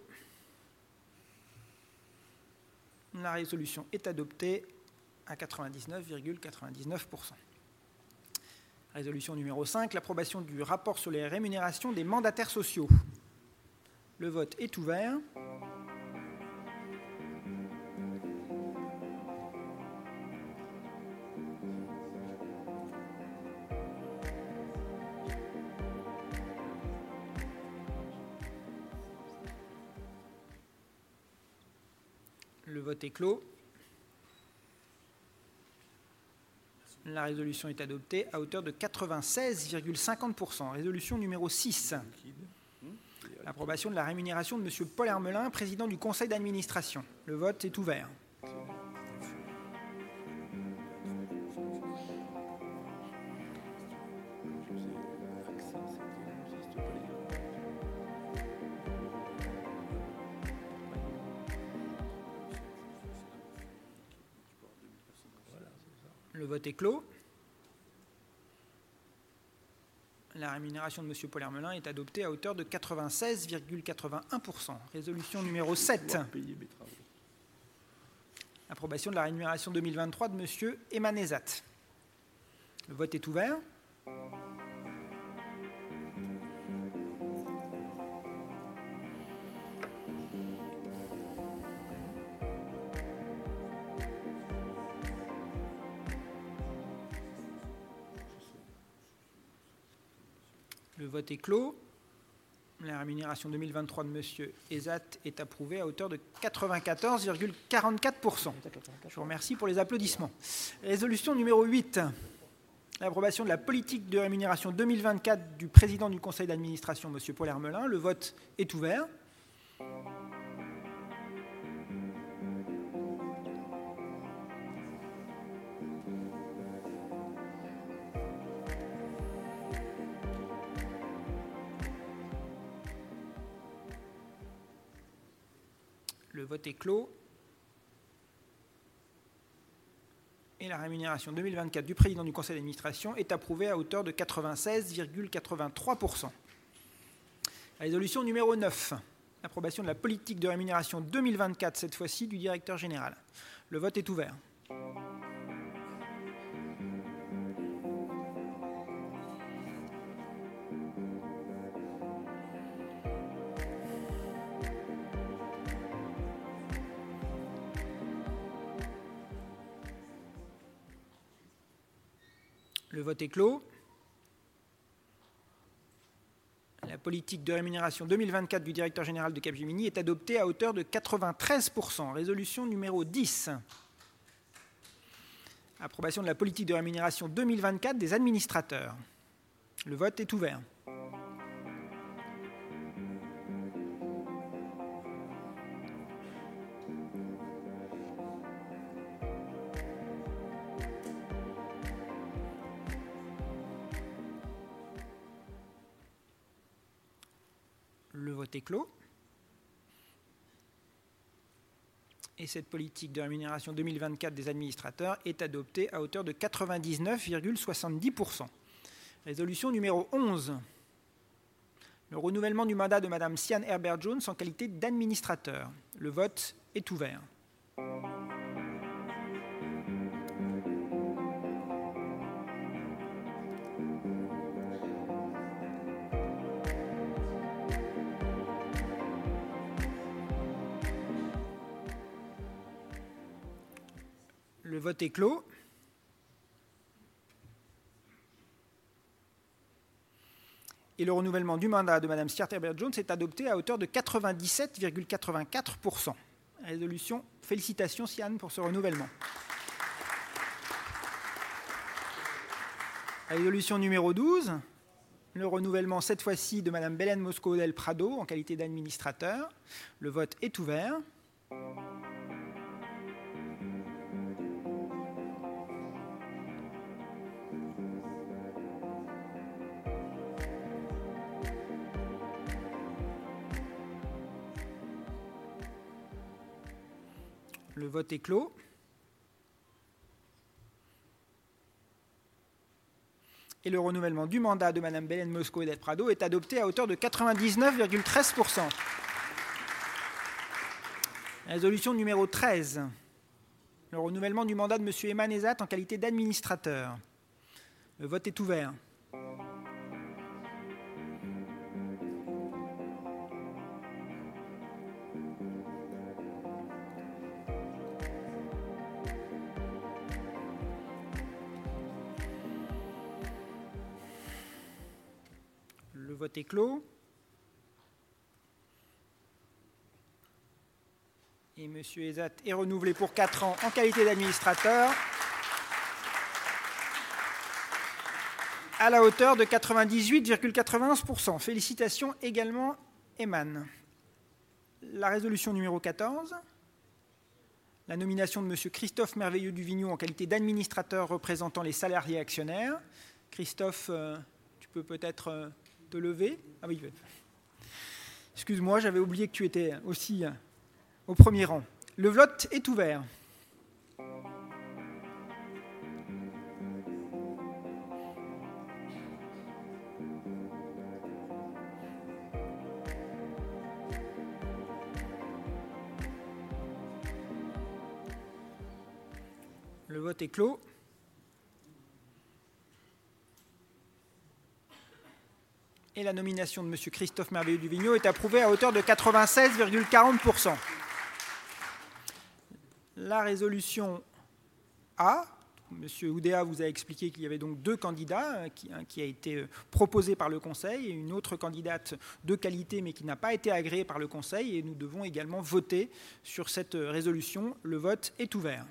La résolution est adoptée à 99,99%. Résolution numéro cinq: l'approbation du rapport sur les rémunérations des mandataires sociaux. Le vote est ouvert. Le vote est clos. La résolution est adoptée à hauteur de 96,50%. Résolution numéro six: l'approbation de la rémunération de Monsieur Paul Hermelin, Président du Conseil d'Administration. Le vote est ouvert. Le vote est clos. La rémunération de Monsieur Paul Hermelin est adoptée à hauteur de 96,81%. Résolution numéro 7: l'approbation de la rémunération 2023 de Monsieur Emanezat. Le vote est ouvert. Le vote est clos. La rémunération 2023 de Monsieur Ezat est approuvée à hauteur de 94,44%. Je vous remercie pour les applaudissements. Résolution numéro 8: l'approbation de la politique de rémunération 2024 du Président du Conseil d'Administration, Monsieur Paul Hermelin. Le vote est ouvert. Le vote est clos. La rémunération 2024 du Président du Conseil d'Administration est approuvée à hauteur de 96,83%. Résolution numéro 9: l'approbation de la politique de rémunération 2024, cette fois-ci, du Directeur Général. Le vote est ouvert. Le vote est clos. La politique de rémunération 2024 du directeur général de Capgemini est adoptée à hauteur de 93%. Résolution numéro 10: l'approbation de la politique de rémunération 2024 des administrateurs. Le vote est ouvert. Le vote est clos. Cette politique de rémunération 2024 des administrateurs est adoptée à hauteur de 99,70%. Résolution numéro 11: le renouvellement du mandat de Madame Sian Herbert Jones en qualité d'administrateur. Le vote est ouvert. Le vote est clos. Le renouvellement du mandat de Madame Sian Herbert Jones est adopté à hauteur de 97,84%. Résolution. Félicitations, Sian, pour ce renouvellement. Résolution numéro 12: le renouvellement, cette fois-ci, de Madame Belén Moscoso del Prado, en qualité d'administrateur. Le vote est ouvert. Le vote est clos. Et le renouvellement du mandat de Madame Belén Moscoso del Prado est adopté à hauteur de 99,13%. Résolution numéro treize: le renouvellement du mandat de Monsieur Eman Ezat en qualité d'administrateur. Le vote est ouvert. Le vote est clos. Monsieur Ezat est renouvelé pour quatre ans en qualité d'administrateur, à la hauteur de 98,91%. Félicitations également, Eman. La résolution numéro quatorze, la nomination de Monsieur Christophe Merveilleux-Duvigneau en qualité d'administrateur représentant les salariés actionnaires. Christophe, tu peux peut-être te lever? Oui, excuse-moi, j'avais oublié que tu étais aussi au premier rang. Le vote est ouvert. Le vote est clos. La nomination de Monsieur Christophe Merveilleux-Duvigneau est approuvée à hauteur de 96,40%. La résolution A, Monsieur Oudea vous a expliqué qu'il y avait donc deux candidats, un qui a été proposé par le Conseil et une autre candidate de qualité, mais qui n'a pas été agréée par le Conseil. Nous devons également voter sur cette résolution. Le vote est ouvert.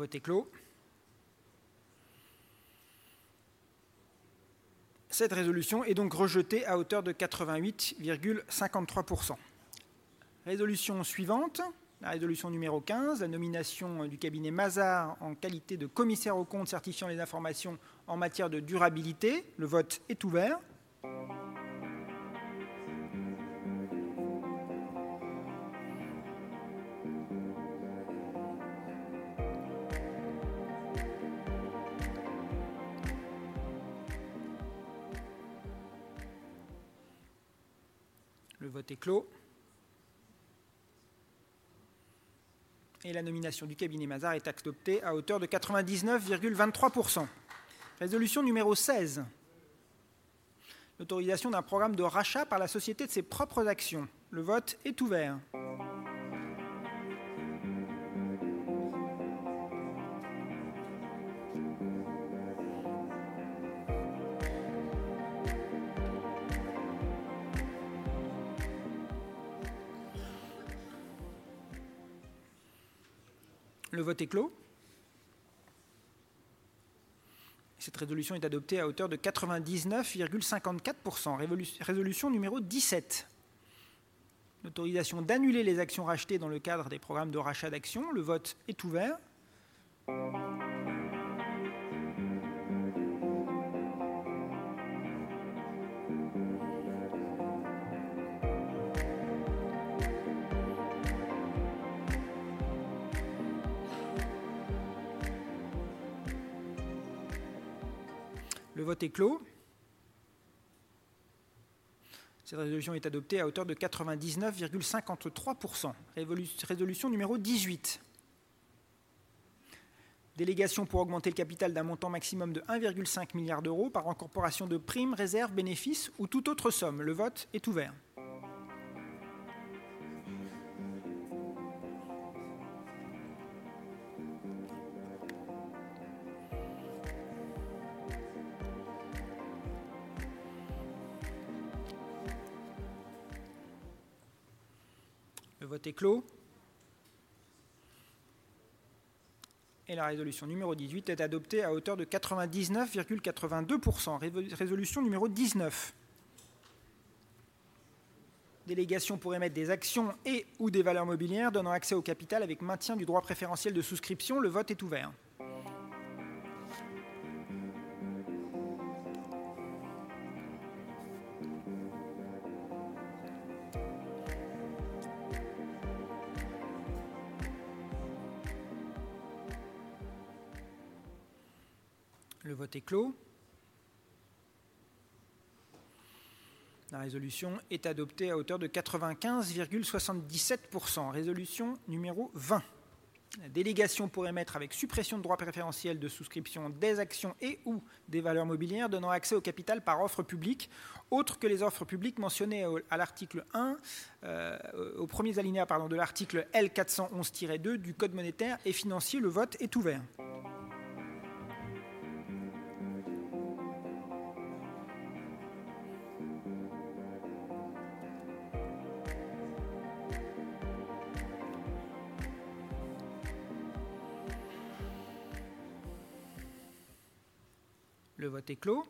Le vote est clos. Cette résolution est donc rejetée à hauteur de 88,53%. Résolution suivante, la résolution numéro quinze, la nomination du cabinet Mazars en qualité de commissaire aux comptes certifiant les informations en matière de durabilité. Le vote est ouvert. Le vote est clos. La nomination du cabinet Mazars est adoptée à hauteur de 99,23%. Résolution numéro seize: l'autorisation d'un programme de rachat par la société de ses propres actions. Le vote est ouvert. Le vote est clos. Cette résolution est adoptée à hauteur de 99,54%. Résolution numéro 17: l'autorisation d'annuler les actions rachetées dans le cadre des programmes de rachat d'actions. Le vote est ouvert. Le vote est clos. Cette résolution est adoptée à hauteur de 99,53%. Résolution numéro 18: délégation pour augmenter le capital d'un montant maximum de 1,5 milliard d'euros par incorporation de primes, réserves, bénéfices ou toute autre somme. Le vote est ouvert. Le vote est clos. La résolution numéro 18 est adoptée à hauteur de 99,82%. Résolution numéro 19: délégation pour émettre des actions et/ou des valeurs mobilières donnant accès au capital avec maintien du droit préférentiel de souscription. Le vote est ouvert. Le vote est clos. La résolution est adoptée à hauteur de 95,77%. Résolution numéro vingt: Délégation pour émettre avec suppression de droit préférentiel de souscription des actions et ou des valeurs mobilières donnant accès au capital par offre publique, autre que les offres publiques mentionnées au premier alinéa de l'article L 411-2 du Code monétaire et financier. Le vote est ouvert. Le vote est clos.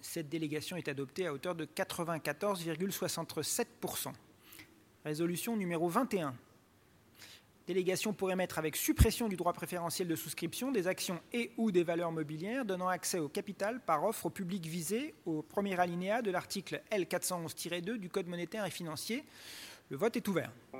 Cette délégation est adoptée à hauteur de 94,67%. Résolution numéro vingt et un: Délégation pour émettre avec suppression du droit préférentiel de souscription des actions et ou des valeurs mobilières donnant accès au capital par offre au public visé au premier alinéa de l'article L 411-2 du Code monétaire et financier. Le vote est ouvert. Le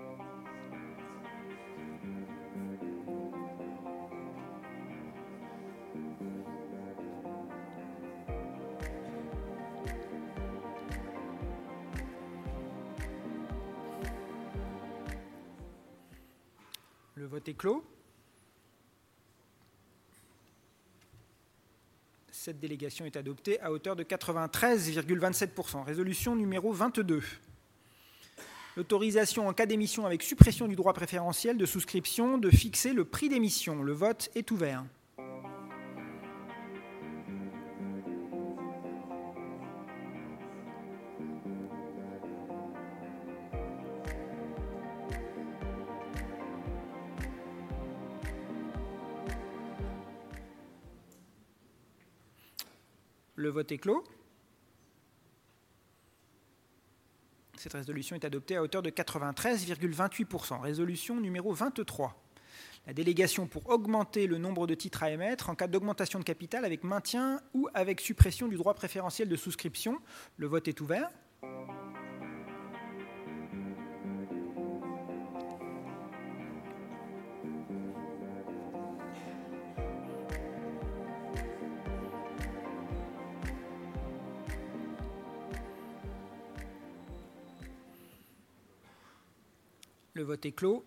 vote est clos. Cette délégation est adoptée à hauteur de 93,27%. Résolution numéro vingt-deux: l'autorisation en cas d'émission avec suppression du droit préférentiel de souscription, de fixer le prix d'émission. Le vote est ouvert. Le vote est clos. Cette résolution est adoptée à hauteur de 93,28%. Résolution numéro vingt-trois: la délégation pour augmenter le nombre de titres à émettre en cas d'augmentation de capital avec maintien ou avec suppression du droit préférentiel de souscription. Le vote est ouvert. Le vote est clos.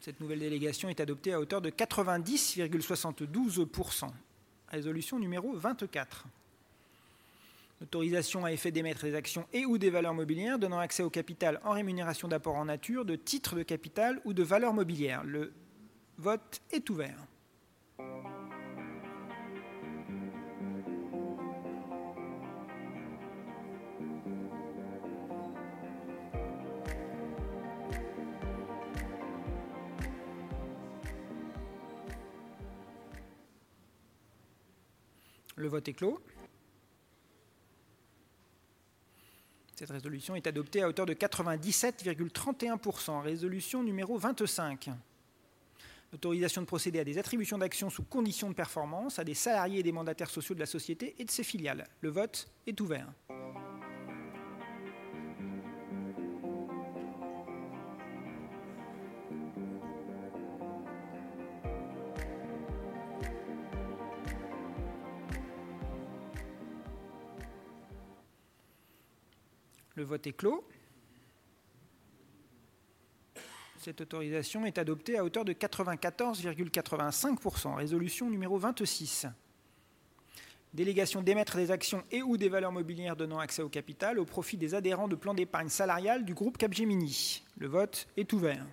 Cette nouvelle délégation est adoptée à hauteur de 90,72%. Résolution numéro vingt-quatre: l'autorisation à effet d'émettre des actions et ou des valeurs mobilières donnant accès au capital en rémunération d'apports en nature, de titres de capital ou de valeurs mobilières. Le vote est ouvert. Le vote est clos. Cette résolution est adoptée à hauteur de 97,31%. Résolution numéro 25: l'autorisation de procéder à des attributions d'actions sous conditions de performance à des salariés et des mandataires sociaux de la société et de ses filiales. Le vote est ouvert. Le vote est clos. Cette autorisation est adoptée à hauteur de 94,85%. Résolution numéro 26: délégation d'émettre des actions et ou des valeurs mobilières donnant accès au capital au profit des adhérents de plan d'épargne salariale du groupe Capgemini. Le vote est ouvert.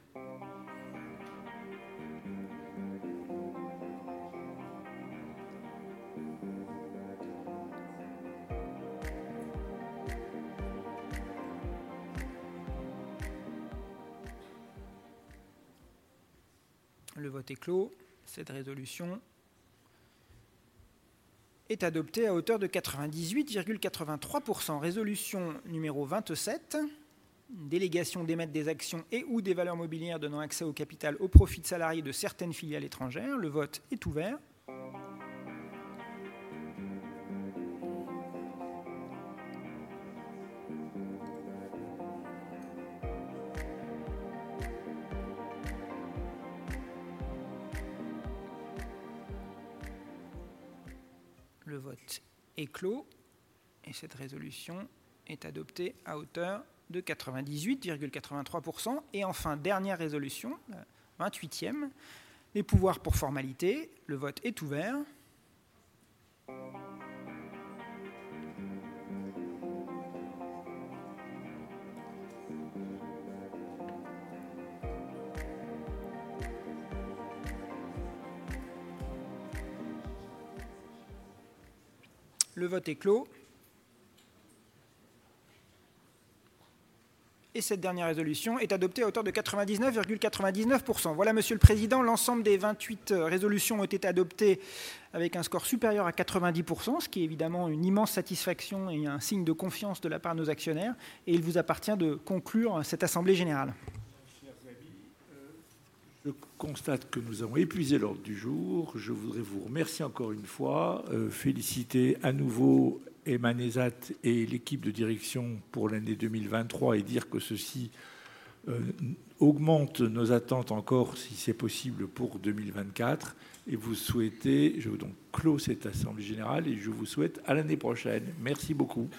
Le vote est clos. Cette résolution est adoptée à hauteur de 98,83%. Résolution numéro 27: délégation d'émettre des actions et ou des valeurs mobilières donnant accès au capital au profit de salariés de certaines filiales étrangères. Le vote est ouvert. Le vote est clos et cette résolution est adoptée à hauteur de 98,83%. Et enfin, dernière résolution, vingt-huitième, les pouvoirs pour formalités. Le vote est ouvert. Le vote est clos. Et cette dernière résolution est adoptée à hauteur de 99,99%. Voilà, Monsieur le Président, l'ensemble des vingt-huit résolutions ont été adoptées avec un score supérieur à 90%, ce qui est évidemment une immense satisfaction et un signe de confiance de la part de nos actionnaires. Et il vous appartient de conclure cette assemblée générale. Je constate que nous avons épuisé l'ordre du jour. Je voudrais vous remercier encore une fois, féliciter à nouveau Emma Nezat et l'équipe de direction pour l'année 2023 et dire que ceci augmente nos attentes encore, si c'est possible, pour 2024. Je vais donc clore cette assemblée générale et je vous souhaite à l'année prochaine. Merci beaucoup.